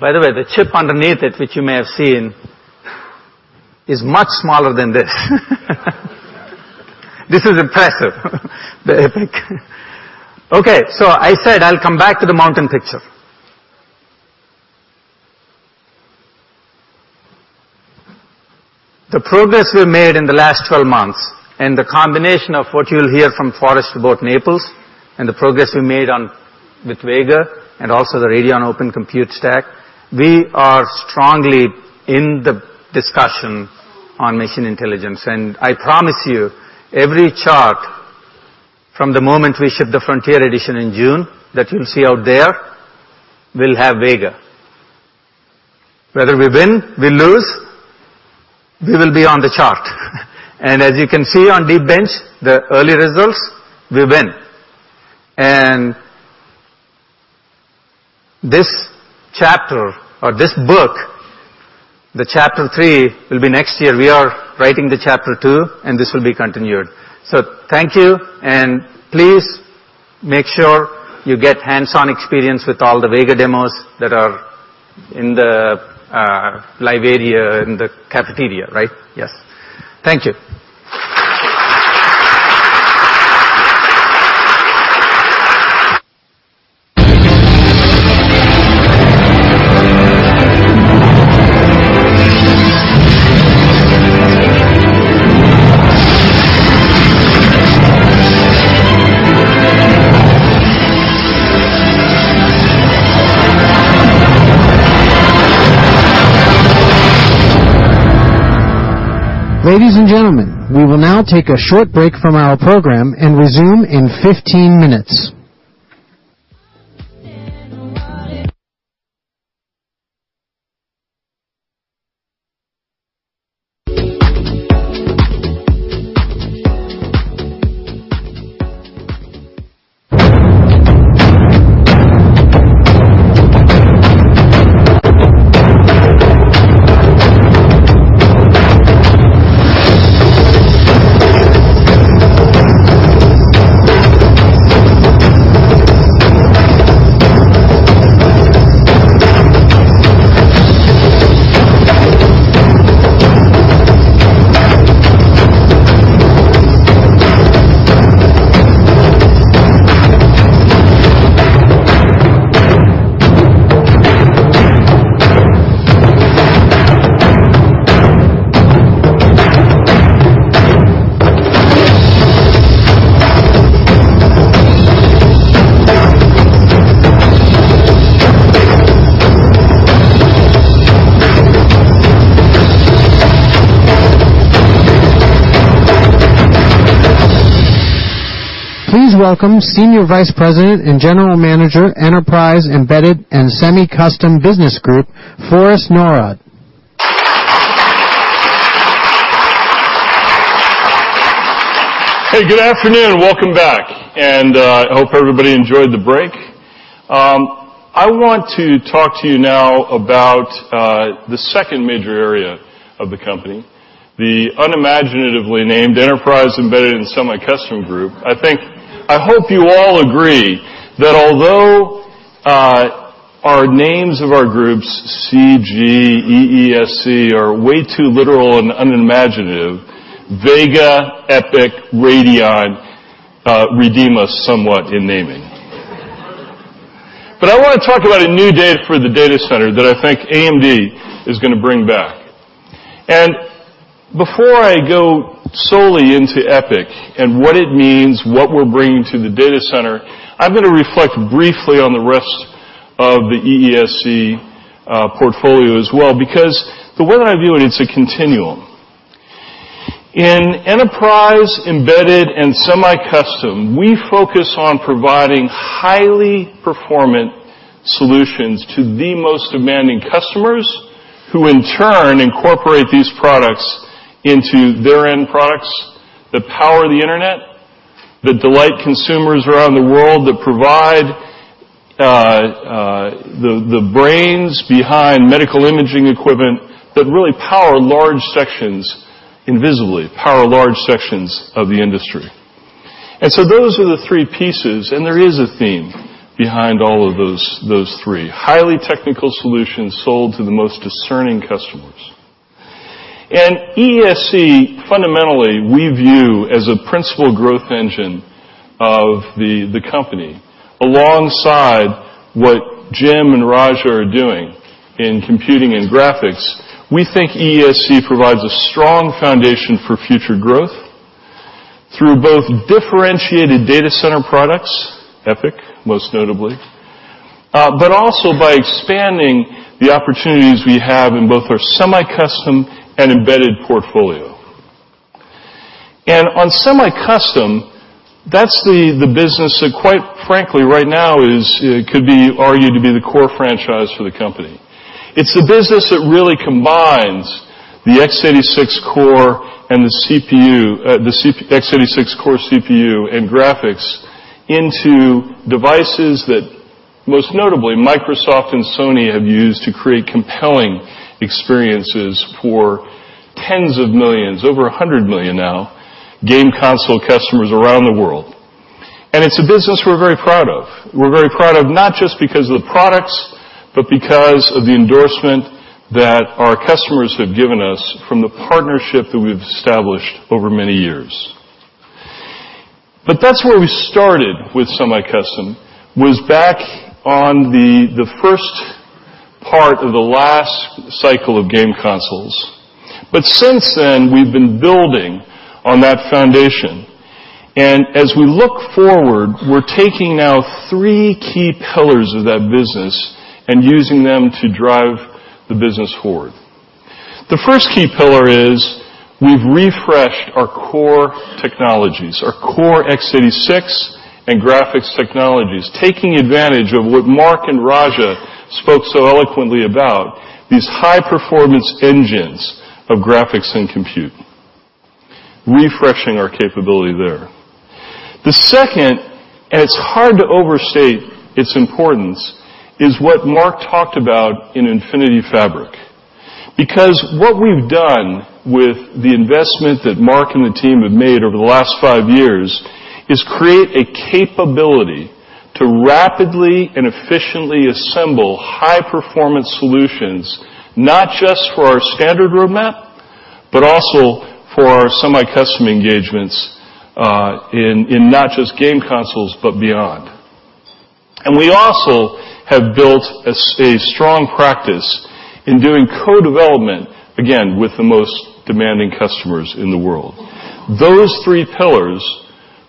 By the way, the chip underneath it, which you may have seen, is much smaller than this. This is impressive. The EPYC. I said I'll come back to the mountain picture. The progress we've made in the last 12 months and the combination of what you'll hear from Forrest about Naples and the progress we've made with Vega and also the Radeon Open Compute platform, we are strongly in the discussion on machine intelligence. I promise you, every chart from the moment we ship the Frontier Edition in June that you'll see out there will have Vega. Whether we win, we lose, we will be on the chart. As you can see on DeepBench, the early results, we win. This chapter or this book, the chapter three will be next year. We are writing the chapter two, and this will be continued. Thank you, and please make sure you get hands-on experience with all the Vega demos that are in the live area in the cafeteria, right? Yes. Thank you. Ladies and gentlemen, we will now take a short break from our program and resume in 15 minutes. Please welcome Senior Vice President and General Manager, Enterprise, Embedded, and Semi-Custom Business Group, Forrest Norrod. Hey, good afternoon. Welcome back. I hope everybody enjoyed the break. I want to talk to you now about the second major area of the company, the unimaginatively named Enterprise, Embedded, and Semi-Custom Group. I hope you all agree that although our names of our groups, CG, EESC, are way too literal and unimaginative, Vega, EPYC, Radeon redeem us somewhat in naming. I want to talk about a new day for the data center that I think AMD is going to bring back. Before I go solely into EPYC and what it means, what we're bringing to the data center, I'm going to reflect briefly on the rest of the EESC portfolio as well because the way that I view it's a continuum. In Enterprise, Embedded, and Semi-Custom, we focus on providing highly performant solutions to the most demanding customers who in turn incorporate these products into their end products that power the internet, that delight consumers around the world, that provide the brains behind medical imaging equipment, that really power large sections invisibly, power large sections of the industry. Those are the three pieces, and there is a theme behind all of those three. Highly technical solutions sold to the most discerning customers. EESC, fundamentally, we view as a principal growth engine of the company alongside what Jim and Raja are doing in computing and graphics. We think EESC provides a strong foundation for future growth through both differentiated data center products, EPYC most notably, but also by expanding the opportunities we have in both our semi-custom and embedded portfolio. On semi-custom, that's the business that quite frankly right now could be argued to be the core franchise for the company. It's the business that really combines the x86 core CPU and graphics into devices that most notably Microsoft and Sony have used to create compelling experiences for tens of millions, over 100 million now, game console customers around the world. It's a business we're very proud of. We're very proud of not just because of the products, but because of the endorsement that our customers have given us from the partnership that we've established over many years. That's where we started with semi-custom, was back on the first part of the last cycle of game consoles. Since then, we've been building on that foundation. As we look forward, we're taking now three key pillars of that business and using them to drive the business forward. The first key pillar is we've refreshed our core technologies, our core x86 and graphics technologies. Taking advantage of what Mark and Raja spoke so eloquently about, these high-performance engines of graphics and compute, refreshing our capability there. The second, it's hard to overstate its importance, is what Mark talked about in Infinity Fabric. What we've done with the investment that Mark and the team have made over the last five years is create a capability to rapidly and efficiently assemble high-performance solutions, not just for our standard roadmap, but also for our semi-custom engagements, in not just game consoles, but beyond. We also have built a strong practice in doing co-development, again, with the most demanding customers in the world. Those three pillars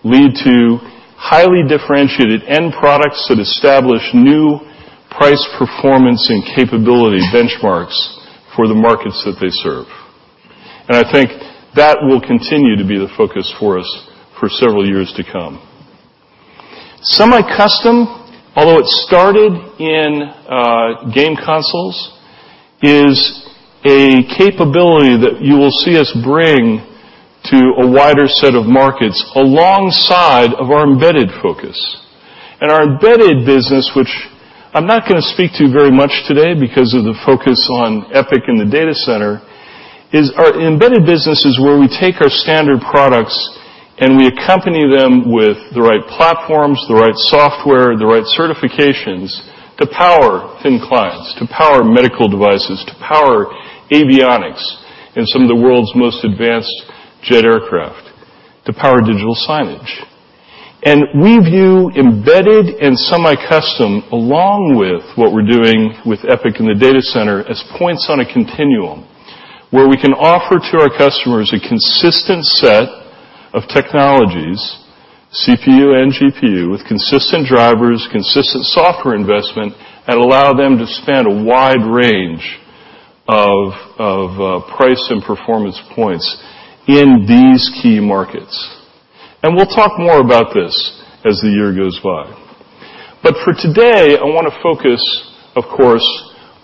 lead to highly differentiated end products that establish new price, performance, and capability benchmarks for the markets that they serve. I think that will continue to be the focus for us for several years to come. Semi-custom, although it started in game consoles, is a capability that you will see us bring to a wider set of markets alongside our embedded focus. Our embedded business, which I'm not going to speak to very much today because of the focus on EPYC in the data center, is our embedded business is where we take our standard products and we accompany them with the right platforms, the right software, the right certifications to power thin clients, to power medical devices, to power avionics in some of the world's most advanced jet aircraft, to power digital signage. We view embedded and semi-custom along with what we're doing with EPYC in the data center as points on a continuum, where we can offer to our customers a consistent set of technologies, CPU and GPU, with consistent drivers, consistent software investment, and allow them to span a wide range of price and performance points in these key markets. We'll talk more about this as the year goes by. For today, I want to focus, of course,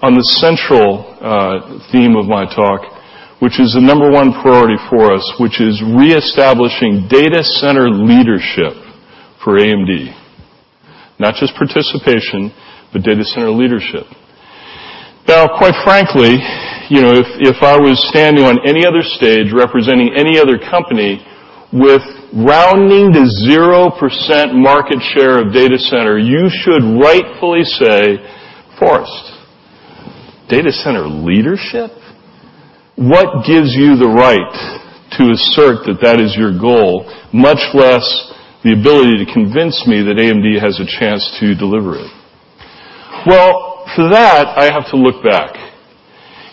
on the central theme of my talk, which is the number one priority for us, which is reestablishing data center leadership for AMD. Not just participation, but data center leadership. Quite frankly, if I was standing on any other stage representing any other company with rounding to 0% market share of data center, you should rightfully say, "Forrest, data center leadership? What gives you the right to assert that that is your goal, much less the ability to convince me that AMD has a chance to deliver it?" For that, I have to look back.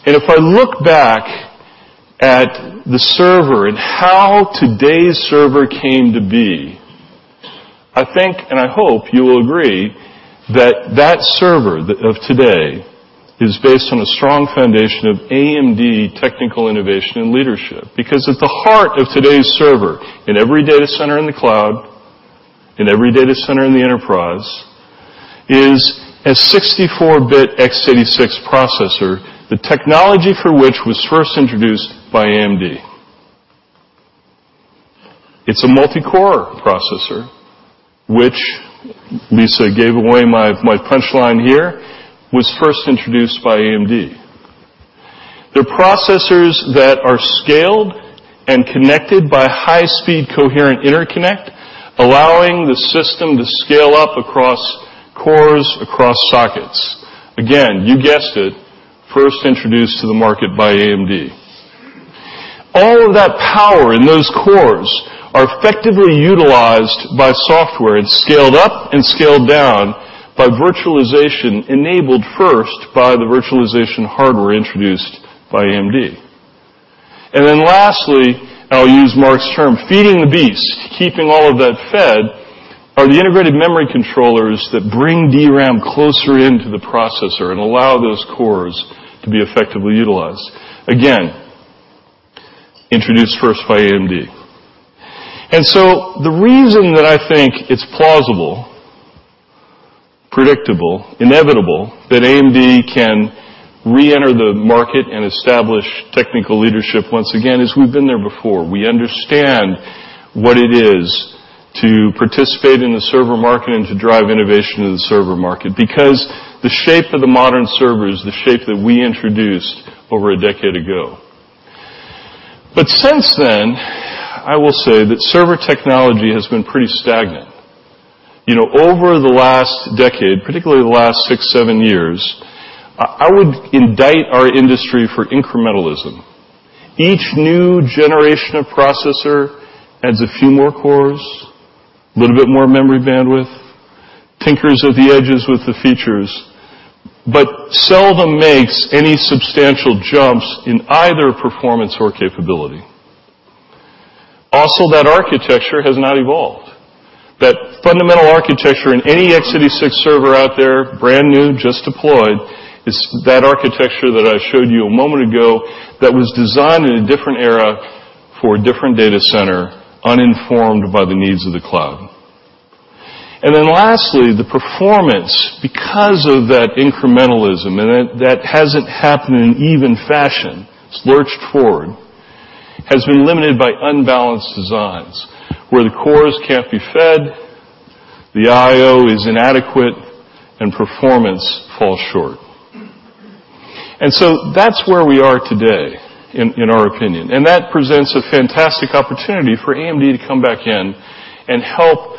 If I look back at the server and how today's server came to be, I think and I hope you will agree that that server of today Is based on a strong foundation of AMD technical innovation and leadership. Because at the heart of today's server, in every data center in the cloud, in every data center in the enterprise, is a 64-bit x86 processor, the technology for which was first introduced by AMD. It's a multi-core processor, which Lisa gave away my punchline here, was first introduced by AMD. They're processors that are scaled and connected by high-speed coherent interconnect, allowing the system to scale up across cores, across sockets. Again, you guessed it, first introduced to the market by AMD. All of that power in those cores are effectively utilized by software and scaled up and scaled down by virtualization enabled first by the virtualization hardware introduced by AMD. Then lastly, I'll use Mark's term, feeding the beast, keeping all of that fed, are the integrated memory controllers that bring DRAM closer into the processor and allow those cores to be effectively utilized. Again, introduced first by AMD. The reason that I think it's plausible, predictable, inevitable, that AMD can re-enter the market and establish technical leadership once again, is we've been there before. We understand what it is to participate in the server market and to drive innovation in the server market. Because the shape of the modern server is the shape that we introduced over a decade ago. Since then, I will say that server technology has been pretty stagnant. Over the last decade, particularly the last six, seven years, I would indict our industry for incrementalism. Each new generation of processor adds a few more cores, a little bit more memory bandwidth, tinkers at the edges with the features, seldom makes any substantial jumps in either performance or capability. Also, that architecture has not evolved. That fundamental architecture in any x86 server out there, brand new, just deployed, is that architecture that I showed you a moment ago that was designed in a different era for a different data center, uninformed by the needs of the cloud. Lastly, the performance, because of that incrementalism and that hasn't happened in even fashion, it's lurched forward, has been limited by unbalanced designs where the cores can't be fed, the I/O is inadequate, and performance falls short. That's where we are today in our opinion. That presents a fantastic opportunity for AMD to come back in and help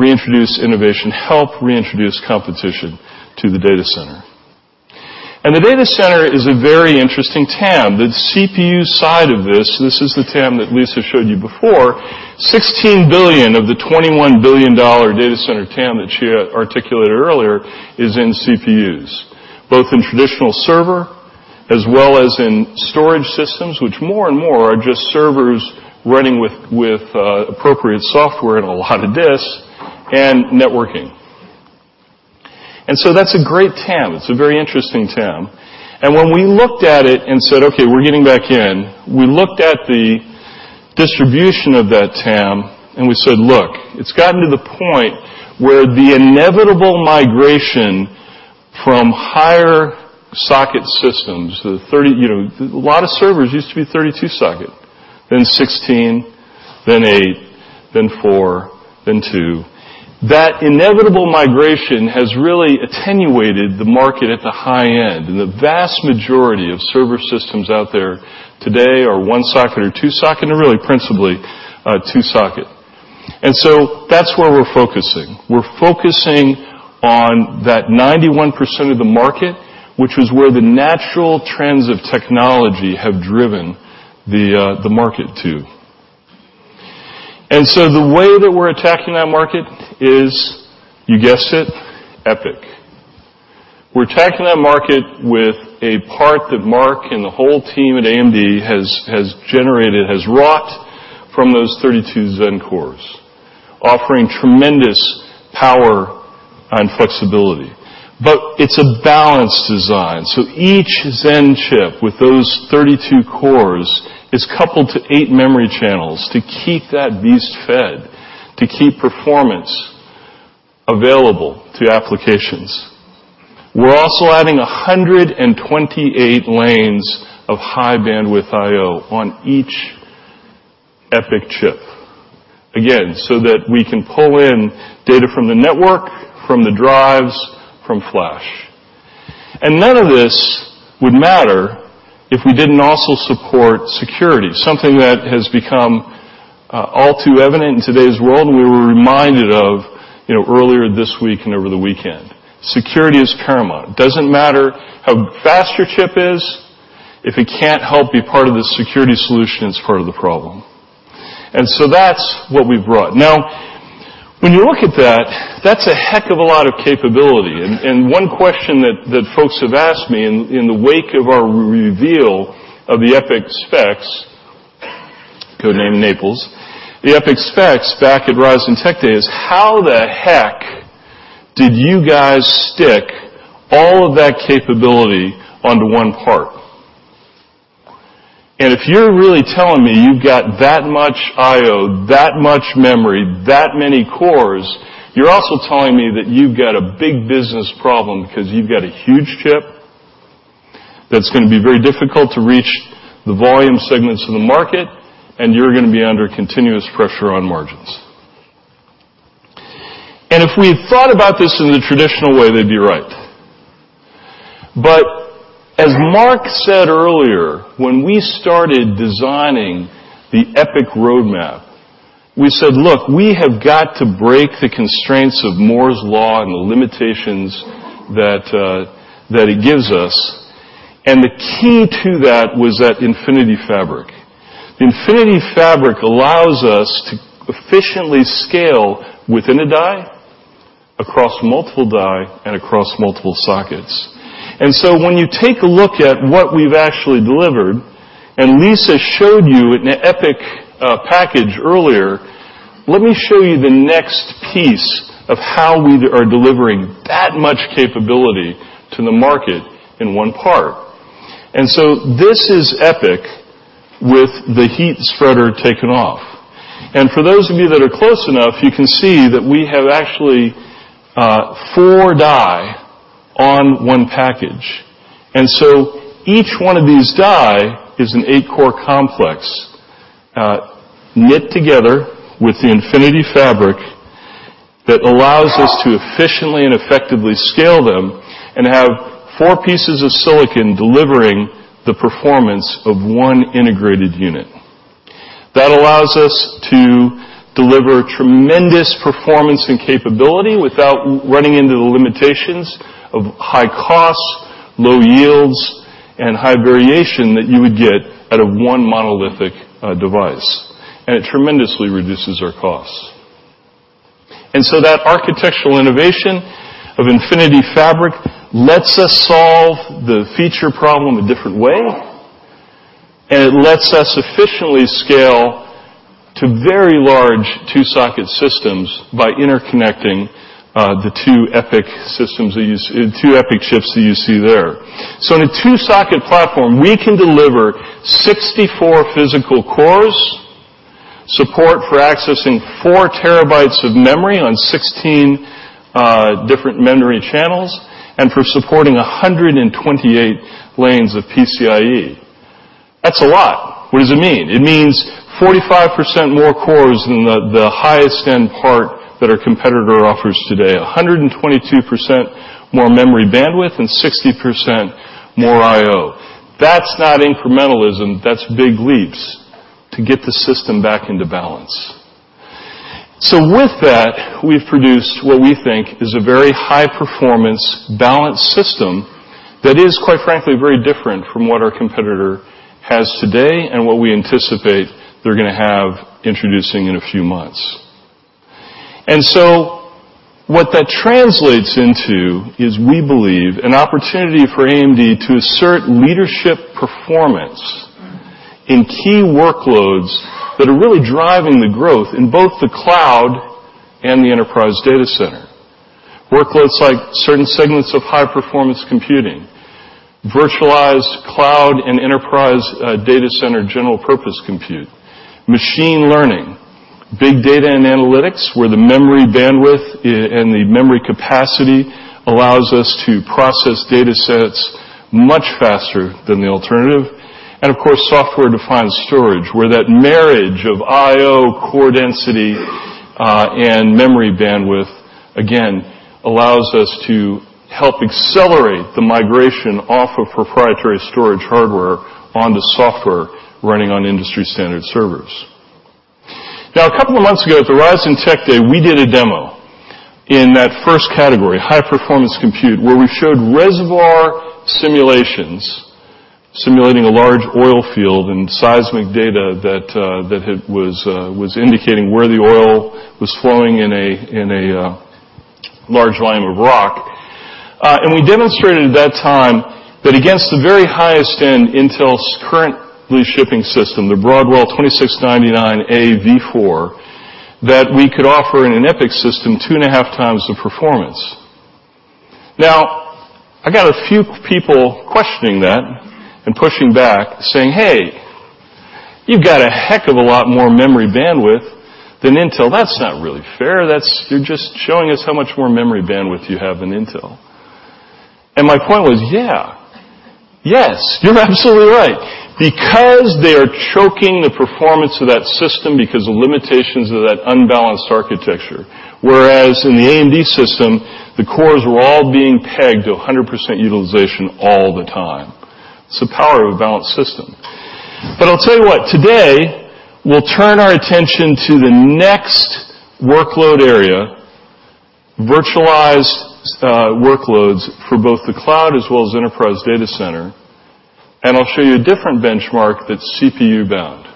reintroduce innovation, help reintroduce competition to the data center. The data center is a very interesting TAM. The CPU side of this is the TAM that Lisa showed you before, $16 billion of the $21 billion data center TAM that she articulated earlier is in CPUs, both in traditional server as well as in storage systems, which more and more are just servers running with appropriate software and a lot of disks and networking. That's a great TAM. It's a very interesting TAM. When we looked at it and said, "Okay, we're getting back in," we looked at the distribution of that TAM, and we said, "Look, it's gotten to the point where the inevitable migration from higher socket systems." A lot of servers used to be 32-socket, then 16, then eight, then four, then two. That inevitable migration has really attenuated the market at the high end. The vast majority of server systems out there today are one socket or two socket, and really principally, two socket. That's where we're focusing. We're focusing on that 91% of the market, which is where the natural trends of technology have driven the market to. The way that we're attacking that market is, you guessed it, EPYC. We're attacking that market with a part that Mark and the whole team at AMD has generated, has wrought from those 32 Zen cores, offering tremendous power and flexibility. It's a balanced design, so each Zen chip with those 32 cores is coupled to eight memory channels to keep that beast fed, to keep performance available to applications. We're also adding 128 lanes of high-bandwidth I/O on each EPYC chip, again, so that we can pull in data from the network, from the drives, from flash. None of this would matter if we didn't also support security, something that has become all too evident in today's world, and we were reminded of earlier this week and over the weekend. Security is paramount. It doesn't matter how fast your chip is. If it can't help be part of the security solution, it's part of the problem. That's what we've brought. When you look at that's a heck of a lot of capability. One question that folks have asked me in the wake of our reveal of the EPYC specs codename Naples. The EPYC specs back at Ryzen Tech Day is how the heck did you guys stick all of that capability onto one part? If you're really telling me you've got that much IO, that much memory, that many cores, you're also telling me that you've got a big business problem because you've got a huge chip that's going to be very difficult to reach the volume segments of the market, and you're going to be under continuous pressure on margins. If we had thought about this in the traditional way, they'd be right. As Mark said earlier, when we started designing the EPYC roadmap, we said, "Look, we have got to break the constraints of Moore's Law and the limitations that it gives us." The key to that was that Infinity Fabric. Infinity Fabric allows us to efficiently scale within a die, across multiple die, and across multiple sockets. When you take a look at what we've actually delivered, Lisa showed you an EPYC package earlier, let me show you the next piece of how we are delivering that much capability to the market in one part. This is EPYC with the heat spreader taken off. For those of you that are close enough, you can see that we have actually four die on one package. Each one of these die is an 8-core complex knit together with the Infinity Fabric that allows us to efficiently and effectively scale them and have four pieces of silicon delivering the performance of one integrated unit. That allows us to deliver tremendous performance and capability without running into the limitations of high costs, low yields, and high variation that you would get out of one monolithic device. It tremendously reduces our costs. That architectural innovation of Infinity Fabric lets us solve the feature problem a different way, and it lets us efficiently scale to very large two-socket systems by interconnecting the two EPYC chips that you see there. In a two-socket platform, we can deliver 64 physical cores, support for accessing four terabytes of memory on 16 different memory channels, and for supporting 128 lanes of PCIe. That's a lot. What does it mean? It means 45% more cores than the highest-end part that our competitor offers today, 122% more memory bandwidth, and 60% more IO. That's not incrementalism. That's big leaps to get the system back into balance. With that, we've produced what we think is a very high performance balanced system that is, quite frankly, very different from what our competitor has today and what we anticipate they're going to have introducing in a few months. What that translates into is, we believe, an opportunity for AMD to assert leadership performance in key workloads that are really driving the growth in both the cloud and the enterprise data center. Workloads like certain segments of high-performance computing, virtualized cloud and enterprise data center general purpose compute, machine learning, big data and analytics, where the memory bandwidth and the memory capacity allows us to process data sets much faster than the alternative, of course, software-defined storage, where that marriage of I/O, core density, and memory bandwidth, again, allows us to help accelerate the migration off of proprietary storage hardware onto software running on industry standard servers. A couple of months ago at the Ryzen Tech Day, we did a demo in that first category, high-performance compute, where we showed reservoir simulations simulating a large oil field and seismic data that was indicating where the oil was flowing in a large volume of rock. We demonstrated at that time that against the very highest-end Intel's currently shipping system, the Broadwell E5-2699A v4, that we could offer in an EPYC system two and a half times the performance. I got a few people questioning that and pushing back saying, "Hey, you've got a heck of a lot more memory bandwidth than Intel. That's not really fair. You're just showing us how much more memory bandwidth you have than Intel." My point was, "Yeah. Yes, you're absolutely right." They are choking the performance of that system because of limitations of that unbalanced architecture. Whereas in the AMD system, the cores were all being pegged to 100% utilization all the time. It's the power of a balanced system. I'll tell you what. Today, we'll turn our attention to the next workload area, virtualized workloads for both the cloud as well as enterprise data center, and I'll show you a different benchmark that's CPU bound.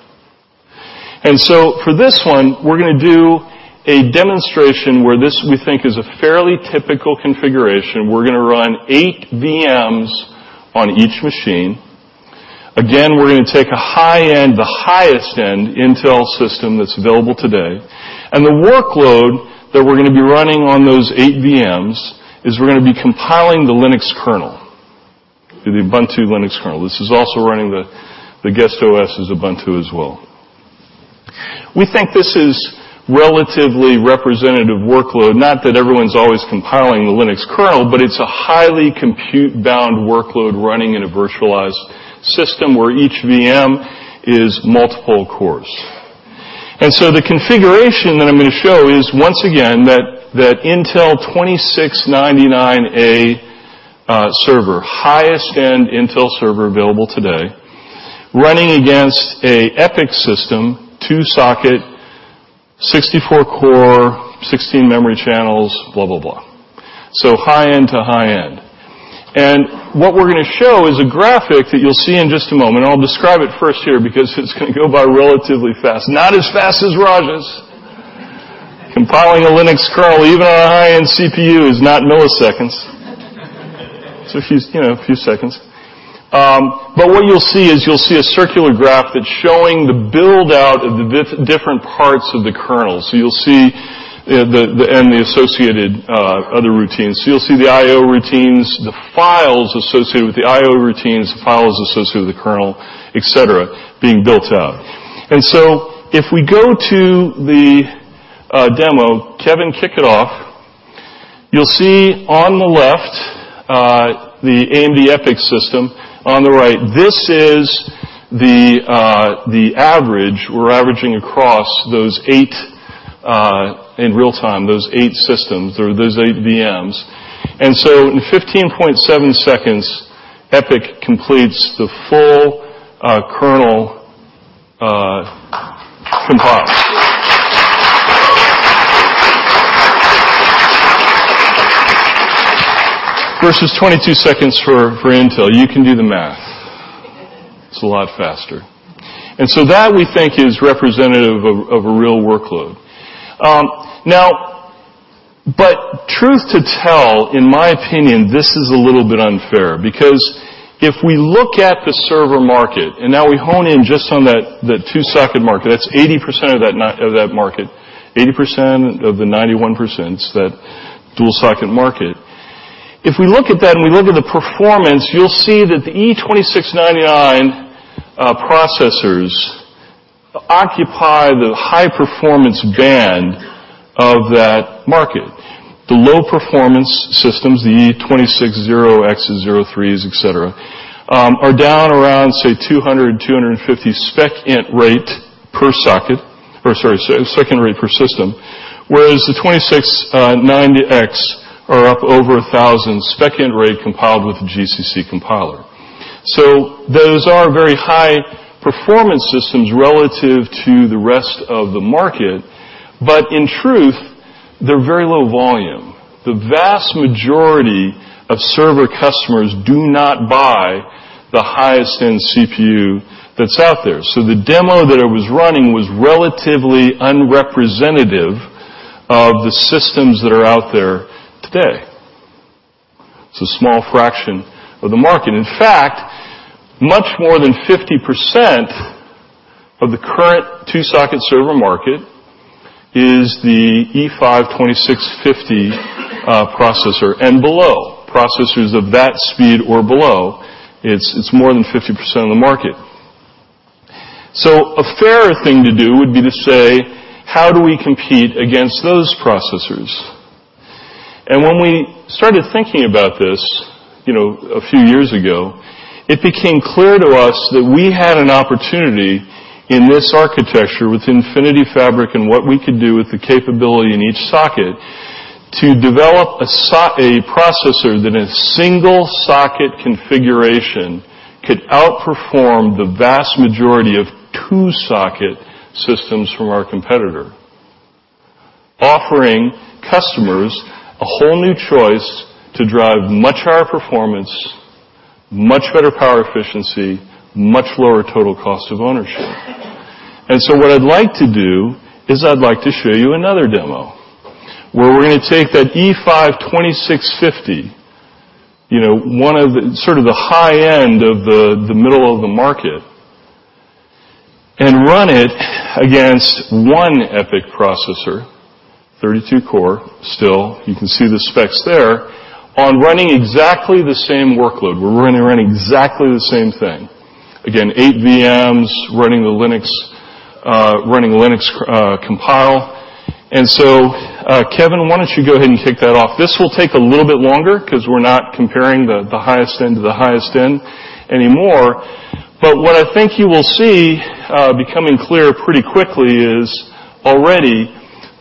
For this one, we're going to do a demonstration where this we think is a fairly typical configuration. We're going to run eight VMs on each machine. Again, we're going to take a high-end, the highest-end Intel system that's available today. The workload that we're going to be running on those eight VMs is we're going to be compiling the Linux kernel, the Ubuntu Linux kernel. This is also running the guest OS as Ubuntu as well. We think this is relatively representative workload, not that everyone's always compiling the Linux kernel, but it's a highly compute-bound workload running in a virtualized system where each VM is multiple cores. The configuration that I'm going to show is, once again, that Intel E5-2699A server, highest-end Intel server available today, running against an EPYC system, two-socket, 64-core, 16 memory channels, blah, blah. High-end to high-end. What we're going to show is a graphic that you'll see in just a moment. I'll describe it first here because it's going to go by relatively fast. Not as fast as Raja's. Compiling a Linux kernel, even on a high-end CPU, is not milliseconds. It's a few seconds. What you'll see is you'll see a circular graph that's showing the build-out of the different parts of the kernel and the associated other routines. You'll see the I/O routines, the files associated with the I/O routines, the files associated with the kernel, et cetera, being built out. If we go to the demo, Kevin, kick it off. You'll see on the left, the AMD EPYC system. On the right, this is the average. We're averaging across, in real time, those eight systems or those eight VMs. In 15.7 seconds, EPYC completes the full kernel compile. Versus 22 seconds for Intel. You can do the math. It's a lot faster. That, we think, is representative of a real workload. Truth to tell, in my opinion, this is a little bit unfair because if we look at the server market and now we hone in just on that two-socket market. That's 80% of that market, 80% of the 91%, it's that dual-socket market. If we look at that and we look at the performance, you'll see that the E-2699 processors occupy the high performance band of that market. The low performance systems, the E-2600Xs, 03s, et cetera, are down around, say, 200 and 250 SPECint_rate per socket or, sorry, SPECint_rate per system, whereas the 2690X are up over 1,000 SPECint_rate compiled with the GCC compiler. Those are very high performance systems relative to the rest of the market. In truth, they're very low volume. The vast majority of server customers do not buy the highest end CPU that's out there. The demo that it was running was relatively unrepresentative of the systems that are out there today. It's a small fraction of the market. In fact, much more than 50% of the current two-socket server market is the E5-2650 processor and below, processors of that speed or below. It's more than 50% of the market. A fairer thing to do would be to say, how do we compete against those processors? When we started thinking about this a few years ago, it became clear to us that we had an opportunity in this architecture with Infinity Fabric and what we could do with the capability in each socket to develop a processor that a single-socket configuration could outperform the vast majority of two-socket systems from our competitor. Offering customers a whole new choice to drive much higher performance, much better power efficiency, much lower total cost of ownership. What I'd like to do is I'd like to show you another demo where we're going to take that E5-2650, sort of the high end of the middle of the market, and run it against one EPYC processor, 32 core still. You can see the specs there on running exactly the same workload. We're going to run exactly the same thing. Again, eight VMs running Linux compile. Kevin, why don't you go ahead and kick that off? This will take a little bit longer because we're not comparing the highest end to the highest end anymore. What I think you will see becoming clear pretty quickly is already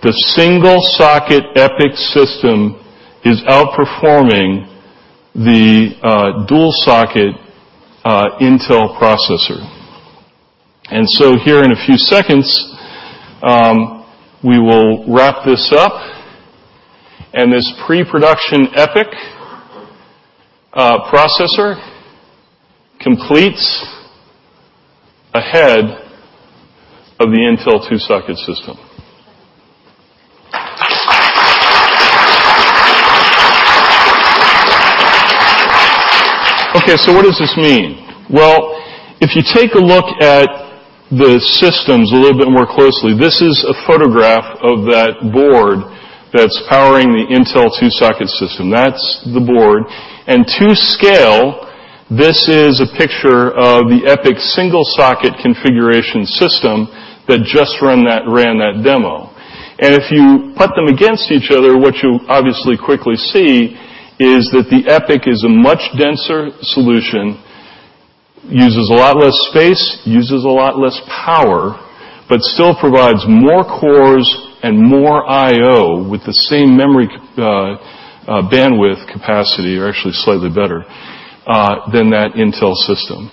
the single-socket EPYC system is outperforming the dual-socket Intel processor. Here in a few seconds, we will wrap this up and this pre-production EPYC processor completes ahead of the Intel two-socket system. Okay, what does this mean? Well, if you take a look at the systems a little bit more closely, this is a photograph of that board that's powering the Intel two-socket system. That's the board. And to scale, this is a picture of the EPYC single-socket configuration system that just ran that demo. If you put them against each other, what you obviously quickly see is that the EPYC is a much denser solution, uses a lot less space, uses a lot less power, but still provides more cores and more I/O with the same memory bandwidth capacity, or actually slightly better, than that Intel system.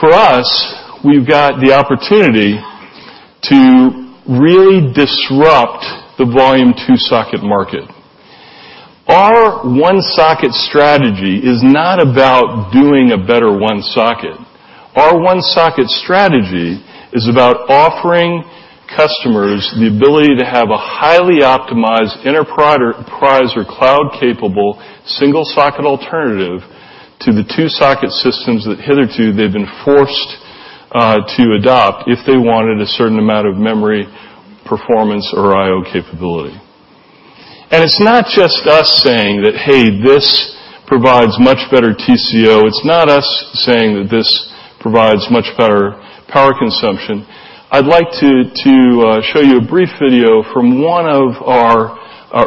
For us, we've got the opportunity to really disrupt the volume two-socket market. Our one-socket strategy is not about doing a better one socket. Our one-socket strategy is about offering customers the ability to have a highly optimized enterprise or cloud-capable single-socket alternative to the two-socket systems that hitherto they've been forced to adopt if they wanted a certain amount of memory, performance, or I/O capability. It's not just us saying that, "Hey, this provides much better TCO." It's not us saying that this provides much better power consumption. I'd like to show you a brief video from one of our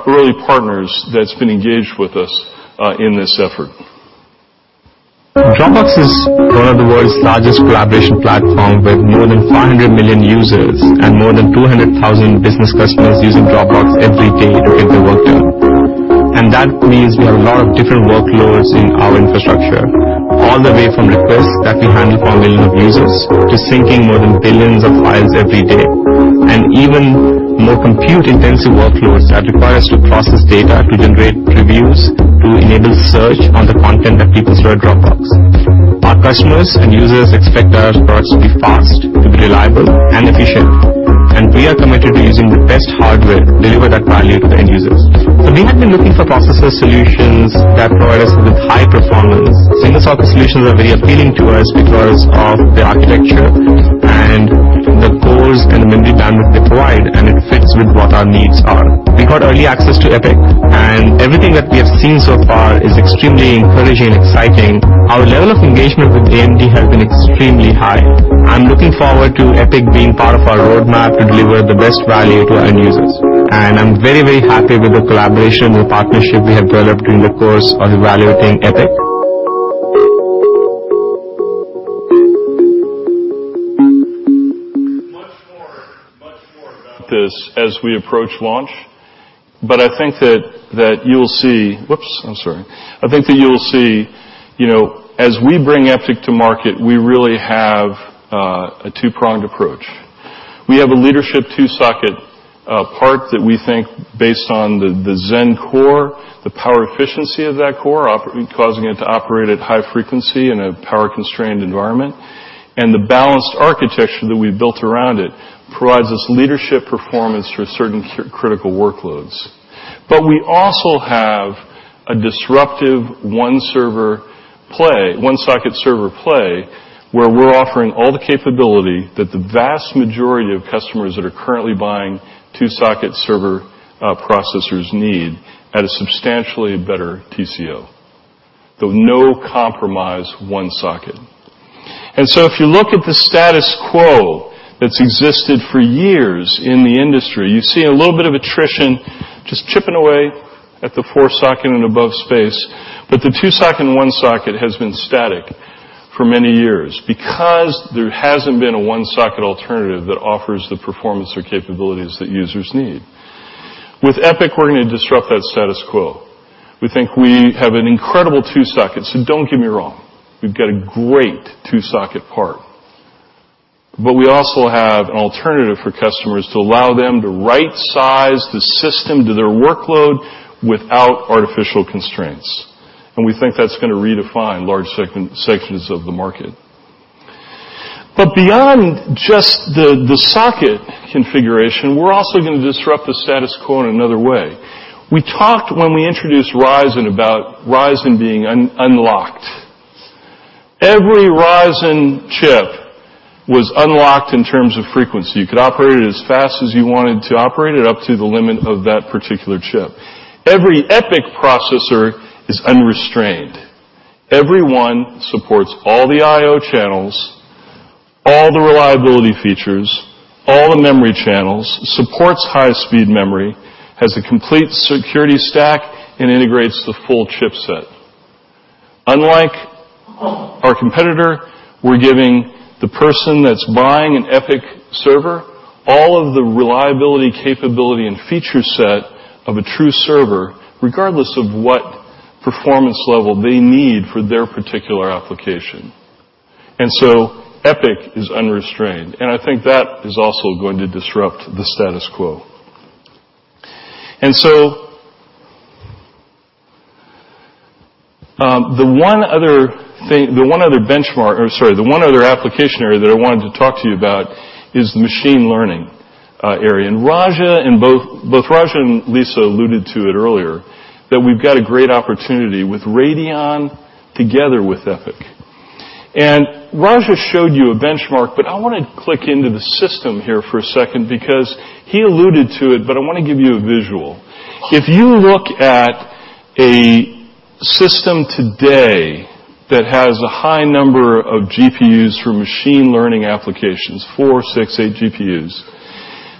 early partners that's been engaged with us in this effort. Dropbox is one of the world's largest collaboration platforms, with more than 500 million users and more than 200,000 business customers using Dropbox every day to get their work done. That means we have a lot of different workloads in our infrastructure, all the way from requests that we handle from millions of users to syncing more than billions of files every day. Even more compute-intensive workloads that require us to process data to generate previews, to enable search on the content that people store in Dropbox. Our customers and users expect our products to be fast, to be reliable, and efficient. We are committed to using the best hardware to deliver that value to the end users. We have been looking for processor solutions that provide us with high performance. Single-socket solutions are very appealing to us because of the architecture and the cores and the memory bandwidth they provide, and it fits with what our needs are. We got early access to EPYC, everything that we have seen so far is extremely encouraging and exciting. Our level of engagement with AMD has been extremely high. I'm looking forward to EPYC being part of our roadmap to deliver the best value to our end users. I'm very happy with the collaboration and partnership we have developed during the course of evaluating EPYC. Much more about this as we approach launch, I think that you'll see, as we bring EPYC to market, we really have a two-pronged approach. We have a leadership two-socket part that we think based on the Zen core, the power efficiency of that core, causing it to operate at high frequency in a power-constrained environment, and the balanced architecture that we've built around it provides us leadership performance for certain critical workloads. We also have a disruptive one-socket server play where we're offering all the capability that the vast majority of customers that are currently buying two-socket server processors need at a substantially better TCO. The no compromise one-socket. If you look at the status quo that's existed for years in the industry, you see a little bit of attrition just chipping away at the four-socket and above space. The two-socket and one-socket has been static for many years because there hasn't been a one-socket alternative that offers the performance or capabilities that users need. With EPYC, we're going to disrupt that status quo. We think we have an incredible two-socket. Don't get me wrong, we've got a great two-socket part. We also have an alternative for customers to allow them to right-size the system to their workload without artificial constraints. We think that's going to redefine large sections of the market. Beyond just the socket configuration, we're also going to disrupt the status quo in another way. We talked when we introduced Ryzen about Ryzen being unlocked. Every Ryzen chip was unlocked in terms of frequency. You could operate it as fast as you wanted to operate it, up to the limit of that particular chip. Every EPYC processor is unrestrained. Every one supports all the I/O channels, all the reliability features, all the memory channels, supports high-speed memory, has a complete security stack, and integrates the full chipset. Unlike our competitor, we're giving the person that's buying an EPYC server all of the reliability, capability, and feature set of a true server, regardless of what performance level they need for their particular application. EPYC is unrestrained, and I think that is also going to disrupt the status quo. The one other application area that I wanted to talk to you about is the machine learning area. Both Raja and Lisa alluded to it earlier, that we've got a great opportunity with Radeon together with EPYC. Raja showed you a benchmark, but I want to click into the system here for a second because he alluded to it, but I want to give you a visual. If you look at a system today that has a high number of GPUs for machine learning applications, four, six, eight GPUs,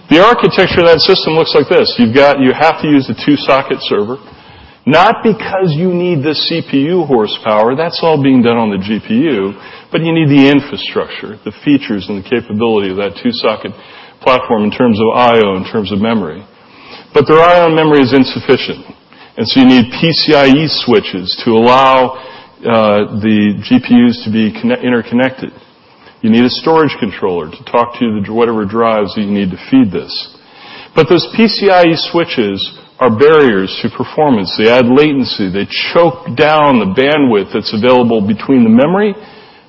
the architecture of that system looks like this. You have to use the two-socket server, not because you need the CPU horsepower, that's all being done on the GPU, but you need the infrastructure, the features, and the capability of that two-socket platform in terms of I/O, in terms of memory. Their I/O memory is insufficient, and so you need PCIe switches to allow the GPUs to be interconnected. You need a storage controller to talk to whatever drives that you need to feed this. Those PCIe switches are barriers to performance. They add latency. They choke down the bandwidth that is available between the memory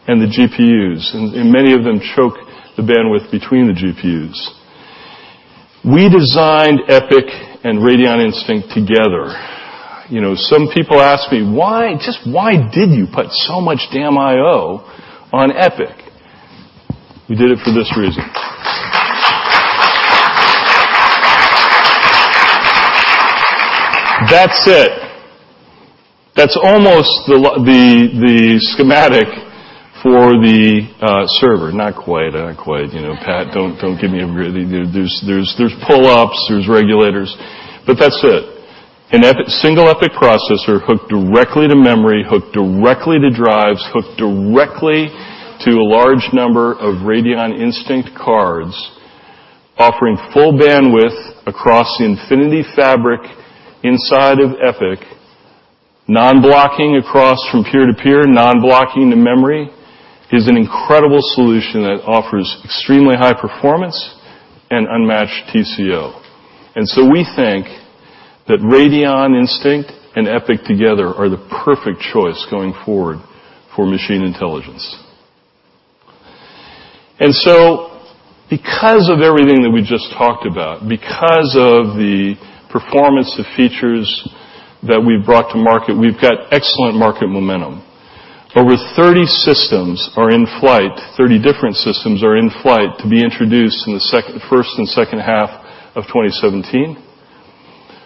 and the GPUs, and many of them choke the bandwidth between the GPUs. We designed EPYC and Radeon Instinct together. Some people ask me, "Why? Just why did you put so much damn I/O on EPYC?" We did it for this reason. That is it. That is almost the schematic for the server. Not quite. Pat, don't give me a. There is pull-ups, there is regulators, but that is it. A single EPYC processor hooked directly to memory, hooked directly to drives, hooked directly to a large number of Radeon Instinct cards, offering full bandwidth across the Infinity Fabric inside of EPYC, non-blocking across from peer to peer, non-blocking to memory, is an incredible solution that offers extremely high performance and unmatched TCO. We think that Radeon Instinct and EPYC together are the perfect choice going forward for machine intelligence. Because of everything that we just talked about, because of the performance, the features that we have brought to market, we have got excellent market momentum. Over 30 systems are in flight, 30 different systems are in flight to be introduced in the first and second half of 2017.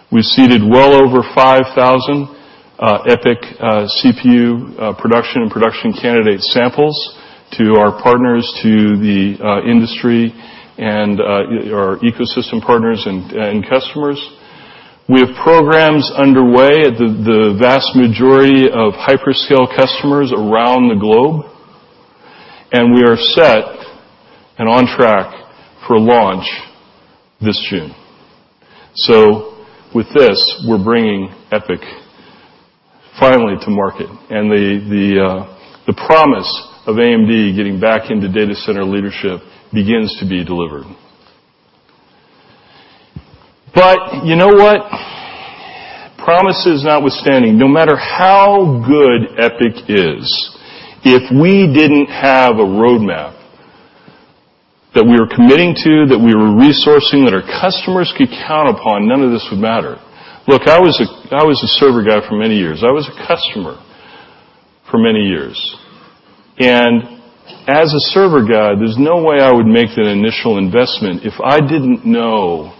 We have seeded well over 5,000 EPYC CPU production and production candidate samples to our partners, to the industry, and our ecosystem partners and customers. We have programs underway at the vast majority of hyperscale customers around the globe, and we are set and on track for launch this June. With this, we are bringing EPYC finally to market, and the promise of AMD getting back into data center leadership begins to be delivered. You know what? Promises notwithstanding, no matter how good EPYC is, if we didn't have a roadmap that we were committing to, that we were resourcing, that our customers could count upon, none of this would matter. Look, I was a server guy for many years. I was a customer for many years. As a server guy, there is no way I would make that initial investment if I didn't know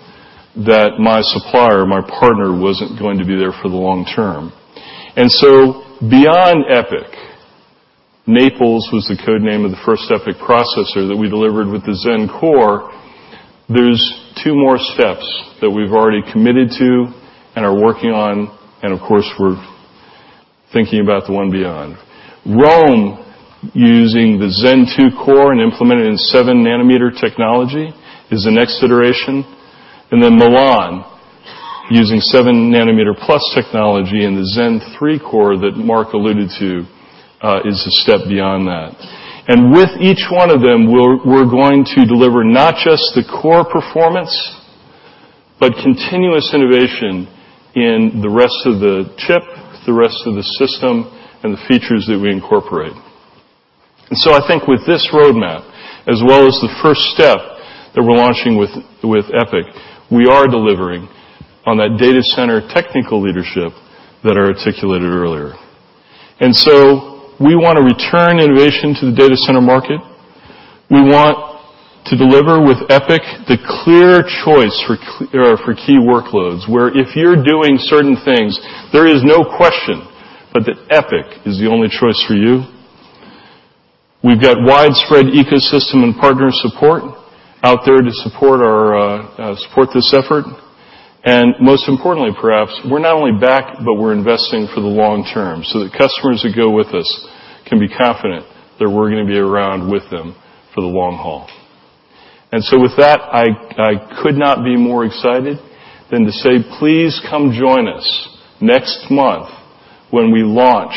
that my supplier, my partner, wasn't going to be there for the long term. Beyond EPYC, Naples was the code name of the first EPYC processor that we delivered with the Zen core. There are two more steps that we have already committed to and are working on, and of course, we are thinking about the one beyond. Rome, using the Zen 2 core and implemented in 7nm technology, is the next iteration. Milan, using 7nm+ technology and the Zen 3 core that Mark alluded to, is a step beyond that. With each one of them, we are going to deliver not just the core performance, but continuous innovation in the rest of the chip, the rest of the system, and the features that we incorporate. I think with this roadmap, as well as the first step that we are launching with EPYC, we are delivering on that data center technical leadership that I articulated earlier. We want to return innovation to the data center market. We want to deliver with EPYC the clear choice for key workloads, where if you're doing certain things, there is no question but that EPYC is the only choice for you. We've got widespread ecosystem and partner support out there to support this effort. Most importantly, perhaps, we're not only back, but we're investing for the long term so that customers who go with us can be confident that we're going to be around with them for the long haul. With that, I could not be more excited than to say, please come join us next month when we launch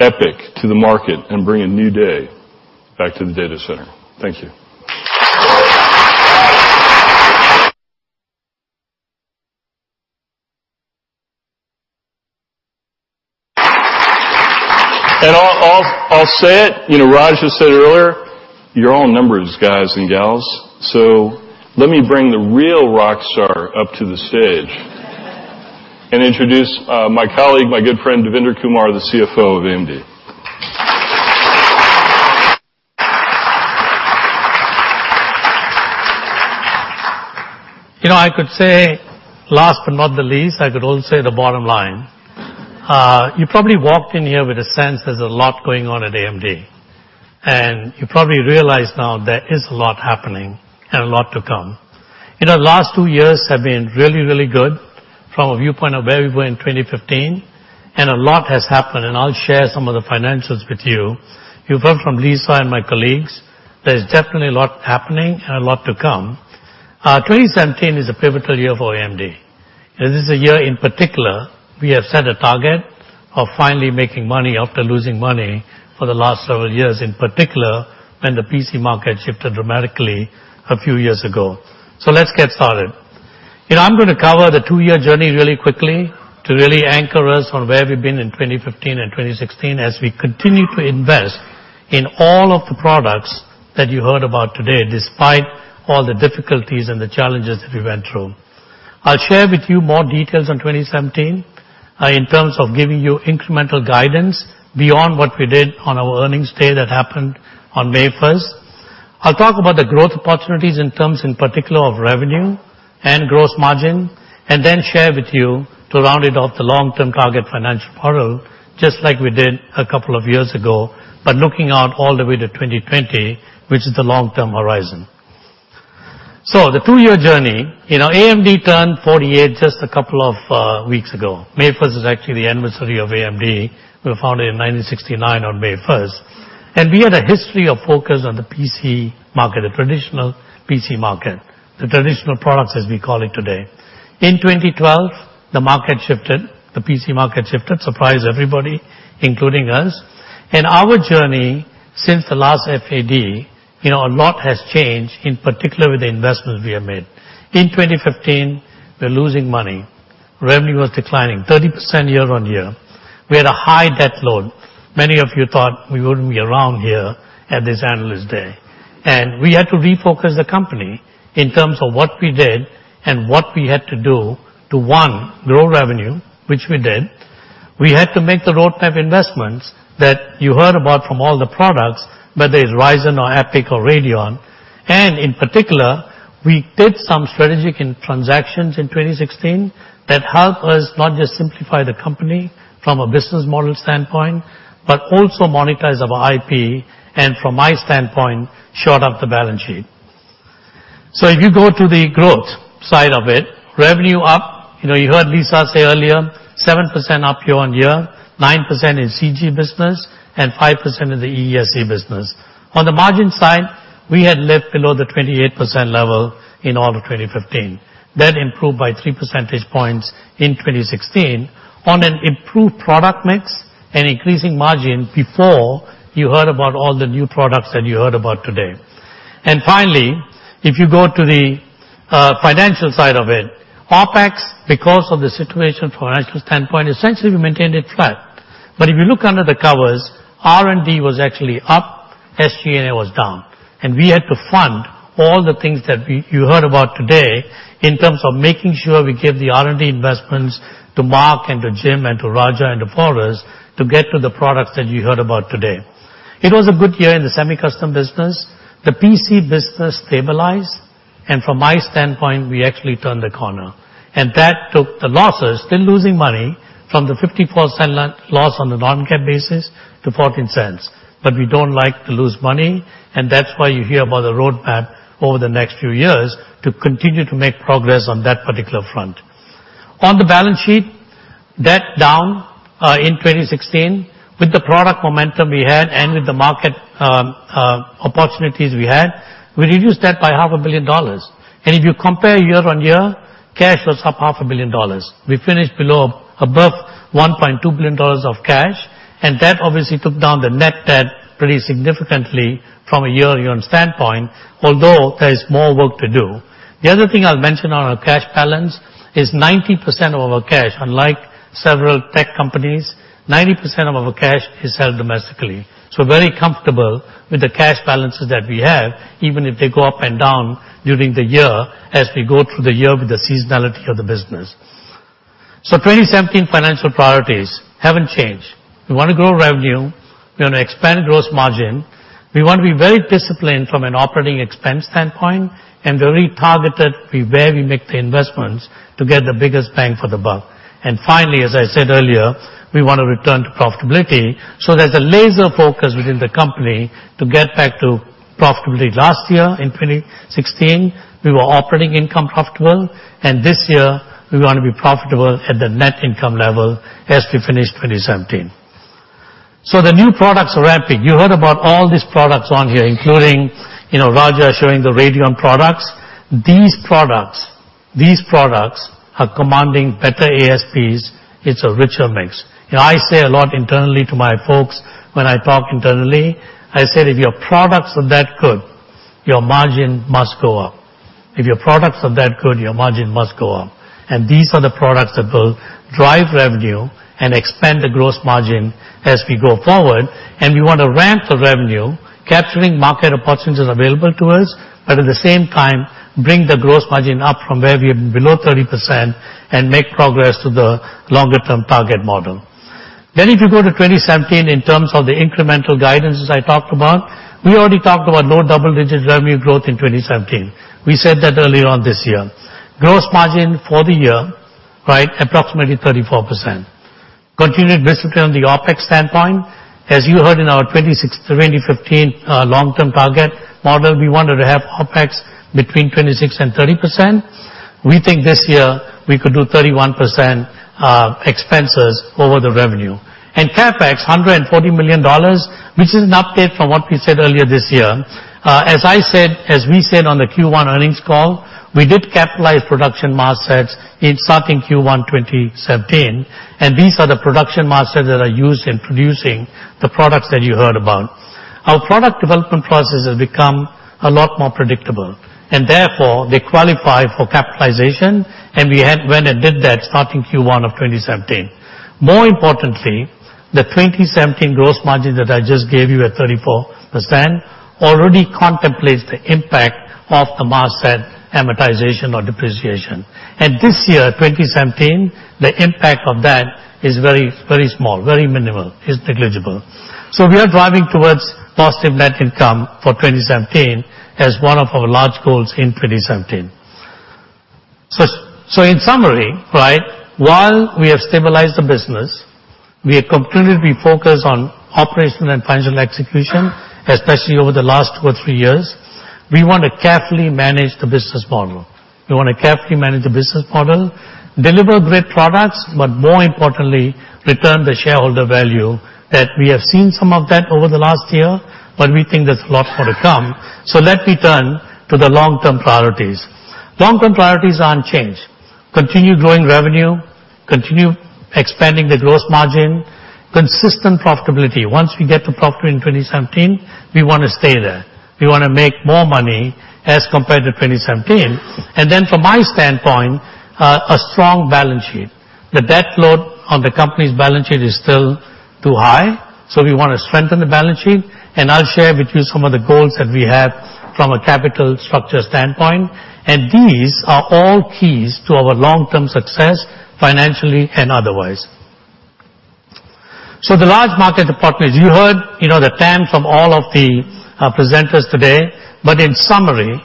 EPYC to the market and bring a new day back to the data center. Thank you. I'll say it. You know Raja said earlier, you're all numbers guys and gals. Let me bring the real rock star up to the stage. Introduce my colleague, my good friend, Devinder Kumar, the CFO of AMD. I could say last but not the least, I could also say the bottom line. You probably walked in here with a sense there's a lot going on at AMD, and you probably realize now there is a lot happening and a lot to come. The last two years have been really good from a viewpoint of where we were in 2015, and a lot has happened, and I'll share some of the financials with you. You've heard from Lisa and my colleagues. There's definitely a lot happening and a lot to come. 2017 is a pivotal year for AMD, and this is a year in particular, we have set a target of finally making money after losing money for the last several years. In particular, when the PC market shifted dramatically a few years ago. Let's get started. I'm going to cover the two-year journey really quickly to really anchor us on where we've been in 2015 and 2016 as we continue to invest in all of the products that you heard about today, despite all the difficulties and the challenges that we went through. I'll share with you more details on 2017, in terms of giving you incremental guidance beyond what we did on our earnings day that happened on May 1st. I'll talk about the growth opportunities in terms in particular of revenue and gross margin, then share with you to round it off the long-term target financial model, just like we did a couple of years ago, but looking out all the way to 2020, which is the long-term horizon. The two-year journey. AMD turned 48 just a couple of weeks ago. May 1st is actually the anniversary of AMD. We were founded in 1969 on May 1st. We had a history of focus on the PC market, the traditional PC market, the traditional products as we call it today. In 2012, the market shifted, the PC market shifted, surprised everybody, including us. Our journey since the last FAD, a lot has changed, in particular with the investments we have made. In 2015, we are losing money. Revenue was declining 30% year-over-year. We had a high debt load. Many of you thought we wouldn't be around here at this Analyst Day. We had to refocus the company in terms of what we did and what we had to do to, one, grow revenue, which we did. We had to make the roadmap investments that you heard about from all the products, whether it is Ryzen or EPYC or Radeon. In particular, we did some strategic transactions in 2016 that help us not just simplify the company from a business model standpoint, but also monetize our IP, and from my standpoint, shore up the balance sheet. If you go to the growth side of it, revenue up, you heard Lisa say earlier, 7% up year-over-year, 9% in CG business and 5% in the EESC business. On the margin side, we had lived below the 28% level in all of 2015. That improved by three percentage points in 2016 on an improved product mix and increasing margin before you heard about all the new products that you heard about today. Finally, if you go to the financial side of it, OpEx, because of the situation from a financial standpoint, essentially, we maintained it flat. If you look under the covers, R&D was actually up, SG&A was down. We had to fund all the things that you heard about today in terms of making sure we give the R&D investments to Mark and to Jim and to Raja and to Forrest to get to the products that you heard about today. It was a good year in the semi-custom business. The PC business stabilized, and from my standpoint, we actually turned a corner. That took the losses, still losing money from the $0.54 loss on a non-GAAP basis to $0.14. We don't like to lose money, and that is why you hear about the roadmap over the next few years to continue to make progress on that particular front. On the balance sheet, debt down. In 2016 with the product momentum we had and with the market opportunities we had, we reduced that by half a billion dollars. If you compare year-over-year, cash was up half a billion dollars. We finished above $1.2 billion of cash, and that obviously took down the net debt pretty significantly from a year-over-year standpoint, although there is more work to do. The other thing I will mention on our cash balance is 90% of our cash, unlike several tech companies, 90% of our cash is held domestically. Very comfortable with the cash balances that we have, even if they go up and down during the year as we go through the year with the seasonality of the business. 2017 financial priorities haven't changed. We want to grow revenue. We want to expand gross margin. We want to be very disciplined from an operating expense standpoint, and very targeted with where we make the investments to get the biggest bang for the buck. Finally, as I said earlier, we want to return to profitability. There's a laser focus within the company to get back to profitability. Last year, in 2016, we were operating income profitable, and this year we want to be profitable at the net income level as we finish 2017. The new products ramping. You heard about all these products on here, including Raja showing the Radeon products. These products are commanding better ASPs. It's a richer mix. I say a lot internally to my folks, when I talk internally, I said, "If your products are that good, your margin must go up. If your products are that good, your margin must go up." These are the products that will drive revenue and expand the gross margin as we go forward. We want to ramp the revenue, capturing market opportunities available to us, but at the same time, bring the gross margin up from where we are below 30% and make progress to the longer-term target model. If you go to 2017 in terms of the incremental guidances I talked about, we already talked about low double-digit revenue growth in 2017. We said that earlier on this year. Gross margin for the year, approximately 34%. Continued discipline on the OpEx standpoint. As you heard in our 2015 long-term target model, we wanted to have OpEx between 26% and 30%. We think this year we could do 31% expenses over the revenue. CapEx, $140 million, which is an update from what we said earlier this year. As we said on the Q1 earnings call, we did capitalize production mask sets starting Q1 2017, and these are the production mask sets that are used in producing the products that you heard about. Our product development process has become a lot more predictable, and therefore, they qualify for capitalization, and we went and did that starting Q1 of 2017. More importantly, the 2017 gross margin that I just gave you at 34% already contemplates the impact of the mask set amortization or depreciation. This year, 2017, the impact of that is very small, very minimal. It's negligible. We are driving towards positive net income for 2017 as one of our large goals in 2017. In summary, while we have stabilized the business, we have continually focused on operational and financial execution, especially over the last two or three years. We want to carefully manage the business model, deliver great products, but more importantly, return the shareholder value that we have seen some of that over the last year, but we think there's a lot more to come. Let me turn to the long-term priorities. Long-term priorities are unchanged. Continue growing revenue, continue expanding the gross margin, consistent profitability. Once we get to profit in 2017, we want to stay there. We want to make more money as compared to 2017. From my standpoint, a strong balance sheet. The debt load on the company's balance sheet is still too high, we want to strengthen the balance sheet, and I'll share with you some of the goals that we have from a capital structure standpoint. These are all keys to our long-term success, financially and otherwise. The large market opportunities. You heard the TAM from all of the presenters today. In summary,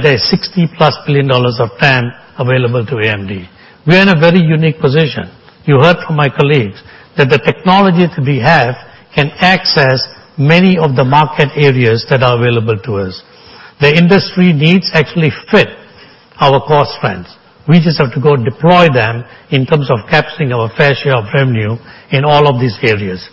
there's $60-plus billion of TAM available to AMD. We are in a very unique position. You heard from my colleagues that the technology that we have can access many of the market areas that are available to us. The industry needs actually fit our core strengths. We just have to go deploy them in terms of capturing our fair share of revenue in all of these areas.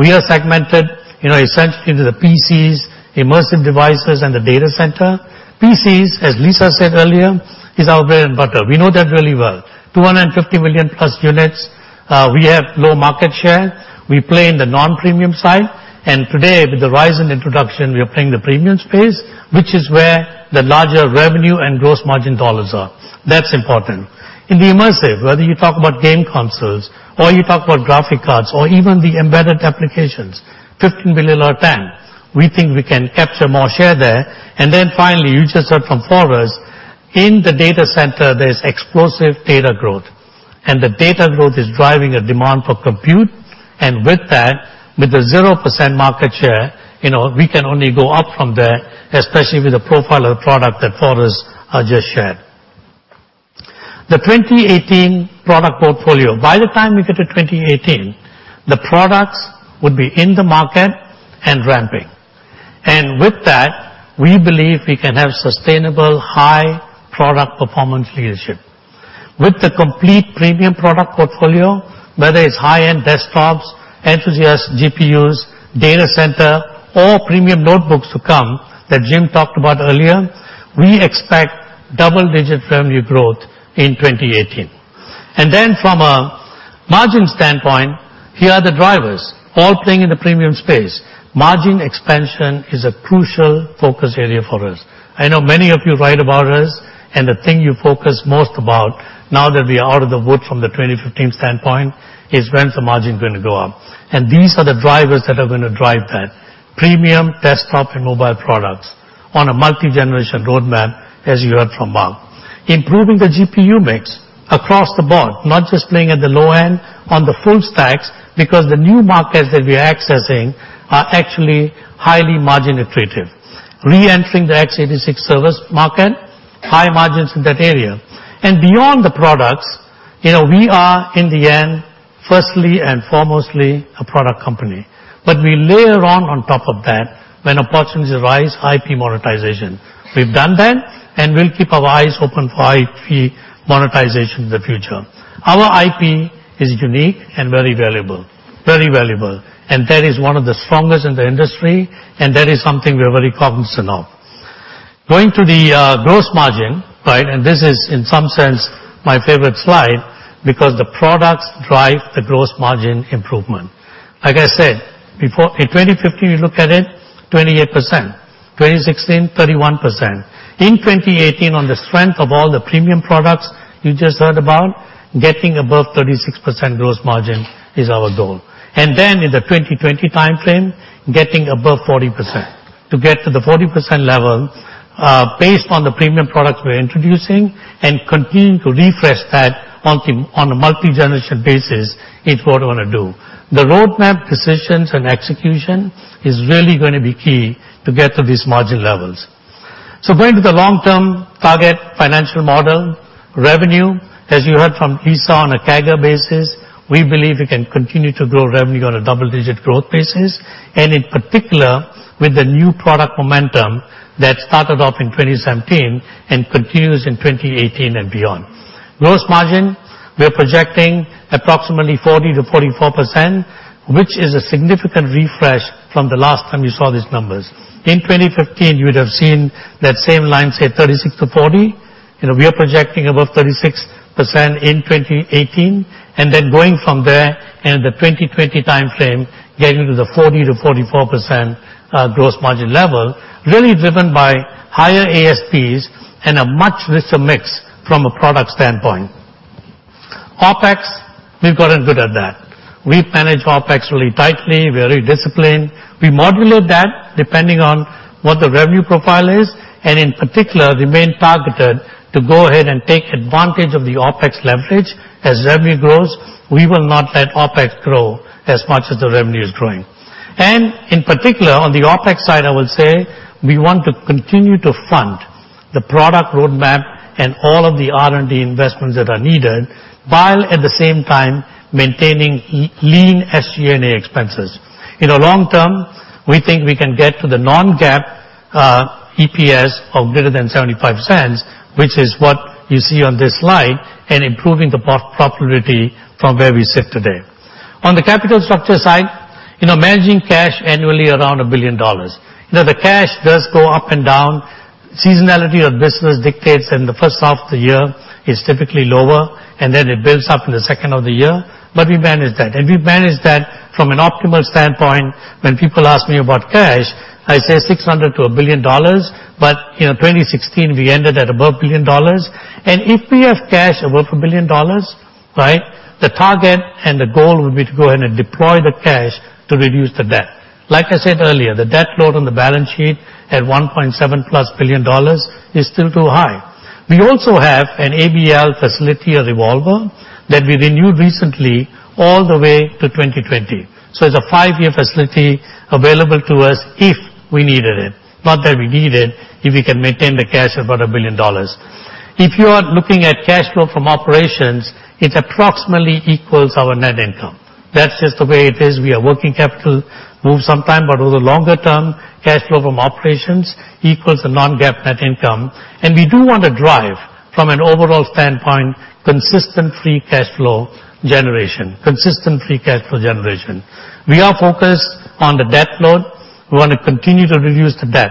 We are segmented, essentially into the PCs, immersive devices, and the data center. PCs, as Lisa said earlier, is our bread and butter. We know that really well. 250 million-plus units. We have low market share. We play in the non-premium side. Today, with the Ryzen introduction, we are playing the premium space, which is where the larger revenue and gross margin dollars are. That's important. In the immersive, whether you talk about game consoles or you talk about graphic cards, or even the embedded applications, $15 billion TAM. We think we can capture more share there. Finally, you just heard from Forrest, in the data center, there's explosive data growth, and the data growth is driving a demand for compute, and with that, with the 0% market share, we can only go up from there, especially with the profile of the product that Forrest just shared. The 2018 product portfolio. By the time we get to 2018, the products would be in the market and ramping. With that, we believe we can have sustainable high product performance leadership. With the complete premium product portfolio, whether it's high-end desktops, enthusiast GPUs, data center, or premium notebooks to come that Jim talked about earlier, we expect double-digit revenue growth in 2018. From a margin standpoint, here are the drivers, all playing in the premium space. Margin expansion is a crucial focus area for us. I know many of you write about us, and the thing you focus most about now that we are out of the wood from the 2015 standpoint, is when's the margin going to go up. These are the drivers that are going to drive that. Premium desktop and mobile products on a multi-generation roadmap, as you heard from Mark. Improving the GPU mix across the board, not just playing at the low end on the full stacks, because the new markets that we're accessing are actually highly margin accretive. Re-entering the x86 server market. High margins in that area. Beyond the products, we are, in the end, firstly and foremostly, a product company. We layer on on top of that when opportunities arise, IP monetization. We've done that, and we'll keep our eyes open for IP monetization in the future. Our IP is unique and very valuable. Very valuable. That is one of the strongest in the industry, and that is something we're very confident of. Going to the gross margin. This is, in some sense, my favorite slide because the products drive the gross margin improvement. Like I said, in 2015, we looked at it, 28%. 2016, 31%. In 2018, on the strength of all the premium products you just heard about, getting above 36% gross margin is our goal. Then in the 2020 timeframe, getting above 40%. To get to the 40% level, based on the premium products we're introducing and continuing to refresh that on a multi-generation basis is what I want to do. The roadmap decisions and execution is really going to be key to get to these margin levels. Going to the long-term target financial model revenue, as you heard from Lisa on a CAGR basis, we believe we can continue to grow revenue on a double-digit growth basis. In particular, with the new product momentum that started off in 2017 and continues in 2018 and beyond. Gross margin, we're projecting approximately 40%-44%, which is a significant refresh from the last time you saw these numbers. In 2015, you would have seen that same line, say, 36%-40%. We are projecting above 36% in 2018. Then going from there in the 2020 timeframe, getting to the 40%-44% gross margin level, really driven by higher ASPs and a much richer mix from a product standpoint. OpEx, we've gotten good at that. We manage OpEx really tightly. We are very disciplined. We modulate that depending on what the revenue profile is, and in particular, remain targeted to go ahead and take advantage of the OpEx leverage. As revenue grows, we will not let OpEx grow as much as the revenue is growing. In particular, on the OpEx side, I will say, we want to continue to fund the product roadmap and all of the R&D investments that are needed, while at the same time maintaining lean SG&A expenses. In the long term, we think we can get to the non-GAAP EPS of greater than $0.75, which is what you see on this slide, and improving the profitability from where we sit today. On the capital structure side, managing cash annually around $1 billion. The cash does go up and down. Seasonality of business dictates in the first half of the year is typically lower, and then it builds up in the second of the year, but we manage that. We manage that from an optimal standpoint. When people ask me about cash, I say $600-$1 billion. In 2016, we ended at above $1 billion. If we have cash above $1 billion, the target and the goal will be to go ahead and deploy the cash to reduce the debt. Like I said earlier, the debt load on the balance sheet at $1.7-plus billion is still too high. We also have an ABL facility, a revolver, that we renewed recently all the way to 2020. It's a five-year facility available to us if we needed it. Not that we need it, if we can maintain the cash above $1 billion. If you are looking at cash flow from operations, it approximately equals our net income. That's just the way it is. We are working capital, move sometime, but over the longer term, cash flow from operations equals the non-GAAP net income. We do want to drive from an overall standpoint, consistent free cash flow generation. We are focused on the debt load. We want to continue to reduce the debt.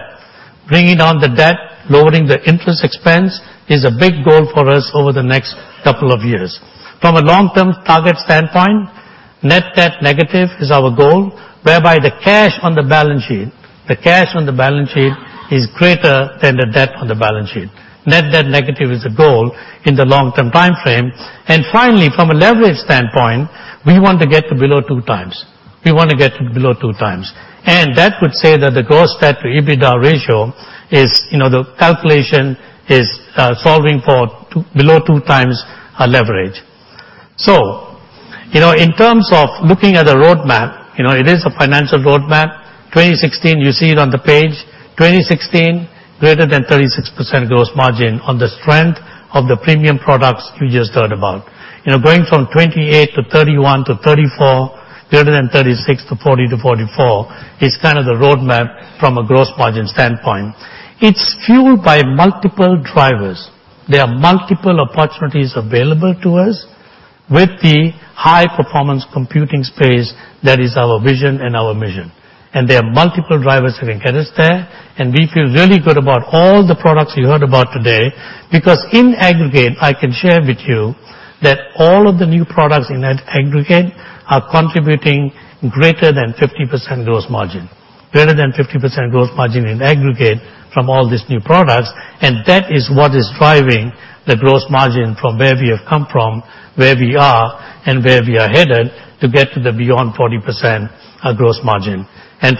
Bringing down the debt, lowering the interest expense is a big goal for us over the next couple of years. From a long-term target standpoint, net debt negative is our goal, whereby the cash on the balance sheet is greater than the debt on the balance sheet. Net debt negative is the goal in the long-term timeframe. Finally, from a leverage standpoint, we want to get to below 2x. That would say that the gross debt to EBITDA ratio is the calculation is solving for below 2x our leverage. In terms of looking at the roadmap, it is a financial roadmap. 2016, you see it on the page. 2018, greater than 36% gross margin on the strength of the premium products you just heard about. Going from 28% to 31% to 34%, greater than 36% to 40% to 44% is kind of the roadmap from a gross margin standpoint. It is fueled by multiple drivers. There are multiple opportunities available to us with the high-performance computing space that is our vision and our mission. There are multiple drivers that can get us there, and we feel really good about all the products you heard about today. In aggregate, I can share with you that all of the new products in net aggregate are contributing greater than 50% gross margin. Greater than 50% gross margin in aggregate from all these new products, and that is what is driving the gross margin from where we have come from, where we are, and where we are headed to get to the beyond 40% gross margin.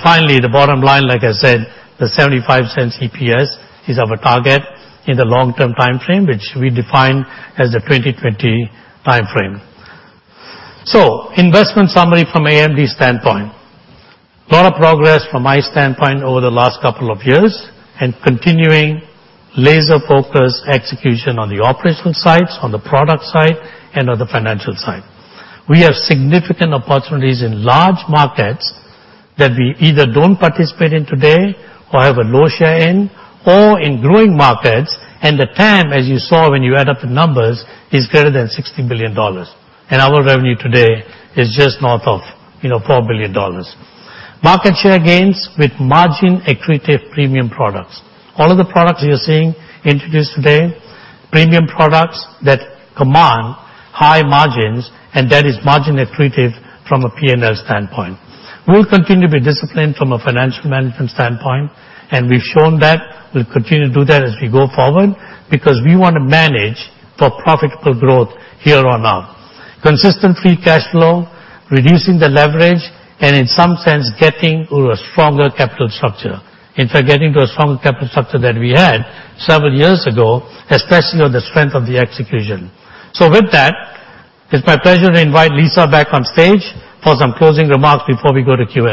Finally, the bottom line, like I said, the $0.75 EPS is our target in the long-term timeframe, which we define as the 2020 timeframe. Investment summary from AMD standpoint. A lot of progress from my standpoint over the last couple of years, and continuing laser-focused execution on the operational sides, on the product side, and on the financial side. We have significant opportunities in large markets that we either don't participate in today or have a low share in, or in growing markets. The TAM, as you saw when you add up the numbers, is greater than $60 billion. Our revenue today is just north of $4 billion. Market share gains with margin-accretive premium products. All of the products you're seeing introduced today, premium products that command high margins, and that is margin accretive from a P&L standpoint. We'll continue to be disciplined from a financial management standpoint, and we've shown that. We'll continue to do that as we go forward because we want to manage for profitable growth here on out. Consistent free cash flow, reducing the leverage, and in some sense, getting to a stronger capital structure. In fact, getting to a stronger capital structure that we had several years ago, a stressing of the strength of the execution. With that, it's my pleasure to invite Lisa back on stage for some closing remarks before we go to Q&A.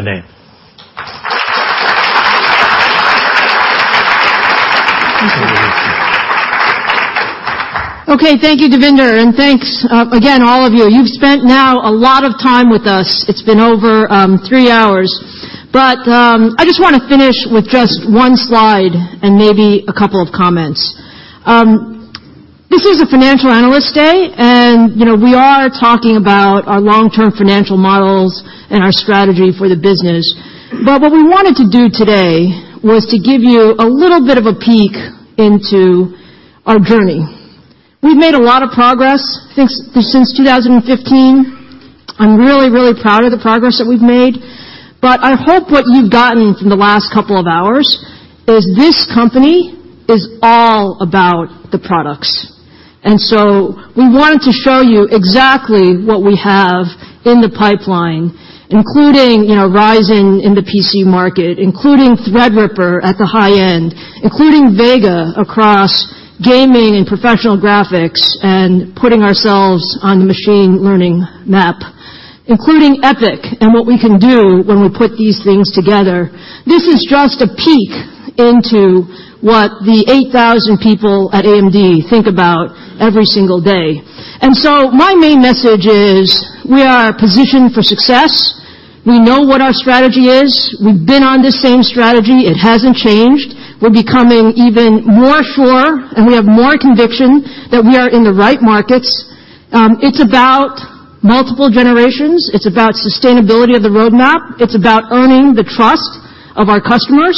Okay. Thank you, Devinder, thanks again, all of you. You've spent now a lot of time with us. It's been over three hours. I just want to finish with just one slide and maybe a couple of comments. This is a financial analyst day, and we are talking about our long-term financial models and our strategy for the business. What we wanted to do today was to give you a little bit of a peek into our journey. We've made a lot of progress since 2015. I'm really proud of the progress that we've made. I hope what you've gotten from the last couple of hours is this company is all about the products. We wanted to show you exactly what we have in the pipeline, including Ryzen in the PC market, including Threadripper at the high end, including Vega across gaming and professional graphics and putting ourselves on the machine learning map, including EPYC and what we can do when we put these things together. This is just a peek into what the 8,000 people at AMD think about every single day. My main message is we are positioned for success. We know what our strategy is. We've been on the same strategy. It hasn't changed. We're becoming even more sure, and we have more conviction that we are in the right markets. It's about multiple generations. It's about sustainability of the roadmap. It's about earning the trust of our customers,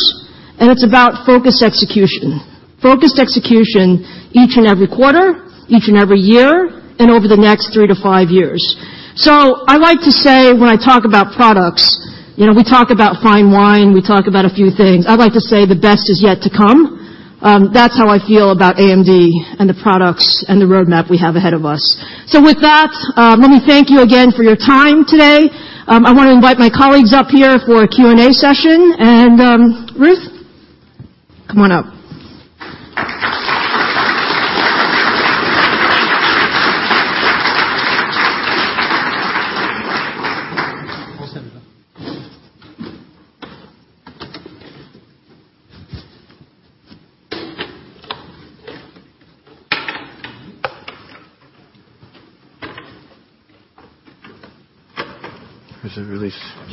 and it's about focused execution. Focused execution each and every quarter, each and every year, and over the next three to five years. I like to say when I talk about products, we talk about Fine Wine, we talk about a few things. I'd like to say the best is yet to come. That's how I feel about AMD and the products and the roadmap we have ahead of us. With that, let me thank you again for your time today. I want to invite my colleagues up here for a Q&A session. Ruth, come on up. We'll send it up. Thank you.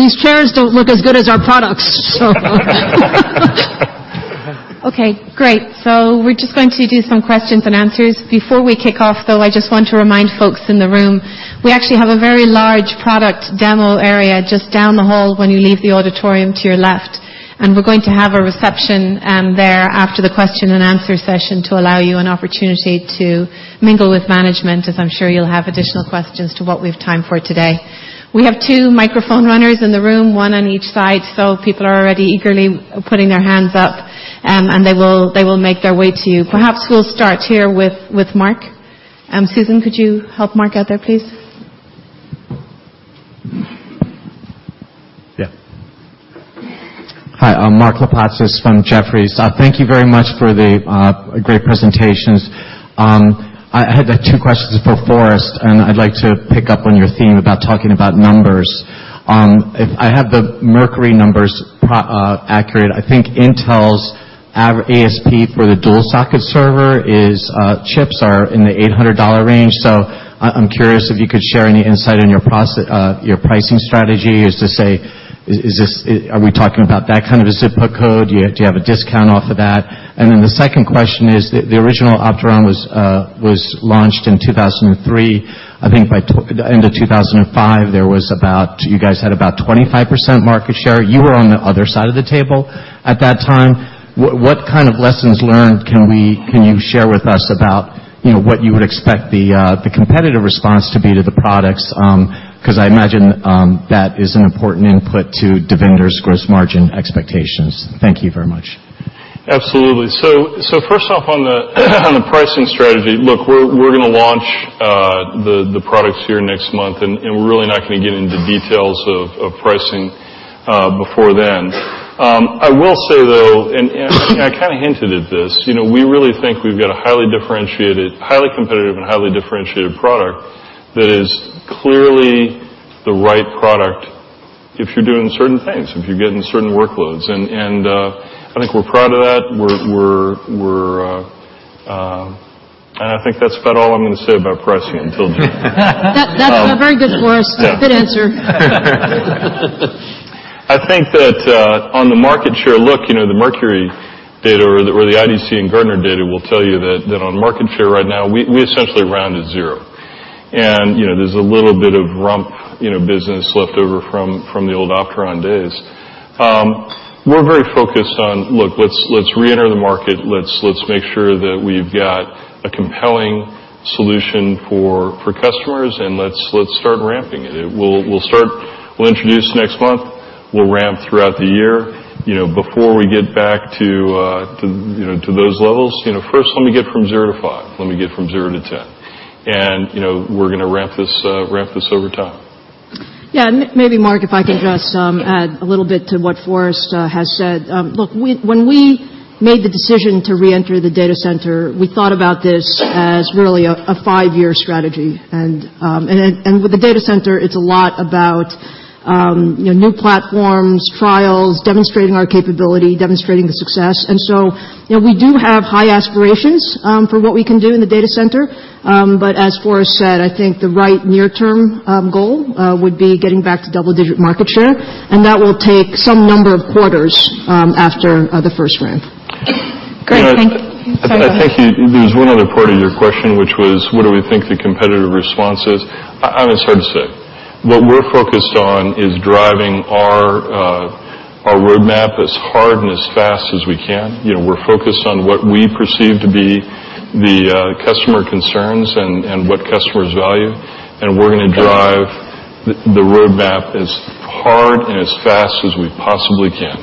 These chairs don't look as good as our products. Okay, great. We're just going to do some questions and answers. Before we kick off, though, I just want to remind folks in the room, we actually have a very large product demo area just down the hall when you leave the auditorium to your left, and we're going to have a reception there after the question and answer session to allow you an opportunity to mingle with management, as I'm sure you'll have additional questions to what we've timed for today. We have two microphone runners in the room, one on each side, people are already eagerly putting their hands up. They will make their way to you. Perhaps we'll start here with Mark. Susan, could you help Mark out there, please? Yeah. Hi. Mark Lipacis from Jefferies. Thank you very much for the great presentations. I had two questions for Forrest, and I'd like to pick up on your theme about talking about numbers. If I have the Mercury numbers accurate, I think Intel's ASP for the dual-socket server chips are in the $800 range. I'm curious if you could share any insight on your pricing strategy. Are we talking about that kind of a zip code? Do you have a discount off of that? Then the second question is, the original Opteron was launched in 2003. I think by end of 2005, you guys had about 25% market share. You were on the other side of the table at that time. What kind of lessons learned can you share with us about what you would expect the competitive response to be to the products? I imagine that is an important input to Devinder's gross margin expectations. Thank you very much. Absolutely. First off, on the pricing strategy, look, we're going to launch the products here next month, we're really not going to get into details of pricing before then. I will say, though, I kind of hinted at this. We really think we've got a highly competitive and highly differentiated product that is clearly the right product if you're doing certain things, if you're getting certain workloads. I think we're proud of that. I think that's about all I'm going to say about pricing until June. That's very good, Forrest. Yeah. Good answer. I think that on the market share look, the Mercury data or the IDC and Gartner data will tell you that on market share right now, we essentially rounded zero. There's a little bit of rump business left over from the old Opteron days. We're very focused on look, let's re-enter the market, let's make sure that we've got a compelling solution for customers, and let's start ramping it. We'll introduce next month, we'll ramp throughout the year. Before we get back to those levels, first let me get from zero to five. Let me get from zero to ten. We're going to ramp this over time. Yeah. Maybe Mark, if I can just add a little bit to what Forrest has said. Look, when we made the decision to re-enter the data center, we thought about this as really a five-year strategy. With the data center, it's a lot about new platforms, trials, demonstrating our capability, demonstrating the success. We do have high aspirations for what we can do in the data center. As Forrest said, I think the right near-term goal would be getting back to double-digit market share, and that will take some number of quarters after the first ramp. Great. Thank you. I think there was one other part of your question, which was, what do we think the competitive response is? It's hard to say. What we're focused on is driving our roadmap as hard and as fast as we can. We're focused on what we perceive to be the customer concerns and what customers value. We're going to drive the roadmap as hard and as fast as we possibly can.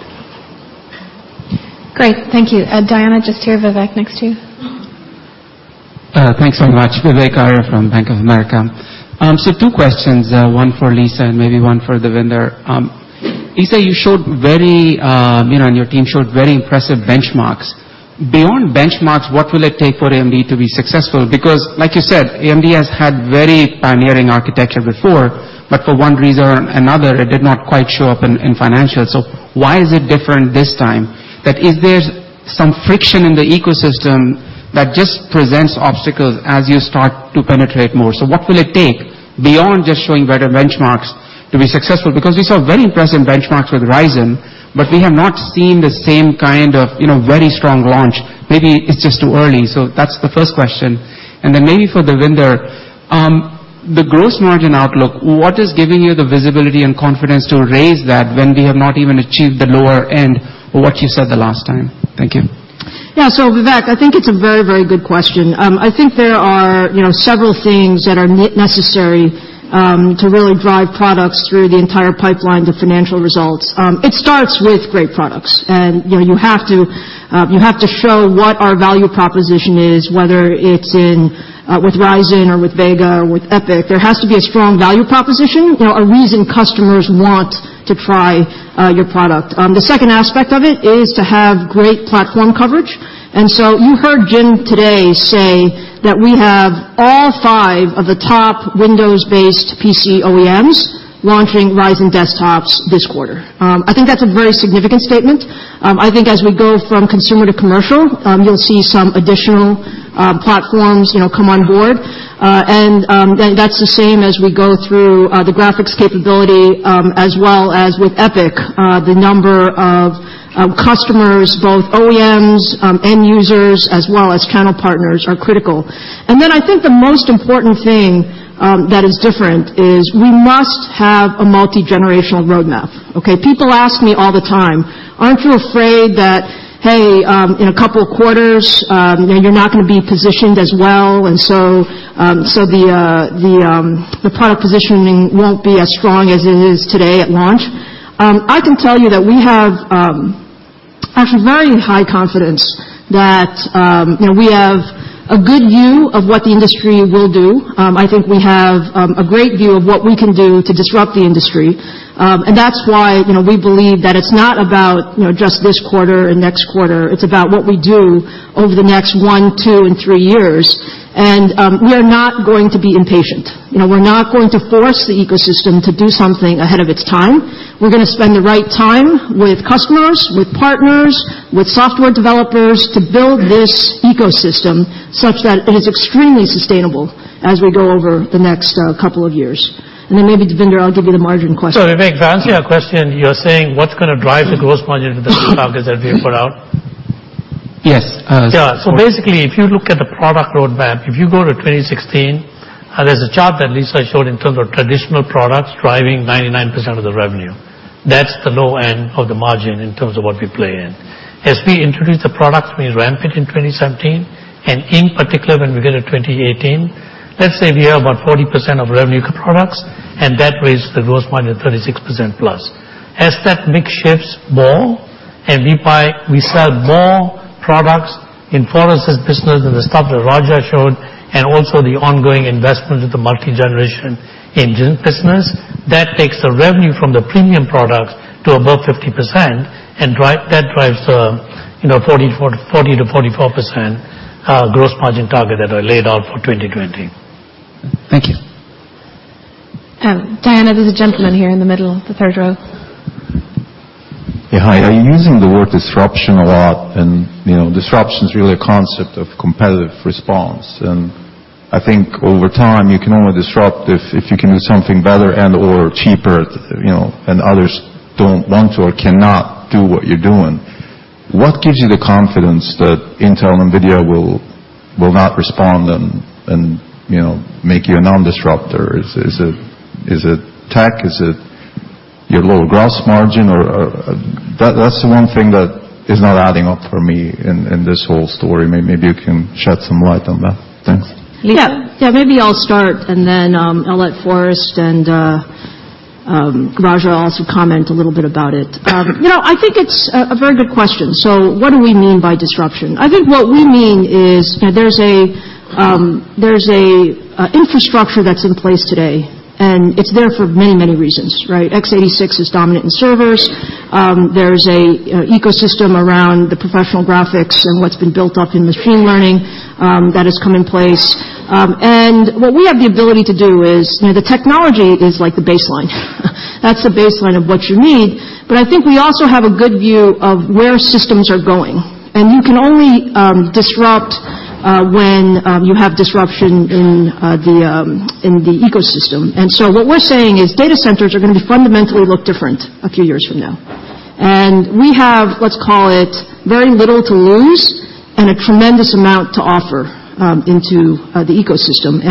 Great, thank you. Diana, just here, Vivek next to you. Thanks so much. Vivek Arya from Bank of America. Two questions, one for Lisa and maybe one for Devinder. Lisa, you and your team showed very impressive benchmarks. Beyond benchmarks, what will it take for AMD to be successful? Because like you said, AMD has had very pioneering architecture before, but for one reason or another, it did not quite show up in financials. Why is it different this time? Is there some friction in the ecosystem that just presents obstacles as you start to penetrate more? What will it take, beyond just showing better benchmarks, to be successful? Because we saw very impressive benchmarks with Ryzen, but we have not seen the same kind of very strong launch. Maybe it's just too early. That's the first question. Maybe for Devinder, the gross margin outlook, what is giving you the visibility and confidence to raise that when we have not even achieved the lower end of what you said the last time? Thank you. Vivek, I think it's a very good question. I think there are several things that are necessary to really drive products through the entire pipeline to financial results. It starts with great products, and you have to show what our value proposition is, whether it's with Ryzen or with Vega or with EPYC. There has to be a strong value proposition, a reason customers want to try your product. The second aspect of it is to have great platform coverage. You heard Jim today say that we have all 5 of the top Windows-based PC OEMs launching Ryzen desktops this quarter. I think that's a very significant statement. I think as we go from consumer to commercial, you'll see some additional platforms come on board. That's the same as we go through the graphics capability, as well as with EPYC. The number of customers, both OEMs, end users, as well as channel partners, are critical. I think the most important thing that is different is we must have a multigenerational roadmap. Okay? People ask me all the time, "Aren't you afraid that, hey, in a couple of quarters, you're not going to be positioned as well, and so the product positioning won't be as strong as it is today at launch?" I can tell you that we have actually very high confidence that we have a good view of what the industry will do. I think we have a great view of what we can do to disrupt the industry. That's why we believe that it's not about just this quarter and next quarter, it's about what we do over the next one, two, and three years. We are not going to be impatient. We're not going to force the ecosystem to do something ahead of its time. We're going to spend the right time with customers, with partners, with software developers to build this ecosystem such that it is extremely sustainable as we go over the next couple of years. Maybe Devinder, I'll give you the margin question. Vivek, to answer your question, you're saying what's going to drive the gross margin to the targets that we put out? Yes. Basically, if you look at the product roadmap, if you go to 2016, there's a chart that Lisa showed in terms of traditional products driving 99% of the revenue. That's the low end of the margin in terms of what we play in. As we introduce the products, we ramp it in 2017, and in particular, when we get to 2018. Let's say we have about 40% of revenue products, and that raises the gross margin 36%-plus. As that mix shifts more and we sell more products in Forrest's business and the stuff that Raja showed, and also the ongoing investment of the multi-generation engine business, that takes the revenue from the premium products to above 50%, and that drives the 40%-44% gross margin target that I laid out for 2020. Thank you. Diana, there's a gentleman here in the middle of the third row. Yeah. Hi. You're using the word disruption a lot, disruption is really a concept of competitive response. I think over time, you can only disrupt if you can do something better and/or cheaper, and others don't want to or cannot do what you're doing. What gives you the confidence that Intel and NVIDIA will not respond and make you a non-disruptor? Is it tech? Is it your low gross margin or? That's the one thing that is not adding up for me in this whole story. Maybe you can shed some light on that. Thanks. Lisa? Yeah. Maybe I'll start, and then I'll let Forrest and Raja also comment a little bit about it. I think it's a very good question. What do we mean by disruption? I think what we mean is there's a infrastructure that's in place today, and it's there for many, many reasons, right? X86 is dominant in servers. There's a ecosystem around the professional graphics and what's been built up in machine learning that has come in place. What we have the ability to do is, the technology is like the baseline. That's the baseline of what you need. I think we also have a good view of where systems are going. You can only disrupt when you have disruption in the ecosystem. What we're saying is data centers are going to fundamentally look different a few years from now. We have, let's call it, very little to lose and a tremendous amount to offer into the ecosystem.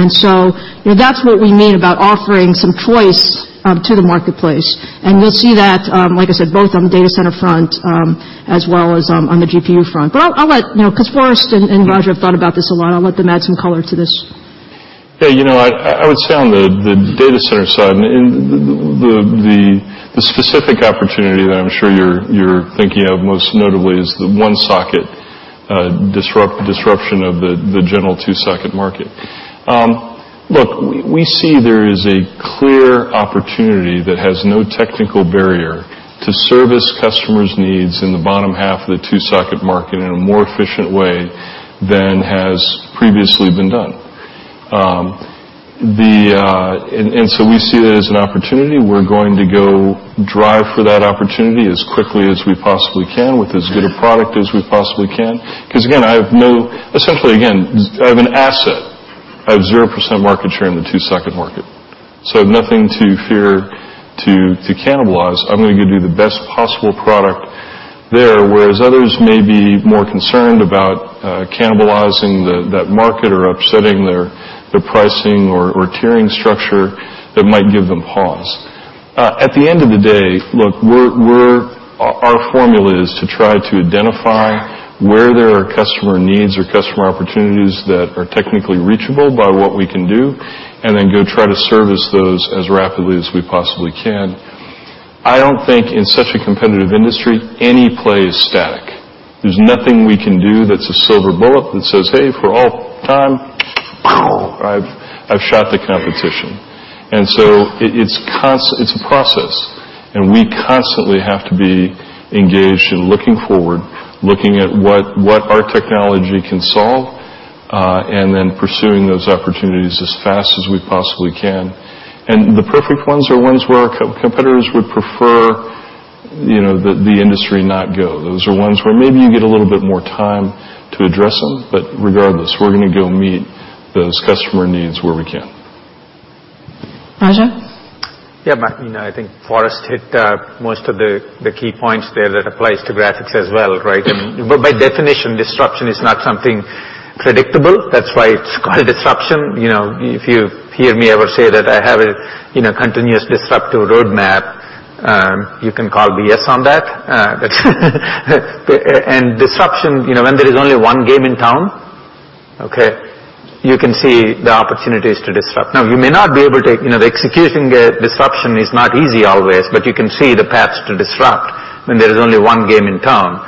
That's what we mean about offering some choice to the marketplace. You'll see that, like I said, both on the data center front, as well as on the GPU front. I'll let, because Forrest and Raja have thought about this a lot, I'll let them add some color to this. Yeah. I would say on the data center side, the specific opportunity that I'm sure you're thinking of most notably is the one-socket disruption of the general two-socket market. Look, we see there is a clear opportunity that has no technical barrier to service customers' needs in the bottom half of the two-socket market in a more efficient way than has previously been done. We see that as an opportunity. We're going to go drive for that opportunity as quickly as we possibly can with as good a product as we possibly can. Because again, Essentially, again, I have an asset. I have 0% market share in the two-socket market, so nothing to fear to cannibalize. I'm going to give you the best possible product there, whereas others may be more concerned about cannibalizing that market or upsetting their pricing or tiering structure that might give them pause. At the end of the day, look, our formula is to try to identify where there are customer needs or customer opportunities that are technically reachable by what we can do, and then go try to service those as rapidly as we possibly can. I don't think in such a competitive industry, any play is static. There's nothing we can do that's a silver bullet that says, "Hey, for all time, I've shot the competition." It's a process, and we constantly have to be engaged in looking forward, looking at what our technology can solve, and then pursuing those opportunities as fast as we possibly can. The perfect ones are ones where our competitors would prefer the industry not go. Those are ones where maybe you get a little bit more time to address them. Regardless, we're going to go meet those customer needs where we can. Raja? Yeah. I think Forrest hit most of the key points there that applies to graphics as well, right? By definition, disruption is not something predictable. That's why it's called a disruption. If you hear me ever say that I have a continuous disruptive roadmap, you can call BS on that. Disruption, when there is only one game in town, okay, you can see the opportunities to disrupt. Executing a disruption is not easy always, but you can see the paths to disrupt when there is only one game in town,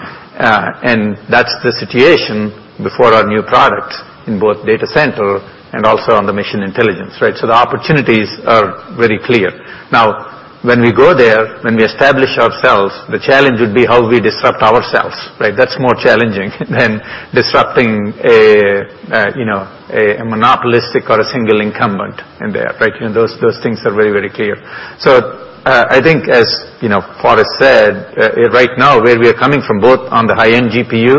and that's the situation before our new product in both data center and also on the machine intelligence, right? The opportunities are very clear. Now, when we go there, when we establish ourselves, the challenge would be how we disrupt ourselves, right? That's more challenging than disrupting a monopolistic or a single incumbent in there, right? Those things are very, very clear. I think as Forrest said, right now, where we are coming from, both on the high-end GPU,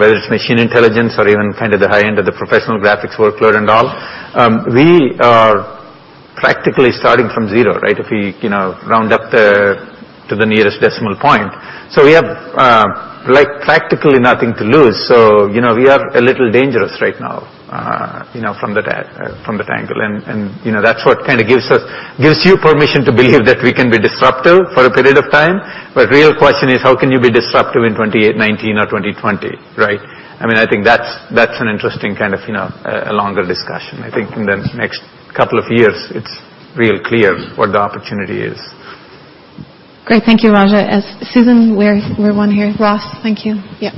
whether it's machine intelligence or even kind of the high end of the professional graphics workload and all, we are practically starting from zero, right? If we round up to the nearest decimal point. We have practically nothing to lose. We are a little dangerous right now from that angle. That's what kind of gives you permission to believe that we can be disruptive for a period of time. The real question is, how can you be disruptive in 2019 or 2020, right? I think that's an interesting kind of a longer discussion. I think in the next couple of years, it's real clear what the opportunity is. Great. Thank you, Raja. Susan, we're one here. Ross. Thank you. Yeah.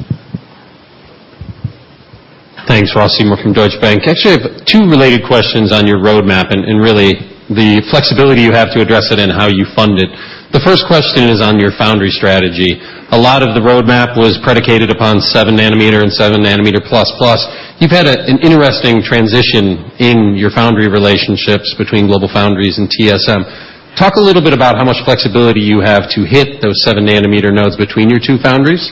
Thanks. Ross Seymore from Deutsche Bank. I actually have two related questions on your roadmap and really the flexibility you have to address it and how you fund it. The first question is on your foundry strategy. A lot of the roadmap was predicated upon seven nanometer and seven nanometer plus plus. You've had an interesting transition in your foundry relationships between GlobalFoundries and TSMC. Talk a little bit about how much flexibility you have to hit those seven nanometer nodes between your two foundries.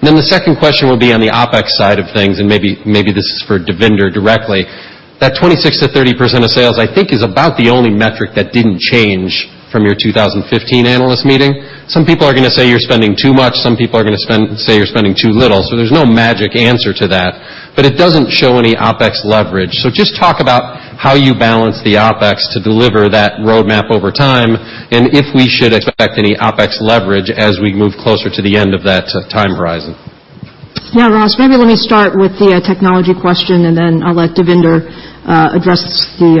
The second question will be on the OpEx side of things, and maybe this is for Devinder directly. That 26%-30% of sales, I think is about the only metric that didn't change from your 2015 analyst meeting. Some people are going to say you're spending too much, some people are going to say you're spending too little. There's no magic answer to that, but it doesn't show any OpEx leverage. Just talk about how you balance the OpEx to deliver that roadmap over time, and if we should expect any OpEx leverage as we move closer to the end of that time horizon. Yeah, Ross, let me start with the technology question, then I'll let Devinder address the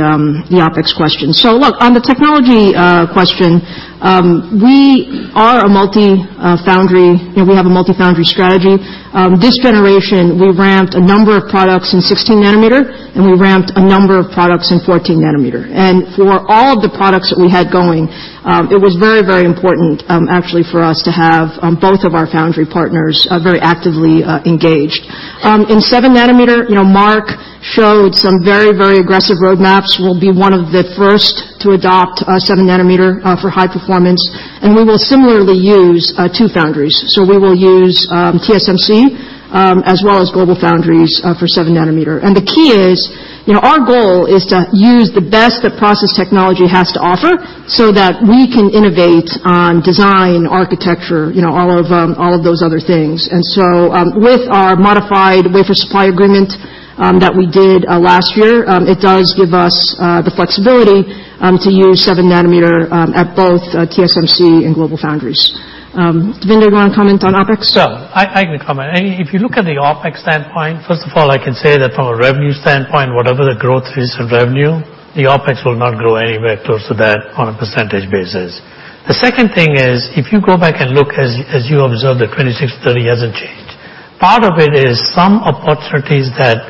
OpEx question. Look, on the technology question, we have a multi-foundry strategy. This generation, we ramped a number of products in 16 nanometer, and we ramped a number of products in 14 nanometer. For all of the products that we had going, it was very, very important actually for us to have both of our foundry partners very actively engaged. In seven nanometer, Mark showed some very, very aggressive roadmaps. We'll be one of the first to adopt seven nanometer for high performance, and we will similarly use two foundries. We will use TSMC as well as GlobalFoundries for seven nanometer. The key is, our goal is to use the best that process technology has to offer so that we can innovate on design, architecture, all of those other things. With our modified wafer supply agreement that we did last year, it does give us the flexibility to use seven nanometer at both TSMC and GlobalFoundries. Devinder, you want to comment on OpEx? Sure. I can comment. If you look at the OpEx standpoint, first of all, I can say that from a revenue standpoint, whatever the growth is of revenue, the OpEx will not grow anywhere close to that on a percentage basis. The second thing is, if you go back and look as you observed the 26-30 hasn't changed. Part of it is some opportunities that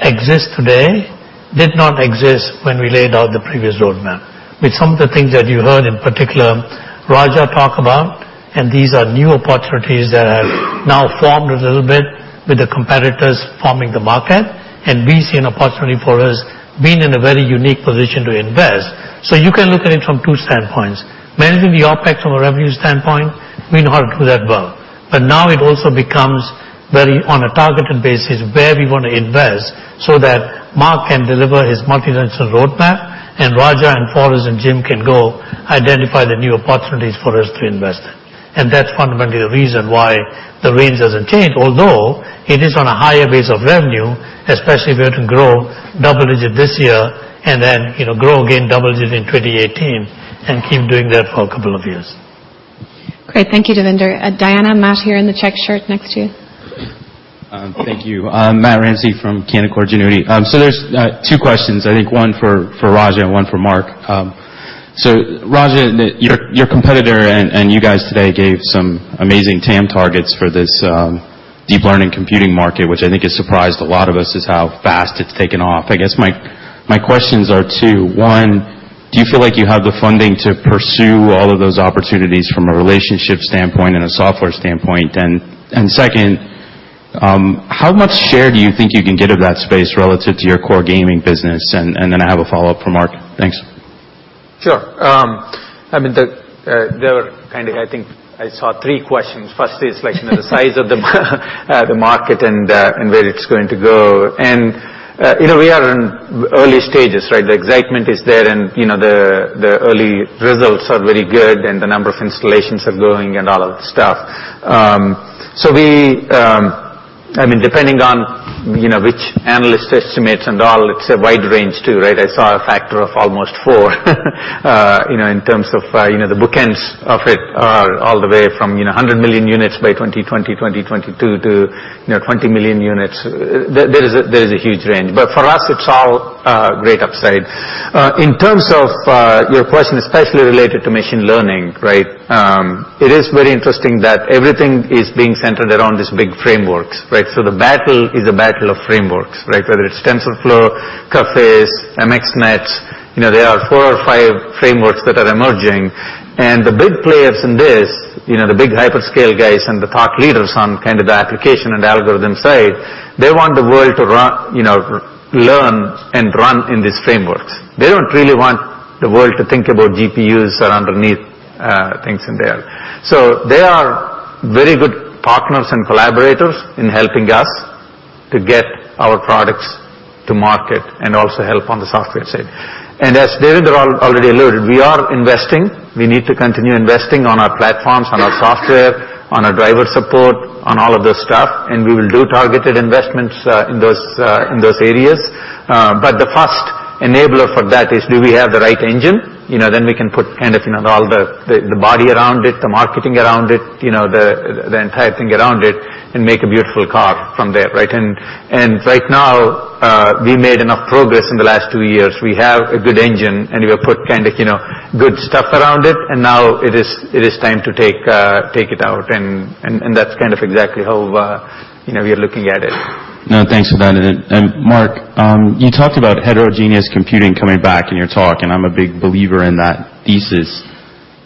exist today did not exist when we laid out the previous roadmap. With some of the things that you heard in particular Raja talk about, these are new opportunities that have now formed a little bit with the competitors forming the market, we see an opportunity for us being in a very unique position to invest. You can look at it from two standpoints. Managing the OpEx from a revenue standpoint, we know how to do that well. Now it also becomes very on a targeted basis where we want to invest so that Mark can deliver his multi-dimensional roadmap, Raja and Forrest and Jim can go identify the new opportunities for us to invest in. That's fundamentally the reason why the range doesn't change, although it is on a higher base of revenue, especially if we are to grow double digit this year and then grow again double digit in 2018 and keep doing that for a couple of years. Great. Thank you, Devinder. Diana, Matt here in the checked shirt next to you. Thank you. Matt Ramsay from Canaccord Genuity. There's two questions, I think one for Raja and one for Mark. Raja, your competitor and you guys today gave some amazing TAM targets for this deep learning computing market, which I think has surprised a lot of us is how fast it's taken off. I guess my questions are two. One, do you feel like you have the funding to pursue all of those opportunities from a relationship standpoint and a software standpoint? Second, how much share do you think you can get of that space relative to your core gaming business? Then I have a follow-up for Mark. Thanks. Sure. I think I saw three questions. First is the size of the market and where it's going to go. We are in early stages, right? The excitement is there, the early results are very good, the number of installations are growing and all of the stuff. Depending on which analyst estimates and all, it's a wide range too, right? I saw a factor of almost four in terms of the bookends of it are all the way from 100 million units by 2020, 2022 to 20 million units. There is a huge range, for us, it's all great upside. In terms of your question, especially related to machine learning, right? It is very interesting that everything is being centered around these big frameworks, right? The battle is a battle of frameworks, right? Whether it's TensorFlow, Caffe, MXNet, there are four or five frameworks that are emerging. The big players in this, the big hyperscale guys and the thought leaders on kind of the application and algorithm side, they want the world to learn and run in these frameworks. They don't really want the world to think about GPUs or underneath things in there. They are very good partners and collaborators in helping us to get our products to market and also help on the software side. As Devinder already alluded, we are investing. We need to continue investing on our platforms, on our software, on our driver support, on all of this stuff, we will do targeted investments in those areas. The first enabler for that is do we have the right engine? We can put all the body around it, the marketing around it, the entire thing around it, and make a beautiful car from there, right? Right now, we made enough progress in the last two years. We have a good engine, and we have put good stuff around it, and now it is time to take it out, and that's kind of exactly how we are looking at it. No, thanks for that. Mark, you talked about heterogeneous computing coming back in your talk, and I'm a big believer in that thesis.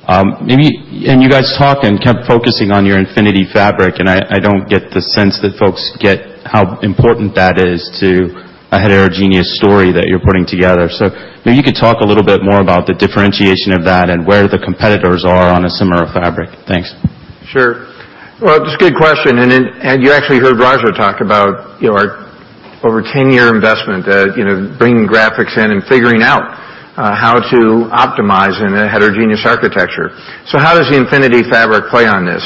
You guys talk and kept focusing on your Infinity Fabric, and I don't get the sense that folks get how important that is to a heterogeneous story that you're putting together. Maybe you could talk a little bit more about the differentiation of that and where the competitors are on a similar fabric. Thanks. Sure. Well, it's a good question, you actually heard Raja talk about our over 10-year investment, bringing graphics in and figuring out how to optimize in a heterogeneous architecture. How does the Infinity Fabric play on this?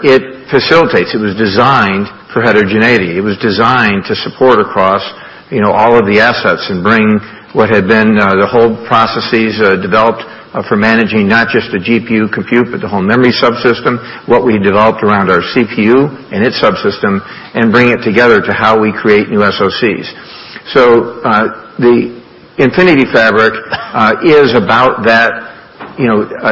It facilitates. It was designed for heterogeneity. It was designed to support across all of the assets and bring what had been the whole processes developed for managing not just the GPU compute, but the whole memory subsystem, what we developed around our CPU and its subsystem, and bring it together to how we create new SoCs. The Infinity Fabric is about that,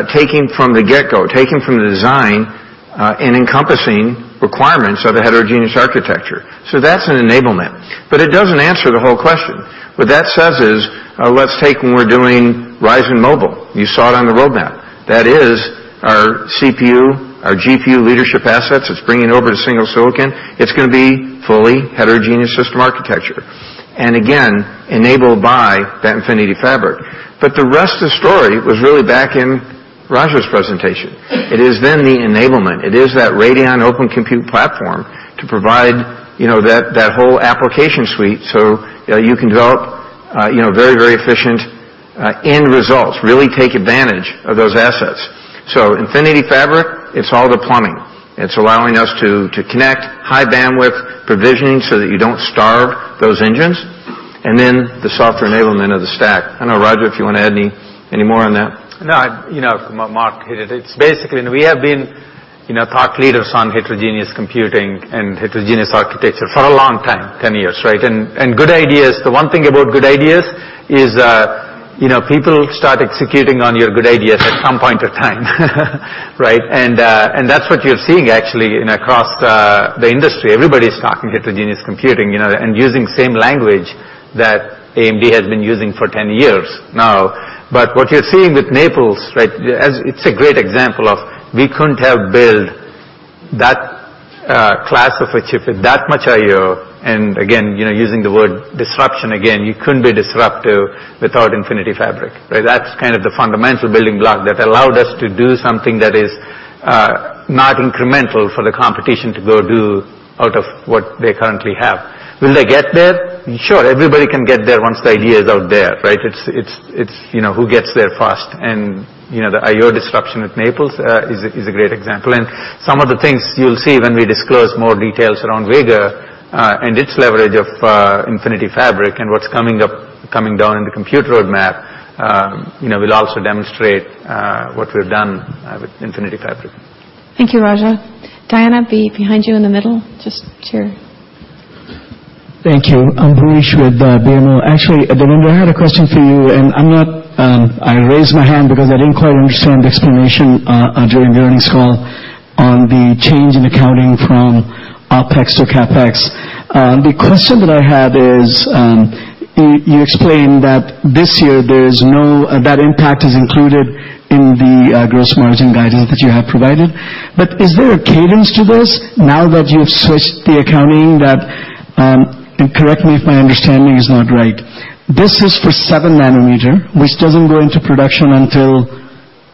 taking from the get-go, taking from the design, and encompassing requirements of the heterogeneous architecture. That's an enablement. It doesn't answer the whole question. What that says is, let's take when we're doing Ryzen Mobile. You saw it on the roadmap. That is our CPU, our GPU leadership assets, it's bringing over to single silicon. It's going to be fully heterogeneous system architecture. Again, enabled by that Infinity Fabric. The rest of the story was really back in Raja's presentation. It is then the enablement. It is that Radeon Open Compute Platform to provide that whole application suite so you can develop very efficient end results, really take advantage of those assets. Infinity Fabric, it's all the plumbing. It's allowing us to connect high bandwidth provisioning so that you don't starve those engines, and then the software enablement of the stack. I don't know, Raja, if you want to add any more on that. No, Mark hit it. It's basically, we have been thought leaders on heterogeneous computing and heterogeneous architecture for a long time, 10 years, right? The one thing about good ideas is, people start executing on your good ideas at some point of time right? That's what you're seeing, actually, across the industry. Everybody's talking heterogeneous computing, and using the same language that AMD has been using for 10 years now. What you're seeing with Naples, it's a great example of we couldn't have built that class of a chip with that much I/O, and again, using the word disruption again, you couldn't be disruptive without Infinity Fabric, right? That's kind of the fundamental building block that allowed us to do something that is not incremental for the competition to go do out of what they currently have. Will they get there? Sure. Everybody can get there once the idea is out there, right? It's who gets there first, and the I/O disruption with Naples is a great example. Some of the things you'll see when we disclose more details around Vega, and its leverage of Infinity Fabric and what's coming down in the compute roadmap, will also demonstrate what we've done with Infinity Fabric. Thank you, Raja. Diana, behind you in the middle. Just here. Thank you. I'm Ambrish with BMO. Devinder, I had a question for you, and I raised my hand because I didn't quite understand the explanation, during the earnings call on the change in accounting from OpEx to CapEx. The question that I have is, you explained that this year, that impact is included in the gross margin guidance that you have provided. Is there a cadence to this now that you've switched the accounting that, and correct me if my understanding is not right, this is for seven nanometer, which doesn't go into production until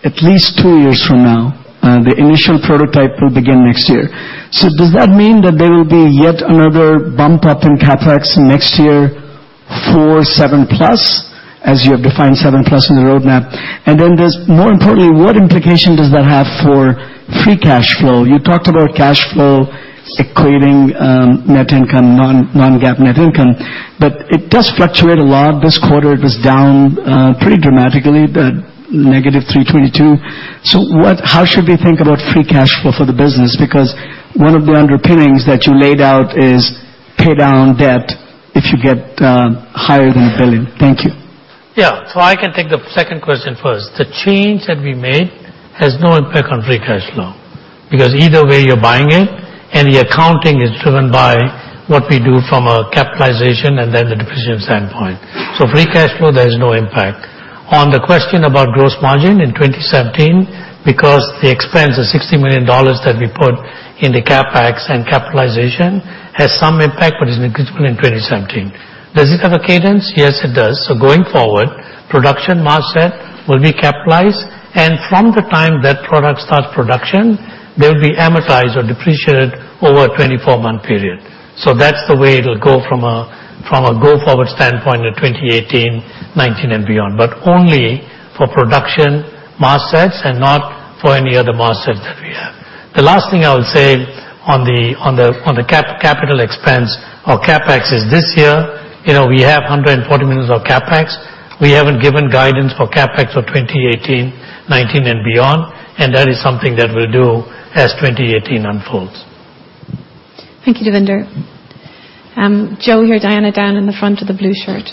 at least two years from now. The initial prototype will begin next year. Does that mean that there will be yet another bump up in CapEx next year for seven plus, as you have defined seven plus in the roadmap? More importantly, what implication does that have for free cash flow? You talked about cash flow equating non-GAAP net income. It does fluctuate a lot. This quarter, it was down pretty dramatically, -$322. How should we think about free cash flow for the business? Because one of the underpinnings that you laid out is pay down debt if you get higher than $1 billion. Thank you. Yeah. I can take the second question first. The change that we made has no impact on free cash flow. Either way, you're buying it, and the accounting is driven by what we do from a capitalization and then the depreciation standpoint. Free cash flow, there is no impact. On the question about gross margin in 2017, because the expense of $60 million that we put in the CapEx and capitalization has some impact, but it's negligible in 2017. Does it have a cadence? Yes, it does. Going forward, production mask set will be capitalized, and from the time that product starts production, they'll be amortized or depreciated over a 24-month period. That's the way it'll go from a go-forward standpoint in 2018, 2019, and beyond. Only for production mask sets and not for any other mask sets that we have. The last thing I will say on the capital expense or CapEx is this year, we have $140 million of CapEx. We haven't given guidance for CapEx for 2018, 2019, and beyond, and that is something that we'll do as 2018 unfolds. Thank you, Devinder. Joe, you have Diana down in the front with the blue shirt.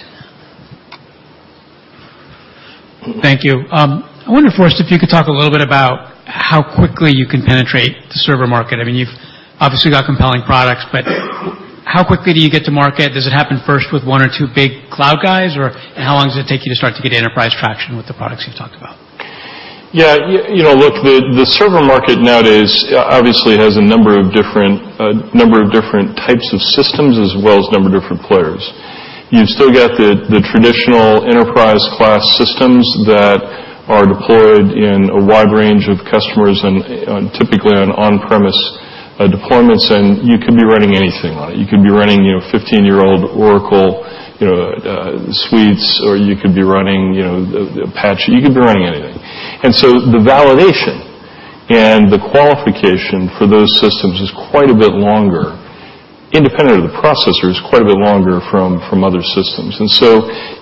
Thank you. I wonder, Forrest, if you could talk a little bit about how quickly you can penetrate the server market. You've obviously got compelling products, but how quickly do you get to market? Does it happen first with one or two big cloud guys, or how long does it take you to start to get enterprise traction with the products you've talked about? Yeah. Look, the server market nowadays obviously has a number of different types of systems as well as a number of different players. You've still got the traditional enterprise-class systems that are deployed in a wide range of customers and typically on on-premise deployments, you could be running anything on it. You could be running 15-year-old Oracle suites, or you could be running Apache. You could be running anything. The validation and the qualification for those systems is quite a bit longer, independent of the processors, quite a bit longer from other systems.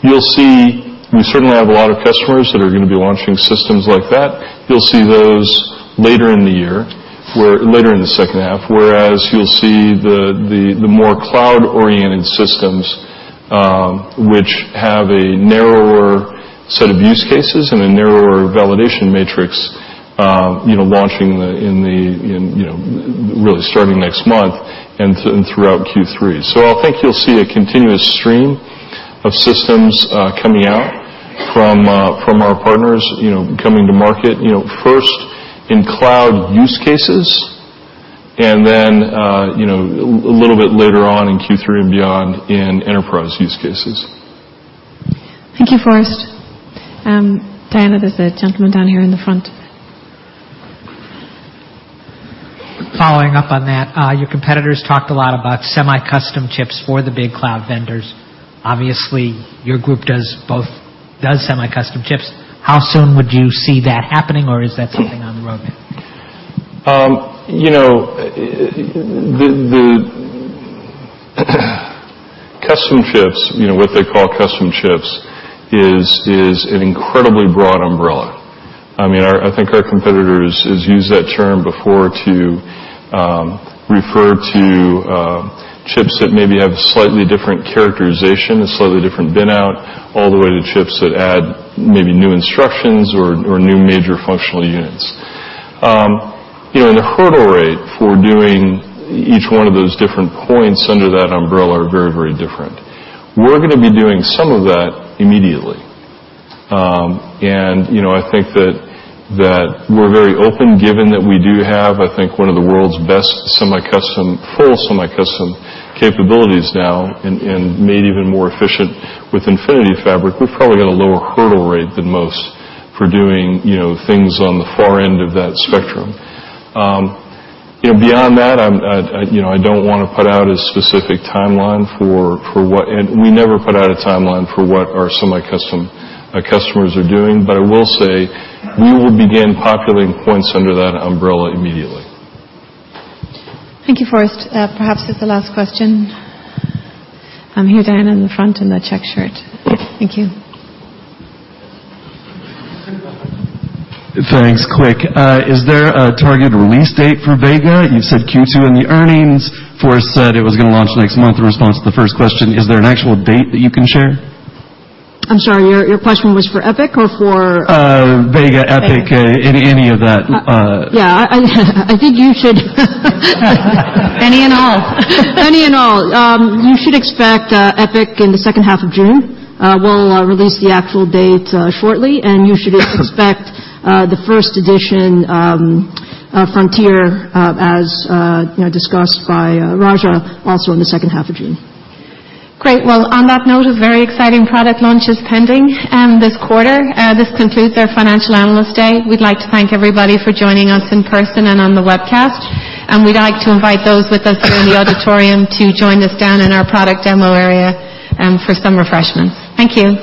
You'll see, we certainly have a lot of customers that are going to be launching systems like that. You'll see those later in the year, later in the second half, whereas you'll see the more cloud-oriented systems, which have a narrower set of use cases and a narrower validation matrix, launching, really starting next month and throughout Q3. I think you'll see a continuous stream of systems coming out from our partners, coming to market, first in cloud use cases, and then a little bit later on in Q3 and beyond in enterprise use cases. Thank you, Forrest. Diana, there's a gentleman down here in the front. Following up on that, your competitors talked a lot about semi-custom chips for the big cloud vendors. Obviously, your group does semi-custom chips. How soon would you see that happening or is that something on the roadmap? The custom chips, what they call custom chips, is an incredibly broad umbrella. I think our competitors has used that term before to refer to chips that maybe have slightly different characterization, a slightly different bin-out, all the way to chips that add maybe new instructions or new major functional units. The hurdle rate for doing each one of those different points under that umbrella are very different. We're going to be doing some of that immediately. I think that we're very open, given that we do have, I think, one of the world's best full semi-custom capabilities now, and made even more efficient with Infinity Fabric. We've probably got a lower hurdle rate than most for doing things on the far end of that spectrum. Beyond that, I don't want to put out a specific timeline for what. We never put out a timeline for what our semi-custom customers are doing. I will say we will begin populating points under that umbrella immediately. Thank you, Forrest. Perhaps just the last question. Here, Diana, in the front in the checked shirt. Thank you. Thanks. Quick. Is there a target release date for Vega? You said Q2 in the earnings. Forrest said it was going to launch next month in response to the first question. Is there an actual date that you can share? I'm sorry, your question was for EPYC or for? Vega, EPYC, any of that. Yeah. I think you should. Any and all. Any and all. You should expect EPYC in the second half of June. We'll release the actual date shortly. You should expect the first edition of Frontier, as discussed by Raja, also in the second half of June. Great. Well, on that note, with very exciting product launches pending this quarter, this concludes our Financial Analyst Day. We'd like to thank everybody for joining us in person and on the webcast. We'd like to invite those with us here in the auditorium to join us down in our product demo area for some refreshments. Thank you.